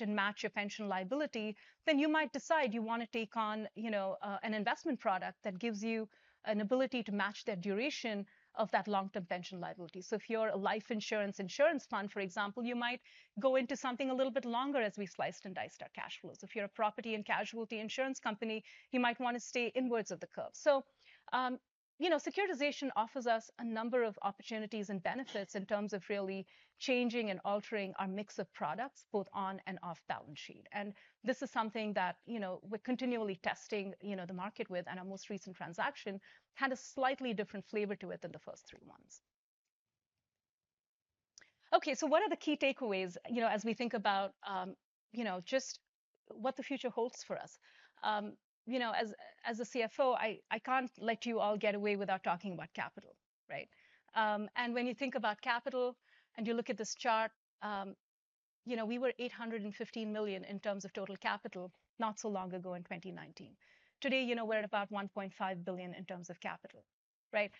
Speaker 7: and match your pension liability, then you might decide you want to take on, you know, an investment product that gives you an ability to match the duration of that long-term pension liability. So if you're a life insurance, insurance fund, for example, you might go into something a little bit longer as we sliced and diced our cash flows. If you're a property and casualty insurance company, you might want to stay inwards of the curve. So, you know, securitization offers us a number of opportunities and benefits in terms of really changing and altering our mix of products, both on and off balance sheet. And this is something that, you know, we're continually testing, you know, the market with, and our most recent transaction had a slightly different flavor to it than the first three ones. Okay, so what are the key takeaways, you know, as we think about, you know, just what the future holds for us? You know, as a CFO, I can't let you all get away without talking about capital, right? And when you think about capital and you look at this chart, you know, we were $815 million in terms of total capital not so long ago in 2019. Today, you know, we're at about $1.5 billion in terms of capital, right?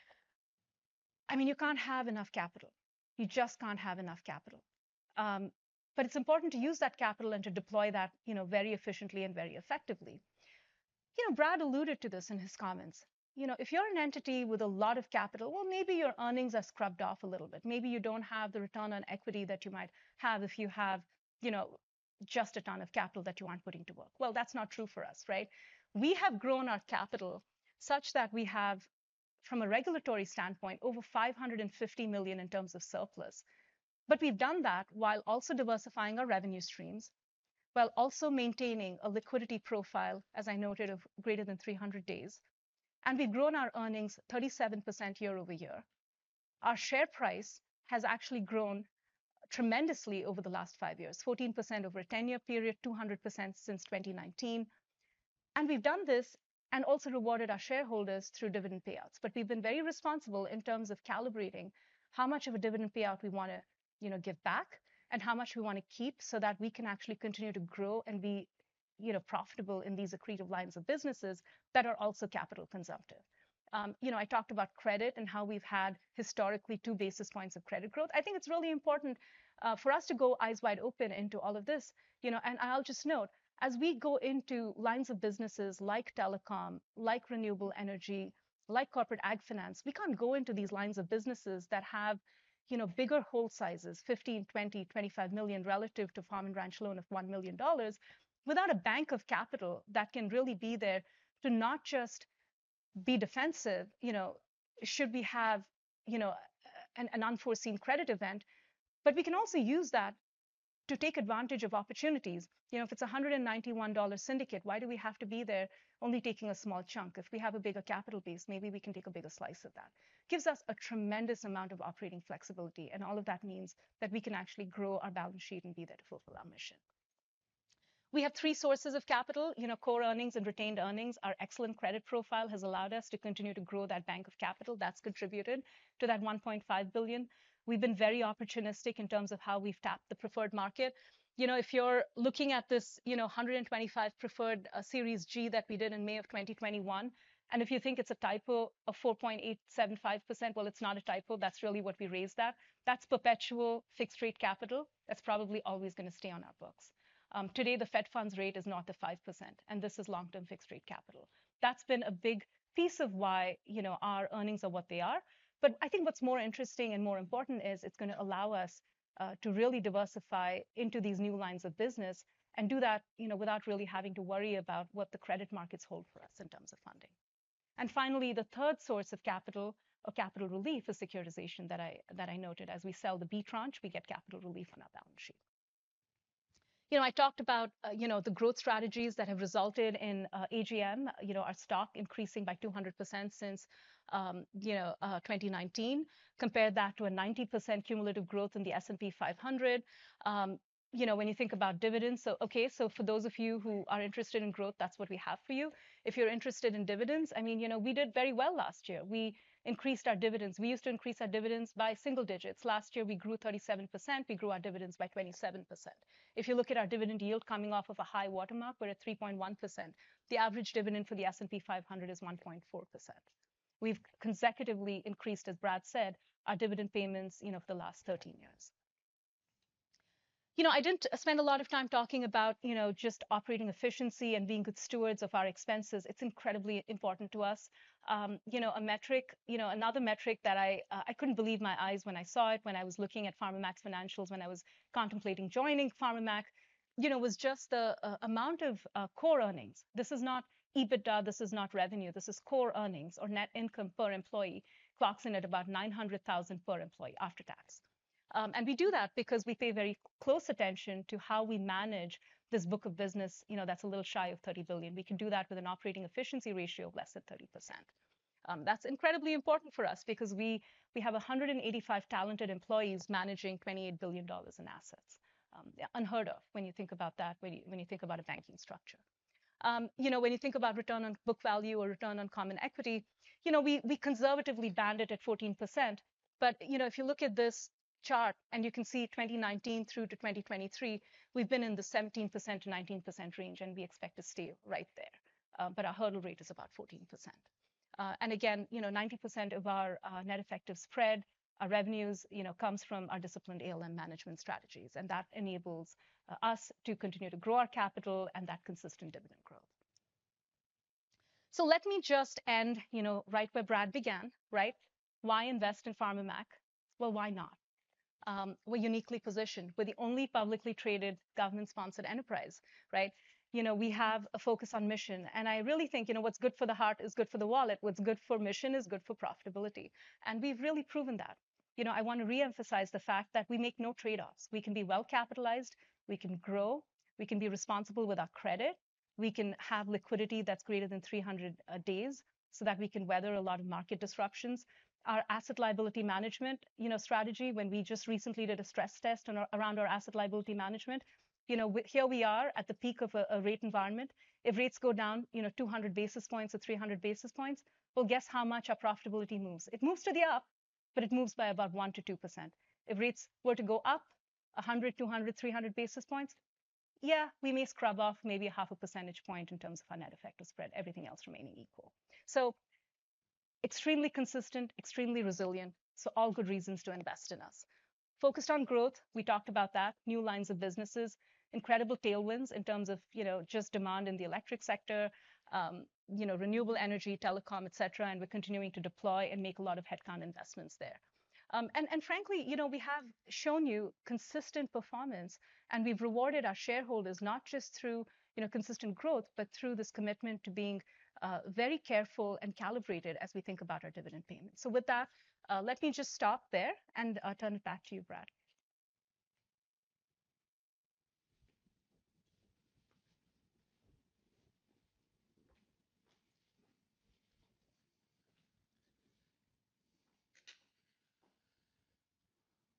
Speaker 7: I mean, you can't have enough capital. You just can't have enough capital. But it's important to use that capital and to deploy that, you know, very efficiently and very effectively. You know, Brad alluded to this in his comments. You know, if you're an entity with a lot of capital, well, maybe your earnings are scrubbed off a little bit. Maybe you don't have the return on equity that you might have if you have, you know, just a ton of capital that you aren't putting to work. Well, that's not true for us, right? We have grown our capital such that we have, from a regulatory standpoint, over $550 million in terms of surplus. But we've done that while also diversifying our revenue streams, while also maintaining a liquidity profile, as I noted, of greater than 300 days. And we've grown our earnings 37% year-over-year. Our share price has actually grown tremendously over the last 5 years, 14% over a 10-year period, 200% since 2019. And we've done this and also rewarded our shareholders through dividend payouts. But we've been very responsible in terms of calibrating how much of a dividend payout we want to, you know, give back and how much we want to keep so that we can actually continue to grow and be, you know, profitable in these accretive lines of businesses that are also capital consumptive. You know, I talked about credit and how we've had historically two basis points of credit growth. I think it's really important for us to go eyes wide open into all of this, you know, and I'll just note, as we go into lines of businesses like telecom, like Renewable Energy, like corporate ag finance, we can't go into these lines of businesses that have, you know, bigger loan sizes, $15 million, $20 million, $25 million, relative to farm and ranch loan of $1 million, without a bank of capital that can really be there to not just be defensive, you know, should we have, you know, an unforeseen credit event, but we can also use that to take advantage of opportunities. You know, if it's a $191 million syndicate, why do we have to be there only taking a small chunk? If we have a bigger capital base, maybe we can take a bigger slice of that. Gives us a tremendous amount of operating flexibility, and all of that means that we can actually grow our balance sheet and be there to fulfill our mission. We have three sources of capital. You know, Core Earnings and retained earnings. Our excellent credit profile has allowed us to continue to grow that bank of capital. That's contributed to that $1.5 billion. We've been very opportunistic in terms of how we've tapped the preferred market. You know, if you're looking at this, you know, 125 preferred, Series G that we did in May 2021, and if you think it's a typo of 4.875%, well, it's not a typo. That's really what we raised that. That's perpetual fixed-rate capital. That's probably always gonna stay on our books. Today, the Fed funds rate is not the 5%, and this is long-term fixed-rate capital. That's been a big piece of why, you know, our earnings are what they are. But I think what's more interesting and more important is it's gonna allow us to really diversify into these new lines of business and do that, you know, without really having to worry about what the credit markets hold for us in terms of funding. And finally, the third source of capital or capital relief is securitization that I noted. As we sell the B tranche, we get capital relief on our balance sheet. You know, I talked about, you know, the growth strategies that have resulted in AGM, you know, our stock increasing by 200% since 2019. Compare that to a 90% cumulative growth in the S&P 500. You know, when you think about dividends, so okay, so for those of you who are interested in growth, that's what we have for you. If you're interested in dividends, I mean, you know, we did very well last year. We increased our dividends. We used to increase our dividends by single digits. Last year, we grew 37%, we grew our dividends by 27%. If you look at our dividend yield coming off of a high-water mark, we're at 3.1%. The average dividend for the S&P 500 is 1.4%. We've consecutively increased, as Brad said, our dividend payments, you know, for the last 13 years. You know, I didn't spend a lot of time talking about, you know, just operating efficiency and being good stewards of our expenses. It's incredibly important to us. You know, a metric—you know, another metric that I, I couldn't believe my eyes when I saw it, when I was looking at Farmer Mac's financials, when I was contemplating joining Farmer Mac, you know, was just the amount of Core Earnings. This is not EBITDA, this is not revenue. This is Core Earnings or net income per employee, clocks in at about $900,000 per employee after tax. And we do that because we pay very close attention to how we manage this book of business, you know, that's a little shy of $30 billion. We can do that with an operating efficiency ratio of less than 30%. That's incredibly important for us because we, we have 185 talented employees managing $28 billion in assets. Yeah, unheard of when you think about that, when you, when you think about a banking structure. You know, when you think about return on book value or return on common equity, you know, we, we conservatively band it at 14%. But, you know, if you look at this chart and you can see 2019 through to 2023, we've been in the 17%-19% range, and we expect to stay right there. But our hurdle rate is about 14%. And again, you know, 90% of our net effective spread, our revenues, you know, comes from our disciplined ALM management strategies, and that enables us to continue to grow our capital and that consistent dividend growth. So let me just end, you know, right where Brad began, right? Why invest in Farmer Mac? Well, why not? We're uniquely positioned. We're the only publicly traded government-sponsored enterprise, right? You know, we have a focus on mission, and I really think, you know, what's good for the heart is good for the wallet. What's good for mission is good for profitability, and we've really proven that. You know, I want to reemphasize the fact that we make no trade-offs. We can be well-capitalized, we can grow, we can be responsible with our credit, we can have liquidity that's greater than 300 days, so that we can weather a lot of market disruptions. Our Asset Liability Management, you know, strategy when we just recently did a stress test on our around our Asset Liability Management, you know, here we are at the peak of a rate environment. If rates go down, you know, 200 basis points or 300 basis points, well, guess how much our profitability moves? It moves to the up, but it moves by about 1%-2%. If rates were to go up 100, 200, 300 basis points, yeah, we may scrub off maybe 0.5 percentage point in terms of our Net Effective Spread, everything else remaining equal. So extremely consistent, extremely resilient, so all good reasons to invest in us. Focused on growth, we talked about that. New lines of businesses, incredible tailwinds in terms of, you know, just demand in the electric sector, you know, Renewable Energy, telecom, et cetera, and we're continuing to deploy and make a lot of head count investments there. And, and frankly, you know, we have shown you consistent performance, and we've rewarded our shareholders not just through, you know, consistent growth, but through this commitment to being, very careful and calibrated as we think about our dividend payments. So with that, let me just stop there and, turn it back to you, Brad.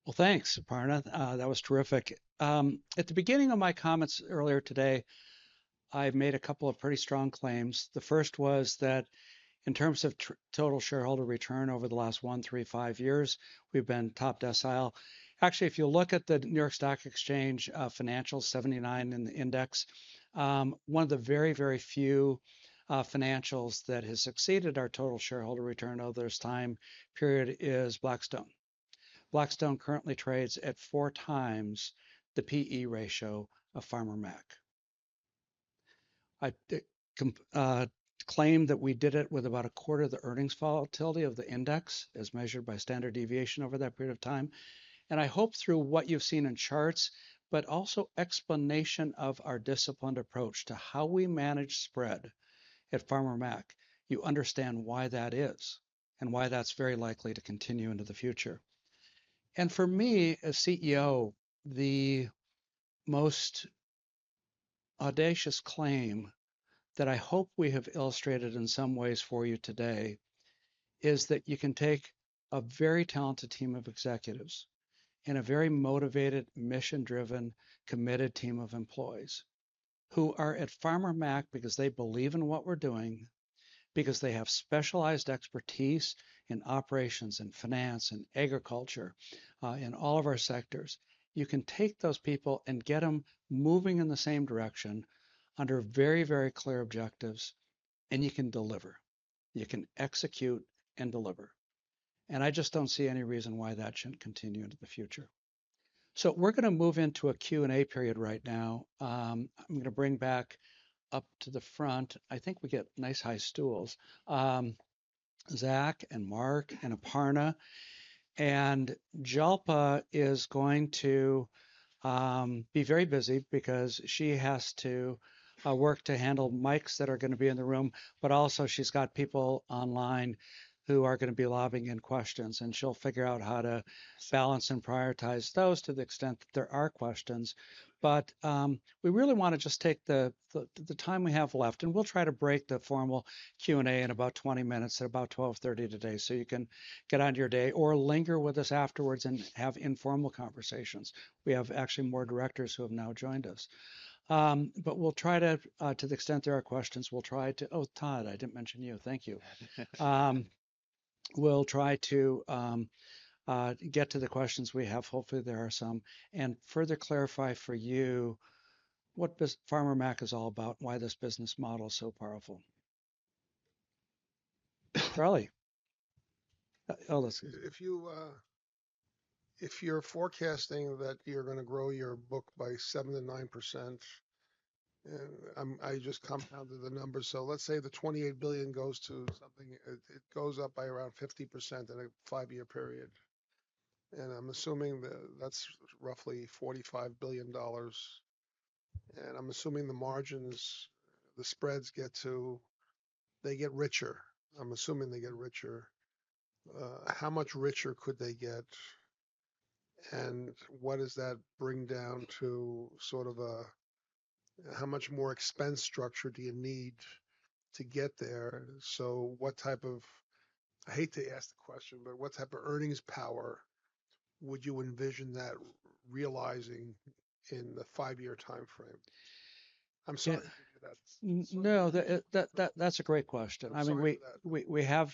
Speaker 2: Well, thanks, Aparna. That was terrific. At the beginning of my comments earlier today, I've made a couple of pretty strong claims. The first was that in terms of total shareholder return over the last 1, 3, 5 years, we've been top decile. Actually, if you look at the New York Stock Exchange financials, 79 in the index, one of the very, very few financials that has succeeded our total shareholder return over this time period is Blackstone. Blackstone currently trades at 4 times the P/E ratio of Farmer Mac. I claim that we did it with about a quarter of the earnings volatility of the index, as measured by standard deviation over that period of time. And I hope through what you've seen in charts, but also explanation of our disciplined approach to how we manage spread at Farmer Mac, you understand why that is, and why that's very likely to continue into the future. And for me, as CEO, the most audacious claim that I hope we have illustrated in some ways for you today, is that you can take a very talented team of executives and a very motivated, mission-driven, committed team of employees, who are at Farmer Mac because they believe in what we're doing, because they have specialized expertise in operations and finance and agriculture, in all of our sectors. You can take those people and get them moving in the same direction under very, very clear objectives, and you can deliver. You can execute and deliver. And I just don't see any reason why that shouldn't continue into the future. So we're gonna move into a Q&A period right now. I'm gonna bring back up to the front, I think we get nice high stools, Zach and Marc and Aparna. And Jalpa is going to be very busy because she has to work to handle mics that are gonna be in the room, but also she's got people online who are gonna be lobbing in questions, and she'll figure out how to balance and prioritize those to the extent that there are questions. But we really want to just take the time we have left, and we'll try to break the formal Q&A in about 20 minutes, at about 12:30 P.M. today, so you can get on to your day or linger with us afterwards and have informal conversations. We have actually more directors who have now joined us. But we'll try to, to the extent there are questions, we'll try to. Oh, Todd, I didn't mention you. Thank you. We'll try to get to the questions we have. Hopefully, there are some, and further clarify for you what this Farmer Mac is all about and why this business model is so powerful. Charlie? Oh, let's-
Speaker 8: If you, if you're forecasting that you're gonna grow your book by 7%-9%, and I just compounded the numbers, so let's say the $28 billion goes to something. It goes up by around 50% in a 5-year period. And I'm assuming that that's roughly $45 billion, and I'm assuming the margins, the spreads get to. They get richer. I'm assuming they get richer. How much richer could they get? And what does that bring down to sort of a, how much more expense structure do you need to get there? So what type of, I hate to ask the question, but what type of earnings power would you envision that realizing in the 5-year timeframe? I'm sorry if that's-
Speaker 2: No, that's a great question.
Speaker 8: I'm sorry for that.
Speaker 2: I mean,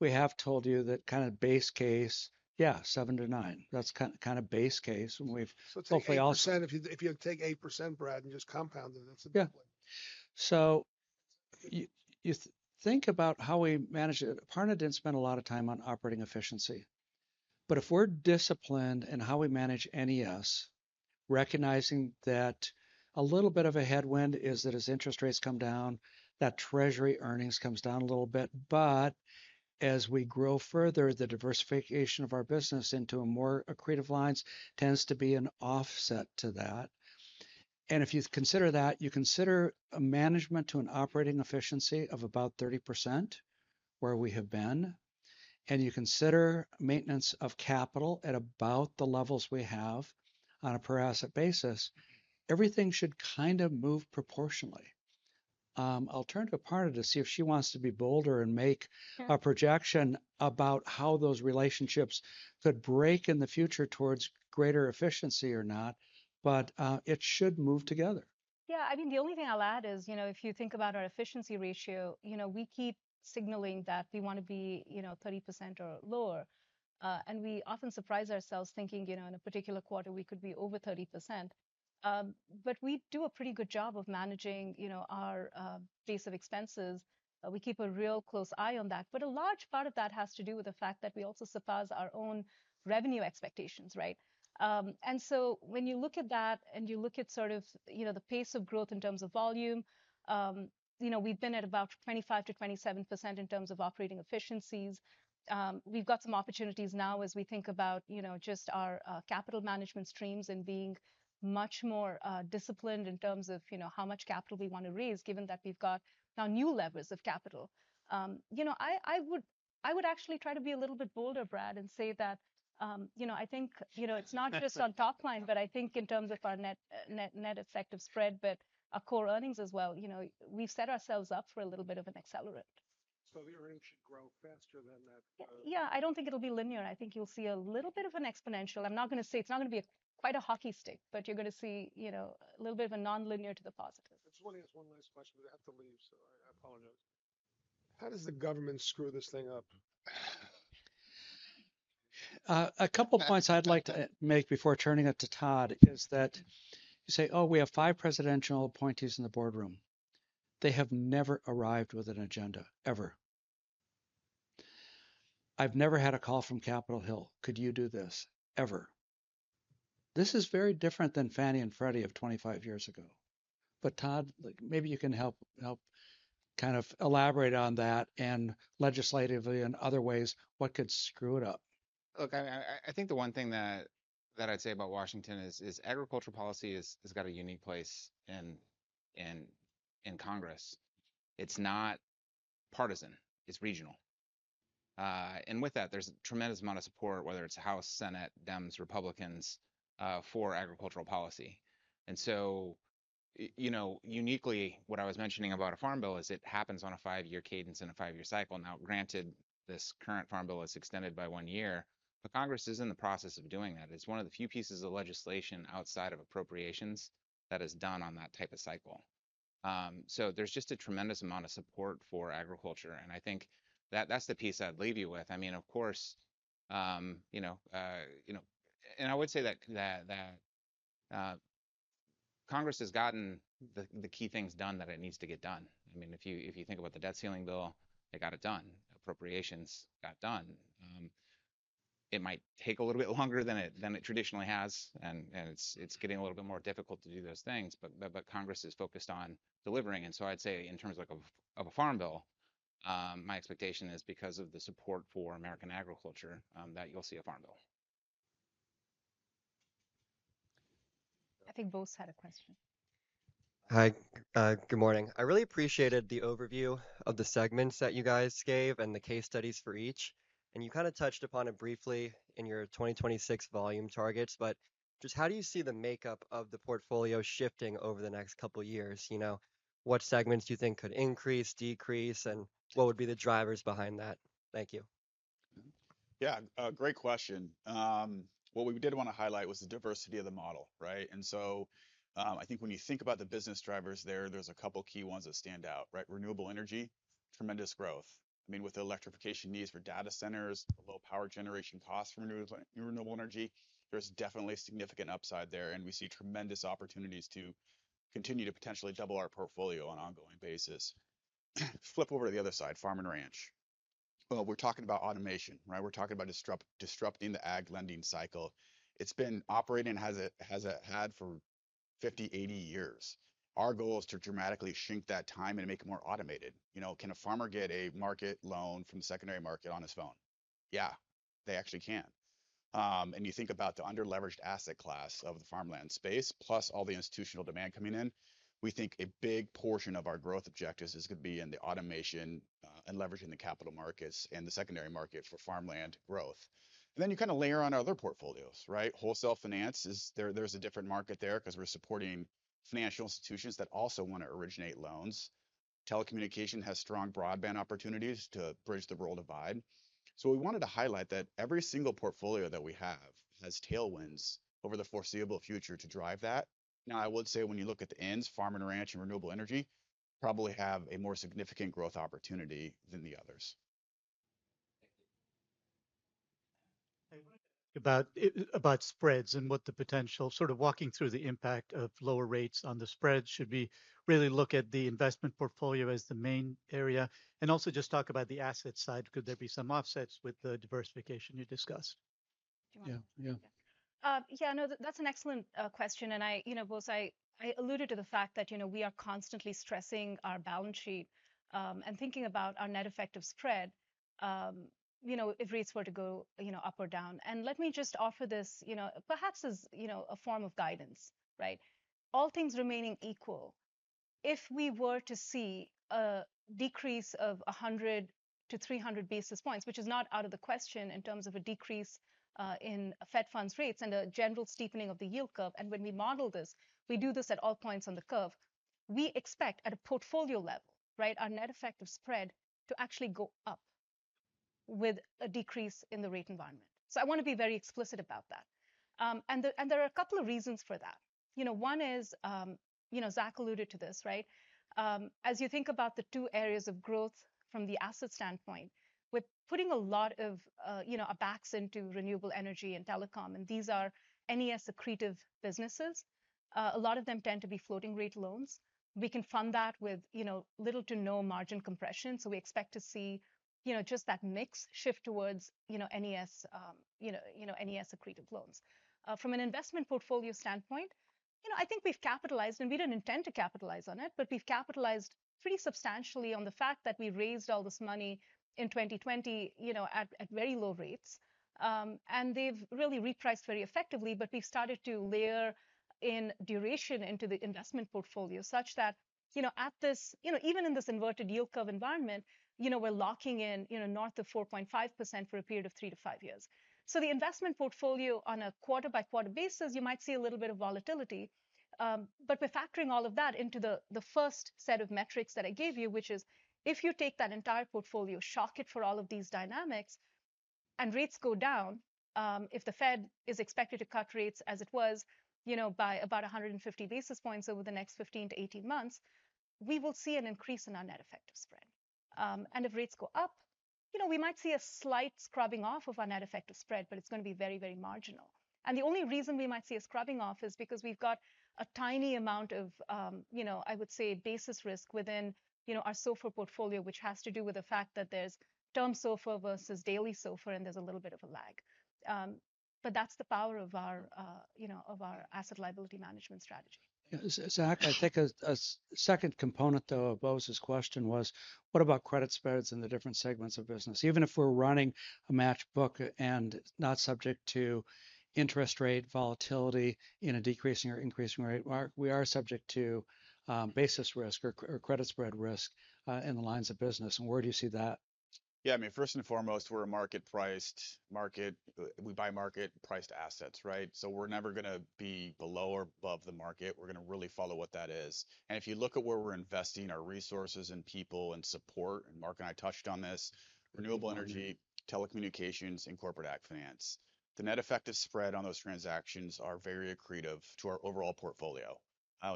Speaker 2: we have told you that kind of base case, yeah, 7-9. That's kind of base case, and we've-
Speaker 8: So take 8%-
Speaker 2: Hopefully, also-
Speaker 8: If you, if you take 8%, Brad, and just compound it, that's the big one.
Speaker 2: Yeah. So you think about how we manage it. Aparna didn't spend a lot of time on operating efficiency, but if we're disciplined in how we manage NES, recognizing that a little bit of a headwind is that as interest rates come down, that treasury earnings comes down a little bit. But as we grow further, the diversification of our business into a more accretive lines tends to be an offset to that. And if you consider that, you consider a management to an operating efficiency of about 30%, where we have been, and you consider maintenance of capital at about the levels we have on a per asset basis, everything should kind of move proportionally. I'll turn to Aparna to see if she wants to be bolder and make-
Speaker 7: Sure...
Speaker 2: a projection about how those relationships could break in the future towards greater efficiency or not, but it should move together.
Speaker 7: Yeah, I mean, the only thing I'll add is, you know, if you think about our efficiency ratio, you know, we keep signaling that we want to be, you know, 30% or lower. And we often surprise ourselves thinking, you know, in a particular quarter, we could be over 30%. But we do a pretty good job of managing, you know, our base of expenses. We keep a real close eye on that. But a large part of that has to do with the fact that we also surpass our own revenue expectations, right? And so when you look at that and you look at sort of, you know, the pace of growth in terms of volume, you know, we've been at about 25%-27% in terms of operating efficiencies. We've got some opportunities now as we think about, you know, just our capital management streams and being much more disciplined in terms of, you know, how much capital we want to raise, given that we've got now new levels of capital. You know, I, I would, I would actually try to be a little bit bolder, Brad, and say that, you know, I think, you know, it's not just on top line, but I think in terms of our Net Effective Spread, but our Core Earnings as well, you know, we've set ourselves up for a little bit of an accelerant.
Speaker 8: The earnings should grow faster than that.
Speaker 7: Yeah, I don't think it'll be linear. I think you'll see a little bit of an exponential. I'm not gonna say it's not gonna be quite a hockey stick, but you're gonna see, you know, a little bit of a nonlinear to the positive.
Speaker 8: I just want to ask one last question, but I have to leave, so I, I apologize. How does the government screw this thing up?
Speaker 2: A couple points I'd like to make before turning it to Todd is that you say, "Oh, we have five presidential appointees in the boardroom." They have never arrived with an agenda, ever. I've never had a call from Capitol Hill, "Could you do this?" Ever. This is very different than Fannie and Freddie of 25 years ago. But Todd, maybe you can help kind of elaborate on that and legislatively and other ways, what could screw it up?
Speaker 6: Look, I think the one thing that I'd say about Washington is agricultural policy has got a unique place in Congress. It's not partisan; it's regional. And with that, there's a tremendous amount of support, whether it's House, Senate, Dems, Republicans, for agricultural policy. And so, you know, uniquely, what I was mentioning about a farm bill is it happens on a five-year cadence and a five-year cycle. Now, granted, this current farm bill is extended by one year, but Congress is in the process of doing that. It's one of the few pieces of legislation outside of appropriations that is done on that type of cycle. So there's just a tremendous amount of support for agriculture, and I think that's the piece I'd leave you with. I mean, of course, you know, you know... I would say that Congress has gotten the key things done that it needs to get done. I mean, if you think about the debt ceiling bill, they got it done. Appropriations got done. It might take a little bit longer than it traditionally has, and it's getting a little bit more difficult to do those things, but Congress is focused on delivering. And so I'd say in terms of a farm bill, my expectation is because of the support for American agriculture that you'll see a farm bill. ...
Speaker 7: I think Bose had a question.
Speaker 9: Hi. Good morning. I really appreciated the overview of the segments that you guys gave and the case studies for each. And you kind of touched upon it briefly in your 2026 volume targets, but just how do you see the makeup of the portfolio shifting over the next couple of years? You know, what segments do you think could increase, decrease, and what would be the drivers behind that? Thank you.
Speaker 3: Yeah, a great question. What we did want to highlight was the diversity of the model, right? And so, I think when you think about the business drivers there, there's a couple key ones that stand out, right? Renewable energy, tremendous growth. I mean, with the electrification needs for data centers, low power generation costs for Renewable Energy, there's definitely significant upside there, and we see tremendous opportunities to continue to potentially double our portfolio on an ongoing basis. Flip over to the other side, farm and ranch. Well, we're talking about automation, right? We're talking about disrupting the ag lending cycle. It's been operating as it had for 50, 80 years. Our goal is to dramatically shrink that time and make it more automated. You know, can a farmer get a market loan from the secondary market on his phone? Yeah, they actually can. And you think about the under-leveraged asset class of the farmland space, plus all the institutional demand coming in. We think a big portion of our growth objectives is going to be in the automation, and leveraging the capital markets and the secondary market for farmland growth. And then you kind of layer on our other portfolios, right? Wholesale finance is there. There's a different market there because we're supporting financial institutions that also want to originate loans. Telecommunication has strong broadband opportunities to bridge the rural divide. So we wanted to highlight that every single portfolio that we have has tailwinds over the foreseeable future to drive that. Now, I would say when you look at the ends, farm and ranch and Renewable Energy, probably have a more significant growth opportunity than the others.
Speaker 9: About, about spreads and what the potential, sort of walking through the impact of lower rates on the spreads, should we really look at the investment portfolio as the main area? And also just talk about the asset side. Could there be some offsets with the diversification you discussed?
Speaker 7: Do you want to-
Speaker 9: Yeah. Yeah.
Speaker 7: Yeah, no, that's an excellent question, and I, you know, Bose, I alluded to the fact that, you know, we are constantly stressing our balance sheet, and thinking about our net effective spread, you know, if rates were to go, you know, up or down. And let me just offer this, you know, perhaps as, you know, a form of guidance, right? All things remaining equal, if we were to see a decrease of 100-300 basis points, which is not out of the question in terms of a decrease in Fed funds rates and a general steepening of the yield curve, and when we model this, we do this at all points on the curve, we expect at a portfolio level, right, our net effective spread to actually go up with a decrease in the rate environment. So I want to be very explicit about that. There are a couple of reasons for that. You know, one is, you know, Zach alluded to this, right? As you think about the two areas of growth from the asset standpoint, we're putting a lot of, you know, our backs into Renewable Energy and telecom, and these are NES accretive businesses. A lot of them tend to be floating-rate loans. We can fund that with, you know, little to no margin compression. So we expect to see, you know, just that mix shift towards, you know, NES, you know, NES accretive loans. From an investment portfolio standpoint, you know, I think we've capitalized, and we didn't intend to capitalize on it, but we've capitalized pretty substantially on the fact that we raised all this money in 2020, you know, at very low rates. And they've really repriced very effectively, but we've started to layer in duration into the investment portfolio such that, you know, at this... you know, even in this inverted yield curve environment, you know, we're locking in, you know, north of 4.5 for a period of 3-5 years. So the investment portfolio on a quarter-by-quarter basis, you might see a little bit of volatility, but we're factoring all of that into the first set of metrics that I gave you, which is if you take that entire portfolio, shock it for all of these dynamics, and rates go down, if the Fed is expected to cut rates as it was, you know, by about 150 basis points over the next 15-18 months, we will see an increase in our Net Effective Spread. And if rates go up, you know, we might see a slight scrubbing off of our Net Effective Spread, but it's going to be very, very marginal. And the only reason we might see a scrubbing off is because we've got a tiny amount of, you know, I would say, basis risk within, you know, our SOFR portfolio, which has to do with the fact that there's term SOFR versus daily SOFR, and there's a little bit of a lag. But that's the power of our, you know, of our asset liability management strategy.
Speaker 9: Zach, I think a second component, though, of Bose's question was, what about credit spreads in the different segments of business? Even if we're running a matched book and not subject to interest rate volatility in a decreasing or increasing rate, we are subject to basis risk or credit spread risk in the lines of business. Where do you see that?
Speaker 3: Yeah, I mean, first and foremost, we're a market-priced market. We buy market-priced assets, right? So we're never going to be below or above the market. We're going to really follow what that is. And if you look at where we're investing our resources and people and support, and Marc and I touched on this, Renewable Energy, telecommunications, and corporate ag finance. The net effective spread on those transactions are very accretive to our overall portfolio.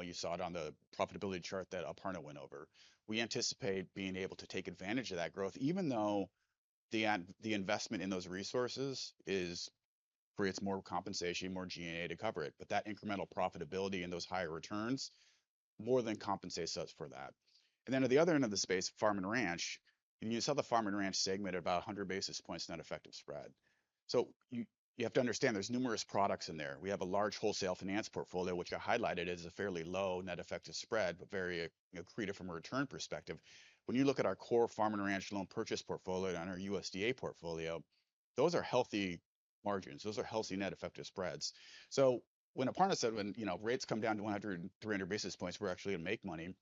Speaker 3: You saw it on the profitability chart that Aparna went over. We anticipate being able to take advantage of that growth, even though the investment in those resources creates more compensation, more G&A to cover it. But that incremental profitability and those higher returns more than compensates us for that. And then at the other end of the space, farm and ranch, and you saw the farm and ranch segment at about 100 basis points net effective spread. So you, you have to understand there's numerous products in there. We have a large wholesale finance portfolio, which got highlighted as a fairly low net effective spread, but very accretive from a return perspective. When you look at our core farm and ranch loan purchase portfolio and our USDA portfolio, those are healthy-... margins. Those are healthy net effective spreads. So when Aparna said when, you know, rates come down to 100-300 basis points, we're actually going to make money,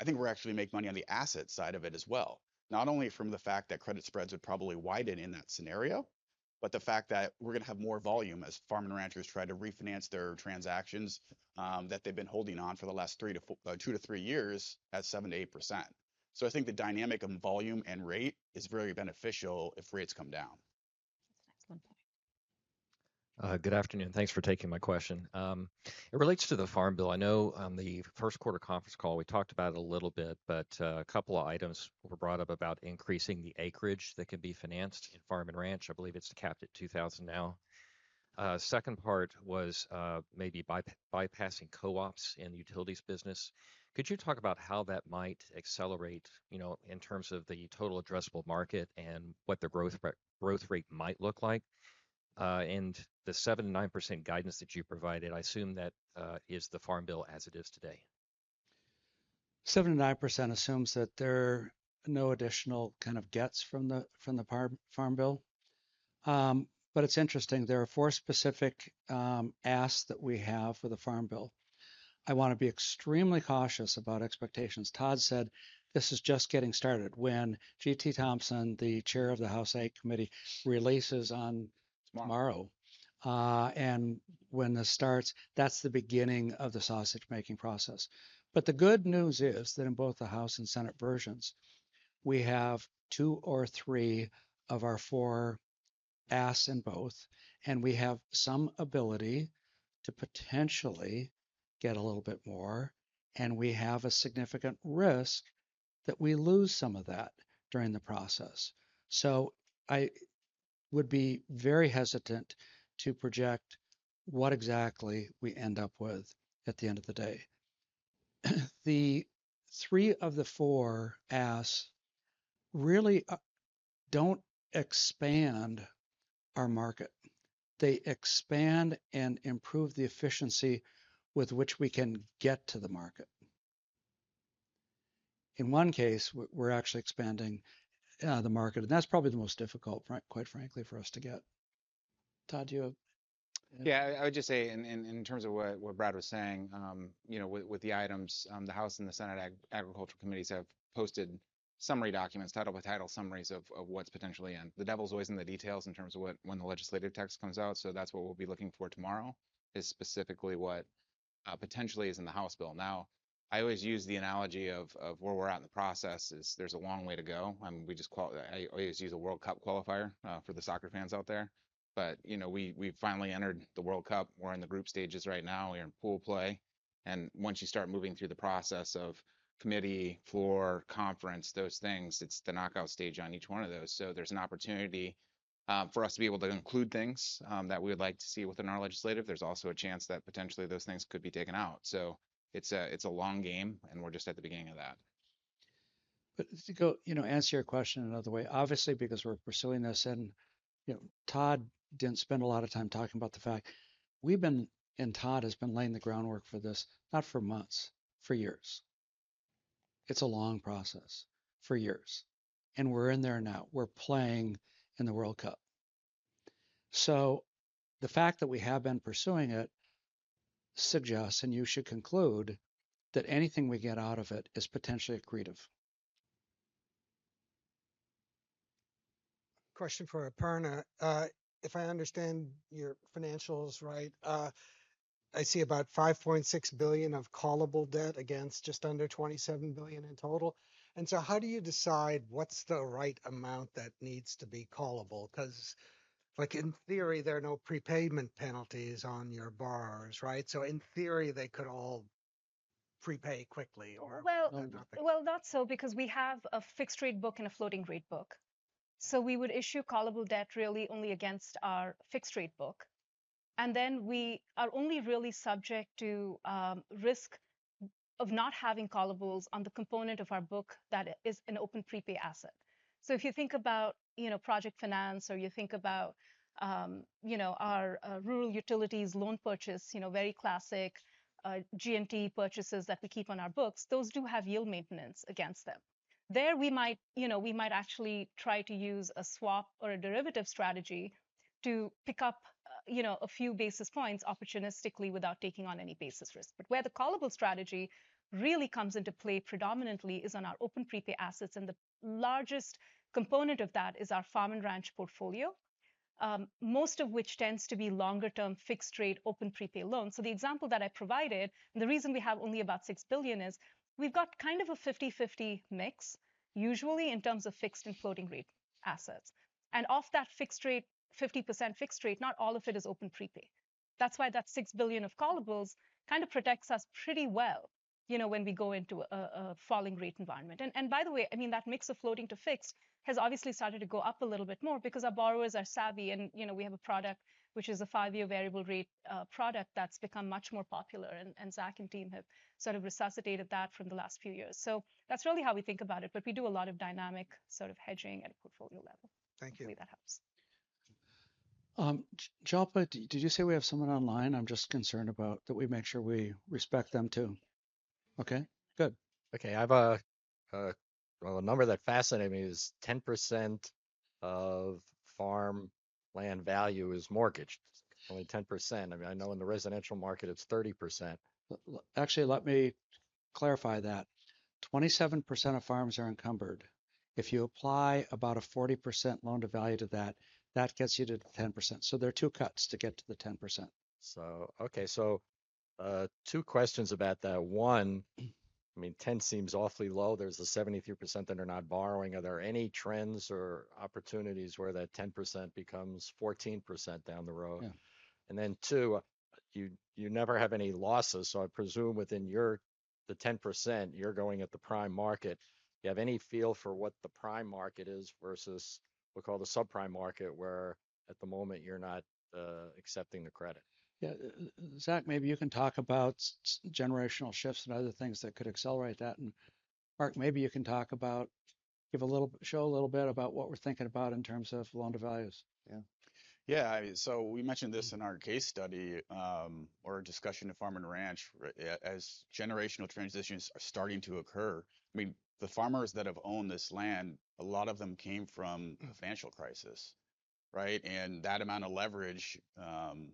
Speaker 3: I think we're actually making money on the asset side of it as well. Not only from the fact that credit spreads would probably widen in that scenario, but the fact that we're going to have more volume as farmers and ranchers try to refinance their transactions that they've been holding on for the last 2-3 years at 7%-8%. So I think the dynamic of volume and rate is very beneficial if rates come down.
Speaker 9: That's excellent point.
Speaker 10: Good afternoon. Thanks for taking my question. It relates to the Farm Bill. I know on the first quarter conference call, we talked about it a little bit, but a couple of items were brought up about increasing the acreage that can be financed in farm and ranch. I believe it's capped at 2,000 now. Second part was maybe bypassing co-ops in the utilities business. Could you talk about how that might accelerate, you know, in terms of the total addressable market and what the growth rate might look like? And the 7%-9% guidance that you provided, I assume that is the Farm Bill as it is today.
Speaker 2: 7%-9% assumes that there are no additional kind of gets from the farm bill. But it's interesting, there are four specific asks that we have for the Farm Bill. I want to be extremely cautious about expectations. Todd said, "This is just getting started," when G.T. Thompson, the Chair of the House Ag Committee, releases on-
Speaker 6: Tomorrow...
Speaker 2: tomorrow. And when this starts, that's the beginning of the sausage-making process. But the good news is that in both the House and Senate versions, we have two or three of our four asks in both, and we have some ability to potentially get a little bit more, and we have a significant risk that we lose some of that during the process. So I would be very hesitant to project what exactly we end up with at the end of the day. The three of the four asks really don't expand our market. They expand and improve the efficiency with which we can get to the market. In one case, we're actually expanding the market, and that's probably the most difficult, quite frankly, for us to get. Todd, do you have...?
Speaker 6: Yeah, I would just say in terms of what Brad was saying, you know, with the items, the House and the Senate Agricultural Committees have posted summary documents, title-by-title summaries of what's potentially in. The devil's always in the details in terms of what, when the legislative text comes out, so that's what we'll be looking for tomorrow, is specifically what potentially is in the House bill. Now, I always use the analogy of where we're at in the process is there's a long way to go. We just call it. I always use a World Cup qualifier for the soccer fans out there. But, you know, we, we've finally entered the World Cup. We're in the group stages right now. We're in pool play, and once you start moving through the process of committee, floor, conference, those things, it's the knockout stage on each one of those. So there's an opportunity, for us to be able to include things, that we would like to see within our legislative. There's also a chance that potentially those things could be taken out. So it's a, it's a long game, and we're just at the beginning of that.
Speaker 2: But to go, you know, answer your question another way, obviously, because we're pursuing this and, you know, Todd didn't spend a lot of time talking about the fact we've been, and Todd has been laying the groundwork for this, not for months, for years. It's a long process. For years, and we're in there now. We're playing in the World Cup. So the fact that we have been pursuing it suggests, and you should conclude, that anything we get out of it is potentially accretive.
Speaker 11: Question for Aparna. If I understand your financials right, I see about $5.6 billion of callable debt against just under $27 billion in total. And so how do you decide what's the right amount that needs to be callable? Because, like, in theory, there are no prepayment penalties on your borrowers, right? So in theory, they could all prepay quickly or-
Speaker 7: Well-
Speaker 11: Nothing.
Speaker 7: Well, not so, because we have a fixed-rate book and a floating-rate book. So we would issue callable debt really only against our fixed-rate book, and then we are only really subject to risk of not having callables on the component of our book that is an open prepay asset. So if you think about, you know, project finance or you think about, you know, our rural utilities loan purchase, you know, very classic G&T purchases that we keep on our books, those do have yield maintenance against them. There we might, you know, we might actually try to use a swap or a derivative strategy to pick up, you know, a few basis points opportunistically without taking on any basis risk. But where the callable strategy really comes into play predominantly is on our open prepay assets, and the largest component of that is our farm and ranch portfolio, most of which tends to be longer-term, fixed-rate, open prepay loans. So the example that I provided, and the reason we have only about $6 billion, is we've got kind of a 50/50 mix, usually in terms of fixed and floating-rate assets. And of that fixed rate, 50% fixed rate, not all of it is open prepay. That's why that $6 billion of callables kind of protects us pretty well, you know, when we go into a falling rate environment. And by the way, I mean, that mix of floating to fixed has obviously started to go up a little bit more because our borrowers are savvy and, you know, we have a product which is a five-year variable rate product that's become much more popular, and Zach and team have sort of resuscitated that from the last few years. So that's really how we think about it, but we do a lot of dynamic sort of hedging at a portfolio level.
Speaker 11: Thank you.
Speaker 7: Hopefully, that helps.
Speaker 2: Jalpa, did you say we have someone online? I'm just concerned about that we make sure we respect them, too.... Okay, good.
Speaker 12: Okay, I have a number that fascinated me is 10% of farmland value is mortgaged. Only 10%. I mean, I know in the residential market, it's 30%.
Speaker 2: Actually, let me clarify that. 27% of farms are encumbered. If you apply about a 40% loan-to-value to that, that gets you to 10%. So there are two cuts to get to the 10%.
Speaker 12: So, okay, so, two questions about that. One, I mean, 10 seems awfully low. There's the 73% that are not borrowing. Are there any trends or opportunities where that 10% becomes 14% down the road?
Speaker 2: Yeah.
Speaker 12: And then, 2, you never have any losses, so I presume within your, the 10%, you're going at the prime market. Do you have any feel for what the prime market is versus what we call the subprime market, where at the moment, you're not accepting the credit?
Speaker 2: Yeah, Zach, maybe you can talk about generational shifts and other things that could accelerate that. And Mark, maybe you can talk about, give a little bit... show a little bit about what we're thinking about in terms of loan-to-values.
Speaker 12: Yeah.
Speaker 3: Yeah, so we mentioned this in our case study, or our discussion of farm and ranch. As generational transitions are starting to occur, I mean, the farmers that have owned this land, a lot of them came from-... the financial crisis, right? And that amount of leverage, and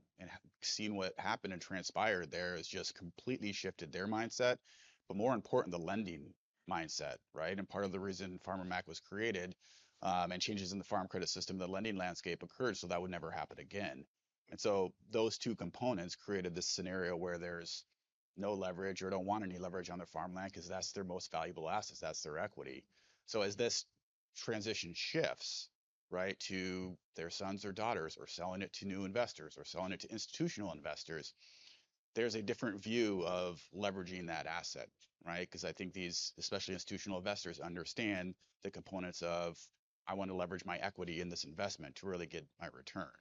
Speaker 3: seeing what happened and transpired there, has just completely shifted their mindset, but more important, the lending mindset, right? And part of the reason Farmer Mac was created, and changes in the Farm Credit System, the lending landscape occurred, so that would never happen again. And so those two components created this scenario where there's no leverage or don't want any leverage on their farmland because that's their most valuable asset, that's their equity. So as this transition shifts, right, to their sons or daughters, or selling it to new investors, or selling it to institutional investors, there's a different view of leveraging that asset, right? Because I think these, especially institutional investors, understand the components of, "I want to leverage my equity in this investment to really get my return."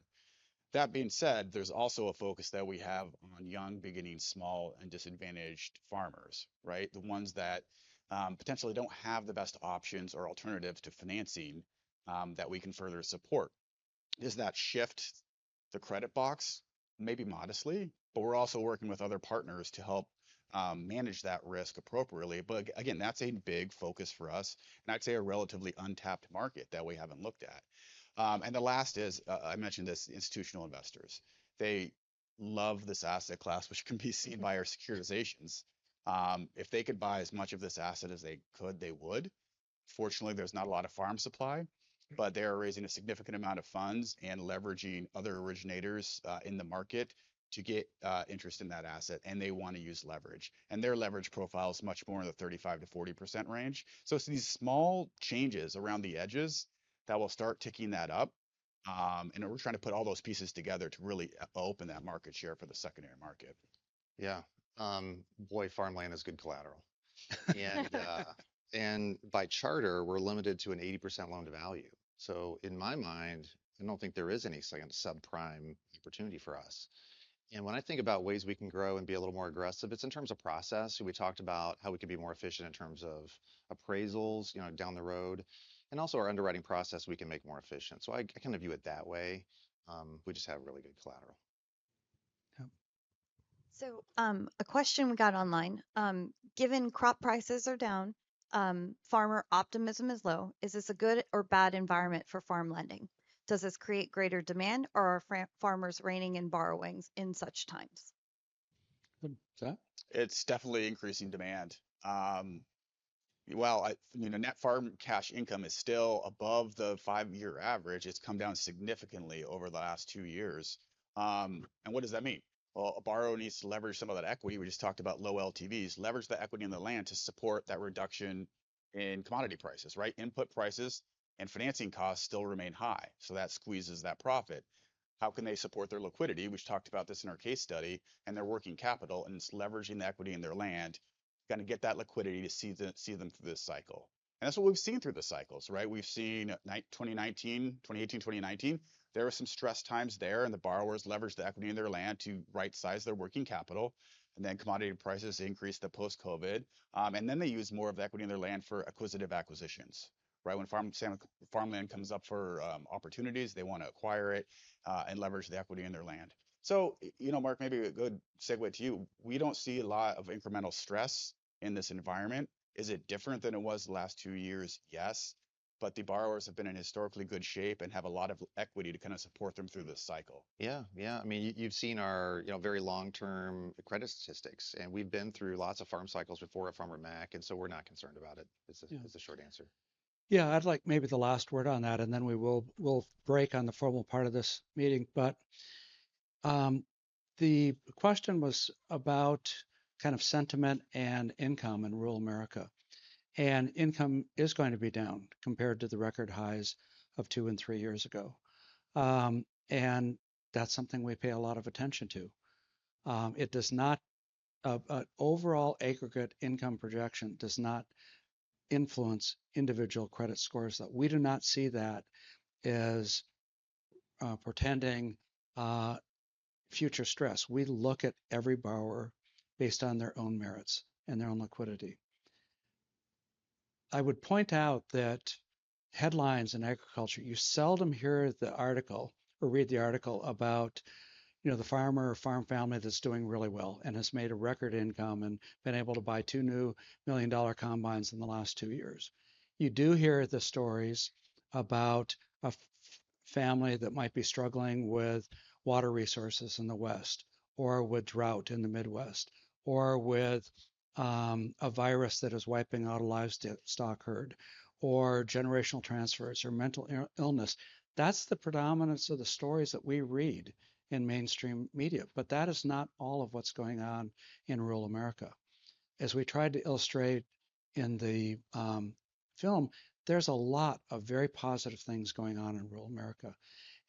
Speaker 3: That being said, there's also a focus that we have on young, beginning, small, and disadvantaged farmers, right? The ones that potentially don't have the best options or alternatives to financing that we can further support. Does that shift the credit box? Maybe modestly, but we're also working with other partners to help manage that risk appropriately. But again, that's a big focus for us, and I'd say a relatively untapped market that we haven't looked at. And the last is, I mentioned this, institutional investors. They love this asset class, which can be seen by our securitizations. If they could buy as much of this asset as they could, they would. Fortunately, there's not a lot of farm supply, but they are raising a significant amount of funds and leveraging other originators in the market to get interest in that asset, and they want to use leverage. And their leverage profile is much more in the 35%-40% range. So it's these small changes around the edges that will start ticking that up, and we're trying to put all those pieces together to really open that market share for the secondary market.
Speaker 12: Yeah. Boy, farmland is good collateral. And, and by charter, we're limited to an 80% loan-to-value. So in my mind, I don't think there is any second subprime opportunity for us. And when I think about ways we can grow and be a little more aggressive, it's in terms of process. We talked about how we can be more efficient in terms of appraisals, you know, down the road, and also our underwriting process we can make more efficient. So I, I kind of view it that way. We just have really good collateral.
Speaker 2: Yeah.
Speaker 13: So, a question we got online: Given crop prices are down, farmer optimism is low, is this a good or bad environment for farm lending? Does this create greater demand, or are farmers reining in borrowings in such times?
Speaker 2: Good. Zach?
Speaker 3: It's definitely increasing demand. Well, you know, net farm cash income is still above the five-year average. It's come down significantly over the last two years. And what does that mean? Well, a borrower needs to leverage some of that equity. We just talked about low LTVs, leverage the equity in the land to support that reduction in commodity prices, right? Input prices and financing costs still remain high, so that squeezes that profit. How can they support their liquidity? We've talked about this in our case study, and their working capital, and it's leveraging the equity in their land, gonna get that liquidity to see them through this cycle. And that's what we've seen through the cycles, right? We've seen 2019, 2018, 2019, there were some stress times there, and the borrowers leveraged the equity in their land to rightsize their working capital. And then commodity prices increased the post-COVID, and then they used more of the equity in their land for acquisitive acquisitions. Right? When farm land, farm land comes up for opportunities, they want to acquire it, and leverage the equity in their land. So, you know, Mark, maybe a good segue to you. We don't see a lot of incremental stress in this environment. Is it different than it was the last two years? Yes, but the borrowers have been in historically good shape and have a lot of equity to kind of support them through this cycle.
Speaker 4: Yeah. Yeah. I mean, you've seen our, you know, very long-term credit statistics, and we've been through lots of farm cycles before at Farmer Mac, and so we're not concerned about it-
Speaker 2: Yeah...
Speaker 4: is the short answer.
Speaker 2: Yeah, I'd like maybe the last word on that, and then we will, we'll break on the formal part of this meeting. But, the question was about kind of sentiment and income in rural America. And income is going to be down compared to the record highs of 2 and 3 years ago. And that's something we pay a lot of attention to. It does not, overall aggregate income projection does not influence individual credit scores, that we do not see that as, portending, future stress. We look at every borrower based on their own merits and their own liquidity.... I would point out that headlines in agriculture, you seldom hear the article or read the article about, you know, the farmer or farm family that's doing really well and has made a record income and been able to buy 2 new million-dollar combines in the last 2 years. You do hear the stories about a family that might be struggling with water resources in the West, or with drought in the Midwest, or with a virus that is wiping out a livestock herd, or generational transfers, or mental illness. That's the predominance of the stories that we read in mainstream media, but that is not all of what's going on in rural America. As we tried to illustrate in the film, there's a lot of very positive things going on in rural America,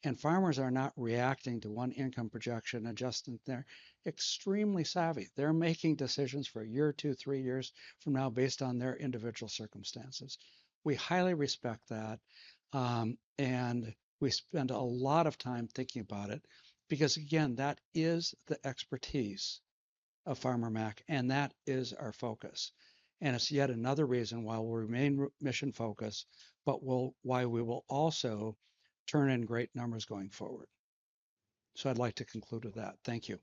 Speaker 2: and farmers are not reacting to one income projection adjustment. They're extremely savvy. They're making decisions for a year or two, three years from now, based on their individual circumstances. We highly respect that, and we spend a lot of time thinking about it because, again, that is the expertise of Farmer Mac, and that is our focus. And it's yet another reason why we'll remain mission-focused, but we'll why we will also turn in great numbers going forward. So I'd like to conclude with that. Thank you.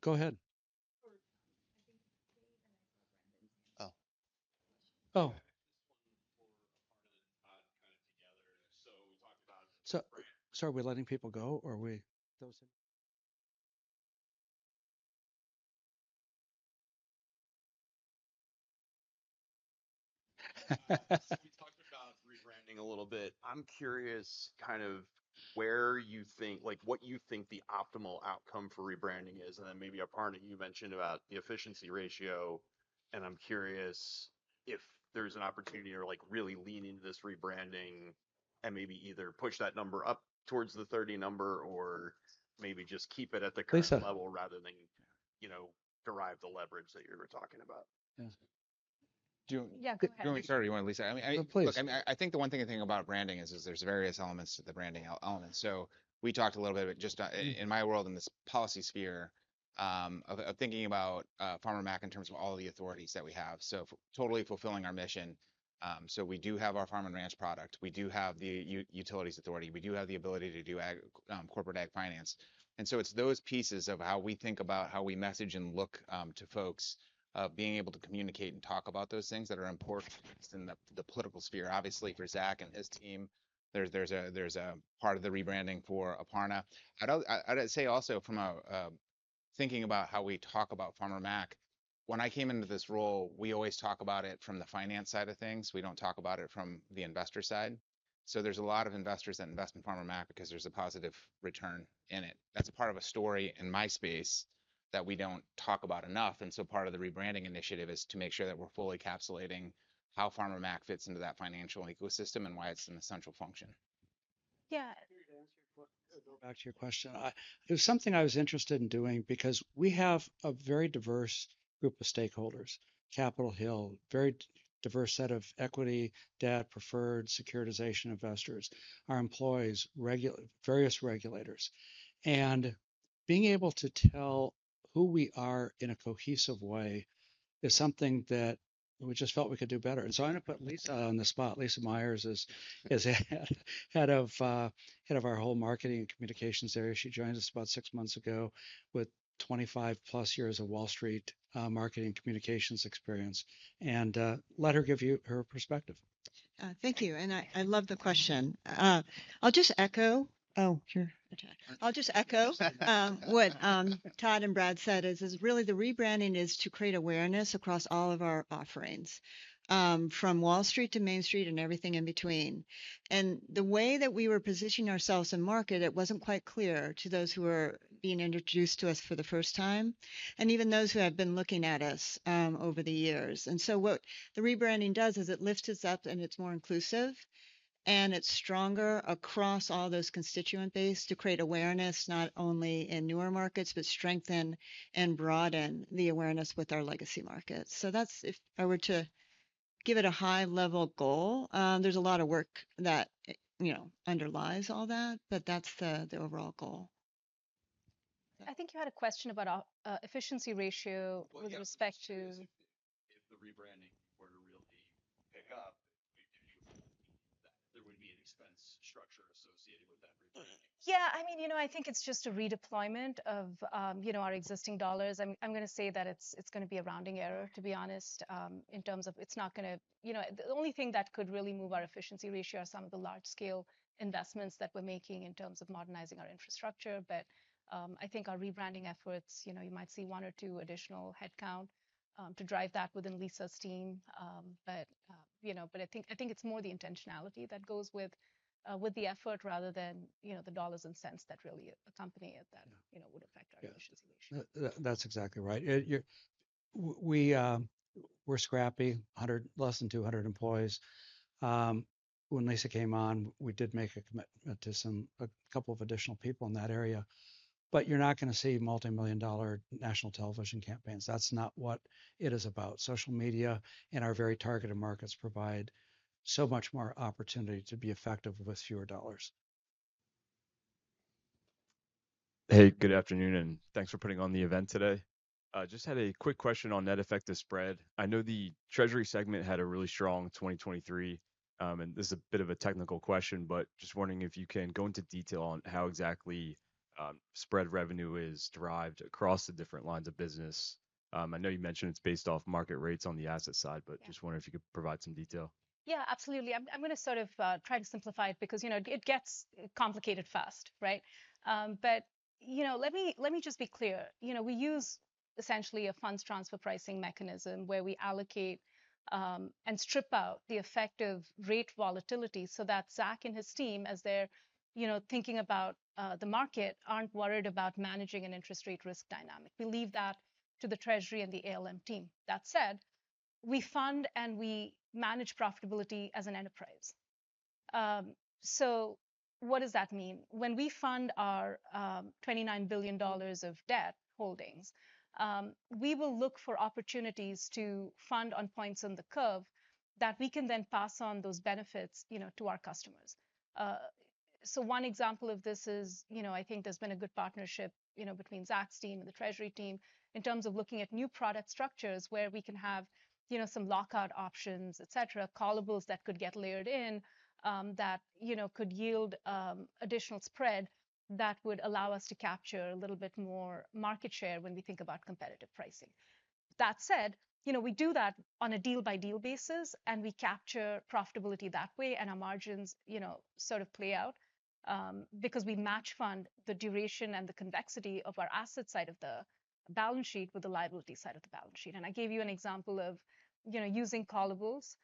Speaker 2: Go ahead.
Speaker 7: Sure. I think Kate and then Brandon.
Speaker 6: This one we're a part of it, kind of, together, so we talked about-
Speaker 2: So, are we letting people go, or are we...?
Speaker 14: So you talked about rebranding a little bit. I'm curious, kind of, where you think—like, what you think the optimal outcome for rebranding is, and then maybe, Aparna, you mentioned about the efficiency ratio, and I'm curious if there's an opportunity to, like, really lean into this rebranding and maybe either push that number up towards the 30 number or maybe just keep it at the current-
Speaker 2: Lisa...
Speaker 14: level rather than, you know, derive the leverage that you were talking about.
Speaker 2: Yeah.
Speaker 6: Do you-
Speaker 7: Yeah, go ahead.
Speaker 6: Do you want me to start, or you want Lisa? I mean,
Speaker 2: No, please.
Speaker 6: Look, I mean, I think the one thing to think about branding is, there's various elements to the branding element. So we talked a little bit about just,... in my world, in this policy sphere, of thinking about Farmer Mac in terms of all the authorities that we have, so totally fulfilling our mission. So we do have our farm and ranch product. We do have the utilities authority. We do have the ability to do ag, corporate ag finance, and so it's those pieces of how we think about how we message and look to folks, of being able to communicate and talk about those things that are important in the political sphere. Obviously, for Zach and his team, there's a part of the rebranding for Aparna. I'd say also from a thinking about how we talk about Farmer Mac, when I came into this role, we always talk about it from the finance side of things. We don't talk about it from the investor side, so there's a lot of investors that invest in Farmer Mac because there's a positive return in it. That's a part of a story in my space that we don't talk about enough, and so part of the rebranding initiative is to make sure that we're fully encapsulating how Farmer Mac fits into that financial ecosystem and why it's an essential function.
Speaker 7: Yeah.
Speaker 2: To answer your question, go back to your question, I... There's something I was interested in doing because we have a very diverse group of stakeholders, Capitol Hill, very diverse set of equity, debt, preferred, securitization investors, our employees, various regulators. And being able to tell who we are in a cohesive way is something that we just felt we could do better. And so I'm gonna put Lisa on the spot. Lisa Meyer is head of our whole marketing and communications area. She joined us about six months ago with 25+ years of Wall Street marketing communications experience, and let her give you her perspective.
Speaker 15: Thank you, and I love the question. I'll just echo what Todd and Brad said, really the rebranding is to create awareness across all of our offerings, from Wall Street to Main Street and everything in between. The way that we were positioning ourselves in market, it wasn't quite clear to those who were being introduced to us for the first time, and even those who have been looking at us over the years. So what the rebranding does is it lifts us up, and it's more inclusive, and it's stronger across all those constituent base to create awareness, not only in newer markets, but strengthen and broaden the awareness with our legacy markets. So that's... If I were to give it a high-level goal, there's a lot of work that, you know, underlies all that, but that's the overall goal.
Speaker 7: I think you had a question about our efficiency ratio-
Speaker 14: Well, yeah...
Speaker 7: with respect to-
Speaker 14: If the rebranding were to really pick up, do you feel that there would be an expense structure associated with that rebranding?
Speaker 7: Yeah, I mean, you know, I think it's just a redeployment of, you know, our existing dollars. I'm gonna say that it's gonna be a rounding error, to be honest, in terms of it's not gonna... You know, the only thing that could really move our efficiency ratio are some of the large-scale investments that we're making in terms of modernizing our infrastructure. But, I think our rebranding efforts, you know, you might see one or two additional headcount, to drive that within Lisa's team. But, you know, but I think it's more the intentionality that goes with, with the effort rather than, you know, the dollars and cents that really accompany it, that-
Speaker 2: Yeah...
Speaker 7: you know, would affect our efficiency ratio.
Speaker 2: Yeah. That's exactly right. We're scrappy, less than 200 employees. When Lisa came on, we did make a commitment to some... a couple of additional people in that area, but you're not gonna see multimillion-dollar national television campaigns. That's not what it is about. Social media and our very targeted markets provide so much more opportunity to be effective with fewer dollars....
Speaker 16: Hey, good afternoon, and thanks for putting on the event today. Just had a quick question on net effective spread. I know the Treasury segment had a really strong 2023, and this is a bit of a technical question, but just wondering if you can go into detail on how exactly, spread revenue is derived across the different lines of business. I know you mentioned it's based off market rates on the asset side, but-
Speaker 7: Yeah.
Speaker 16: Just wondering if you could provide some detail.
Speaker 7: Yeah, absolutely. I'm gonna sort of try to simplify it because, you know, it gets complicated fast, right? But, you know, let me just be clear. You know, we use essentially a funds transfer pricing mechanism where we allocate and strip out the effect of rate volatility so that Zach and his team, as they're, you know, thinking about the market, aren't worried about managing an interest rate risk dynamic. We leave that to the Treasury and the ALM team. That said, we fund and we manage profitability as an enterprise. So what does that mean? When we fund our $29 billion of debt holdings, we will look for opportunities to fund on points on the curve that we can then pass on those benefits, you know, to our customers. So one example of this is, you know, I think there's been a good partnership, you know, between Zach's team and the Treasury team in terms of looking at new product structures where we can have, you know, some lockout options, et cetera, callables that could get layered in, that, you know, could yield, additional spread that would allow us to capture a little bit more market share when we think about competitive pricing. That said, you know, we do that on a deal-by-deal basis, and we capture profitability that way, and our margins, you know, sort of play out, because we match fund the duration and the convexity of our asset side of the balance sheet with the liability side of the balance sheet. I gave you an example of, you know, using callables,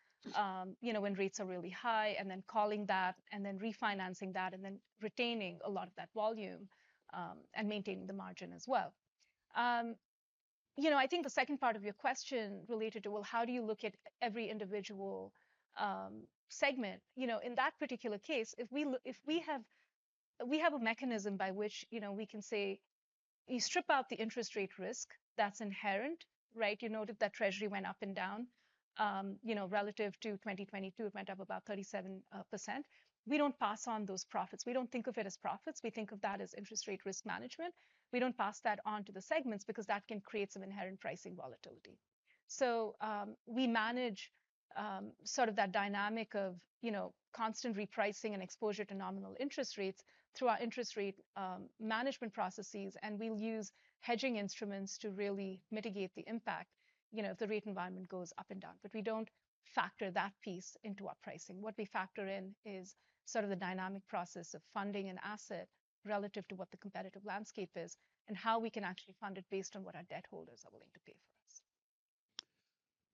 Speaker 7: you know, when rates are really high, and then calling that, and then refinancing that, and then retaining a lot of that volume, and maintaining the margin as well. You know, I think the second part of your question related to, well, how do you look at every individual segment? You know, in that particular case, we have a mechanism by which, you know, we can say you strip out the interest rate risk, that's inherent, right? You know, if that Treasury went up and down, you know, relative to 2022, it went up about 37%. We don't pass on those profits. We don't think of it as profits. We think of that as interest rate risk management. We don't pass that on to the segments because that can create some inherent pricing volatility. So, we manage, sort of that dynamic of, you know, constant repricing and exposure to nominal interest rates through our interest rate management processes, and we'll use hedging instruments to really mitigate the impact, you know, if the rate environment goes up and down. But we don't factor that piece into our pricing. What we factor in is sort of the dynamic process of funding an asset relative to what the competitive landscape is and how we can actually fund it based on what our debt holders are willing to pay for us.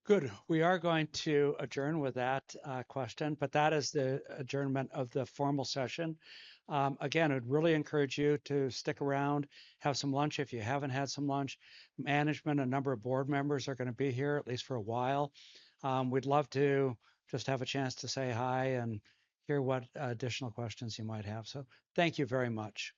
Speaker 2: Good. We are going to adjourn with that question, but that is the adjournment of the formal session. Again, I'd really encourage you to stick around, have some lunch if you haven't had some lunch. Management and a number of board members are going to be here, at least for a while. We'd love to just have a chance to say hi and hear what additional questions you might have. So thank you very much.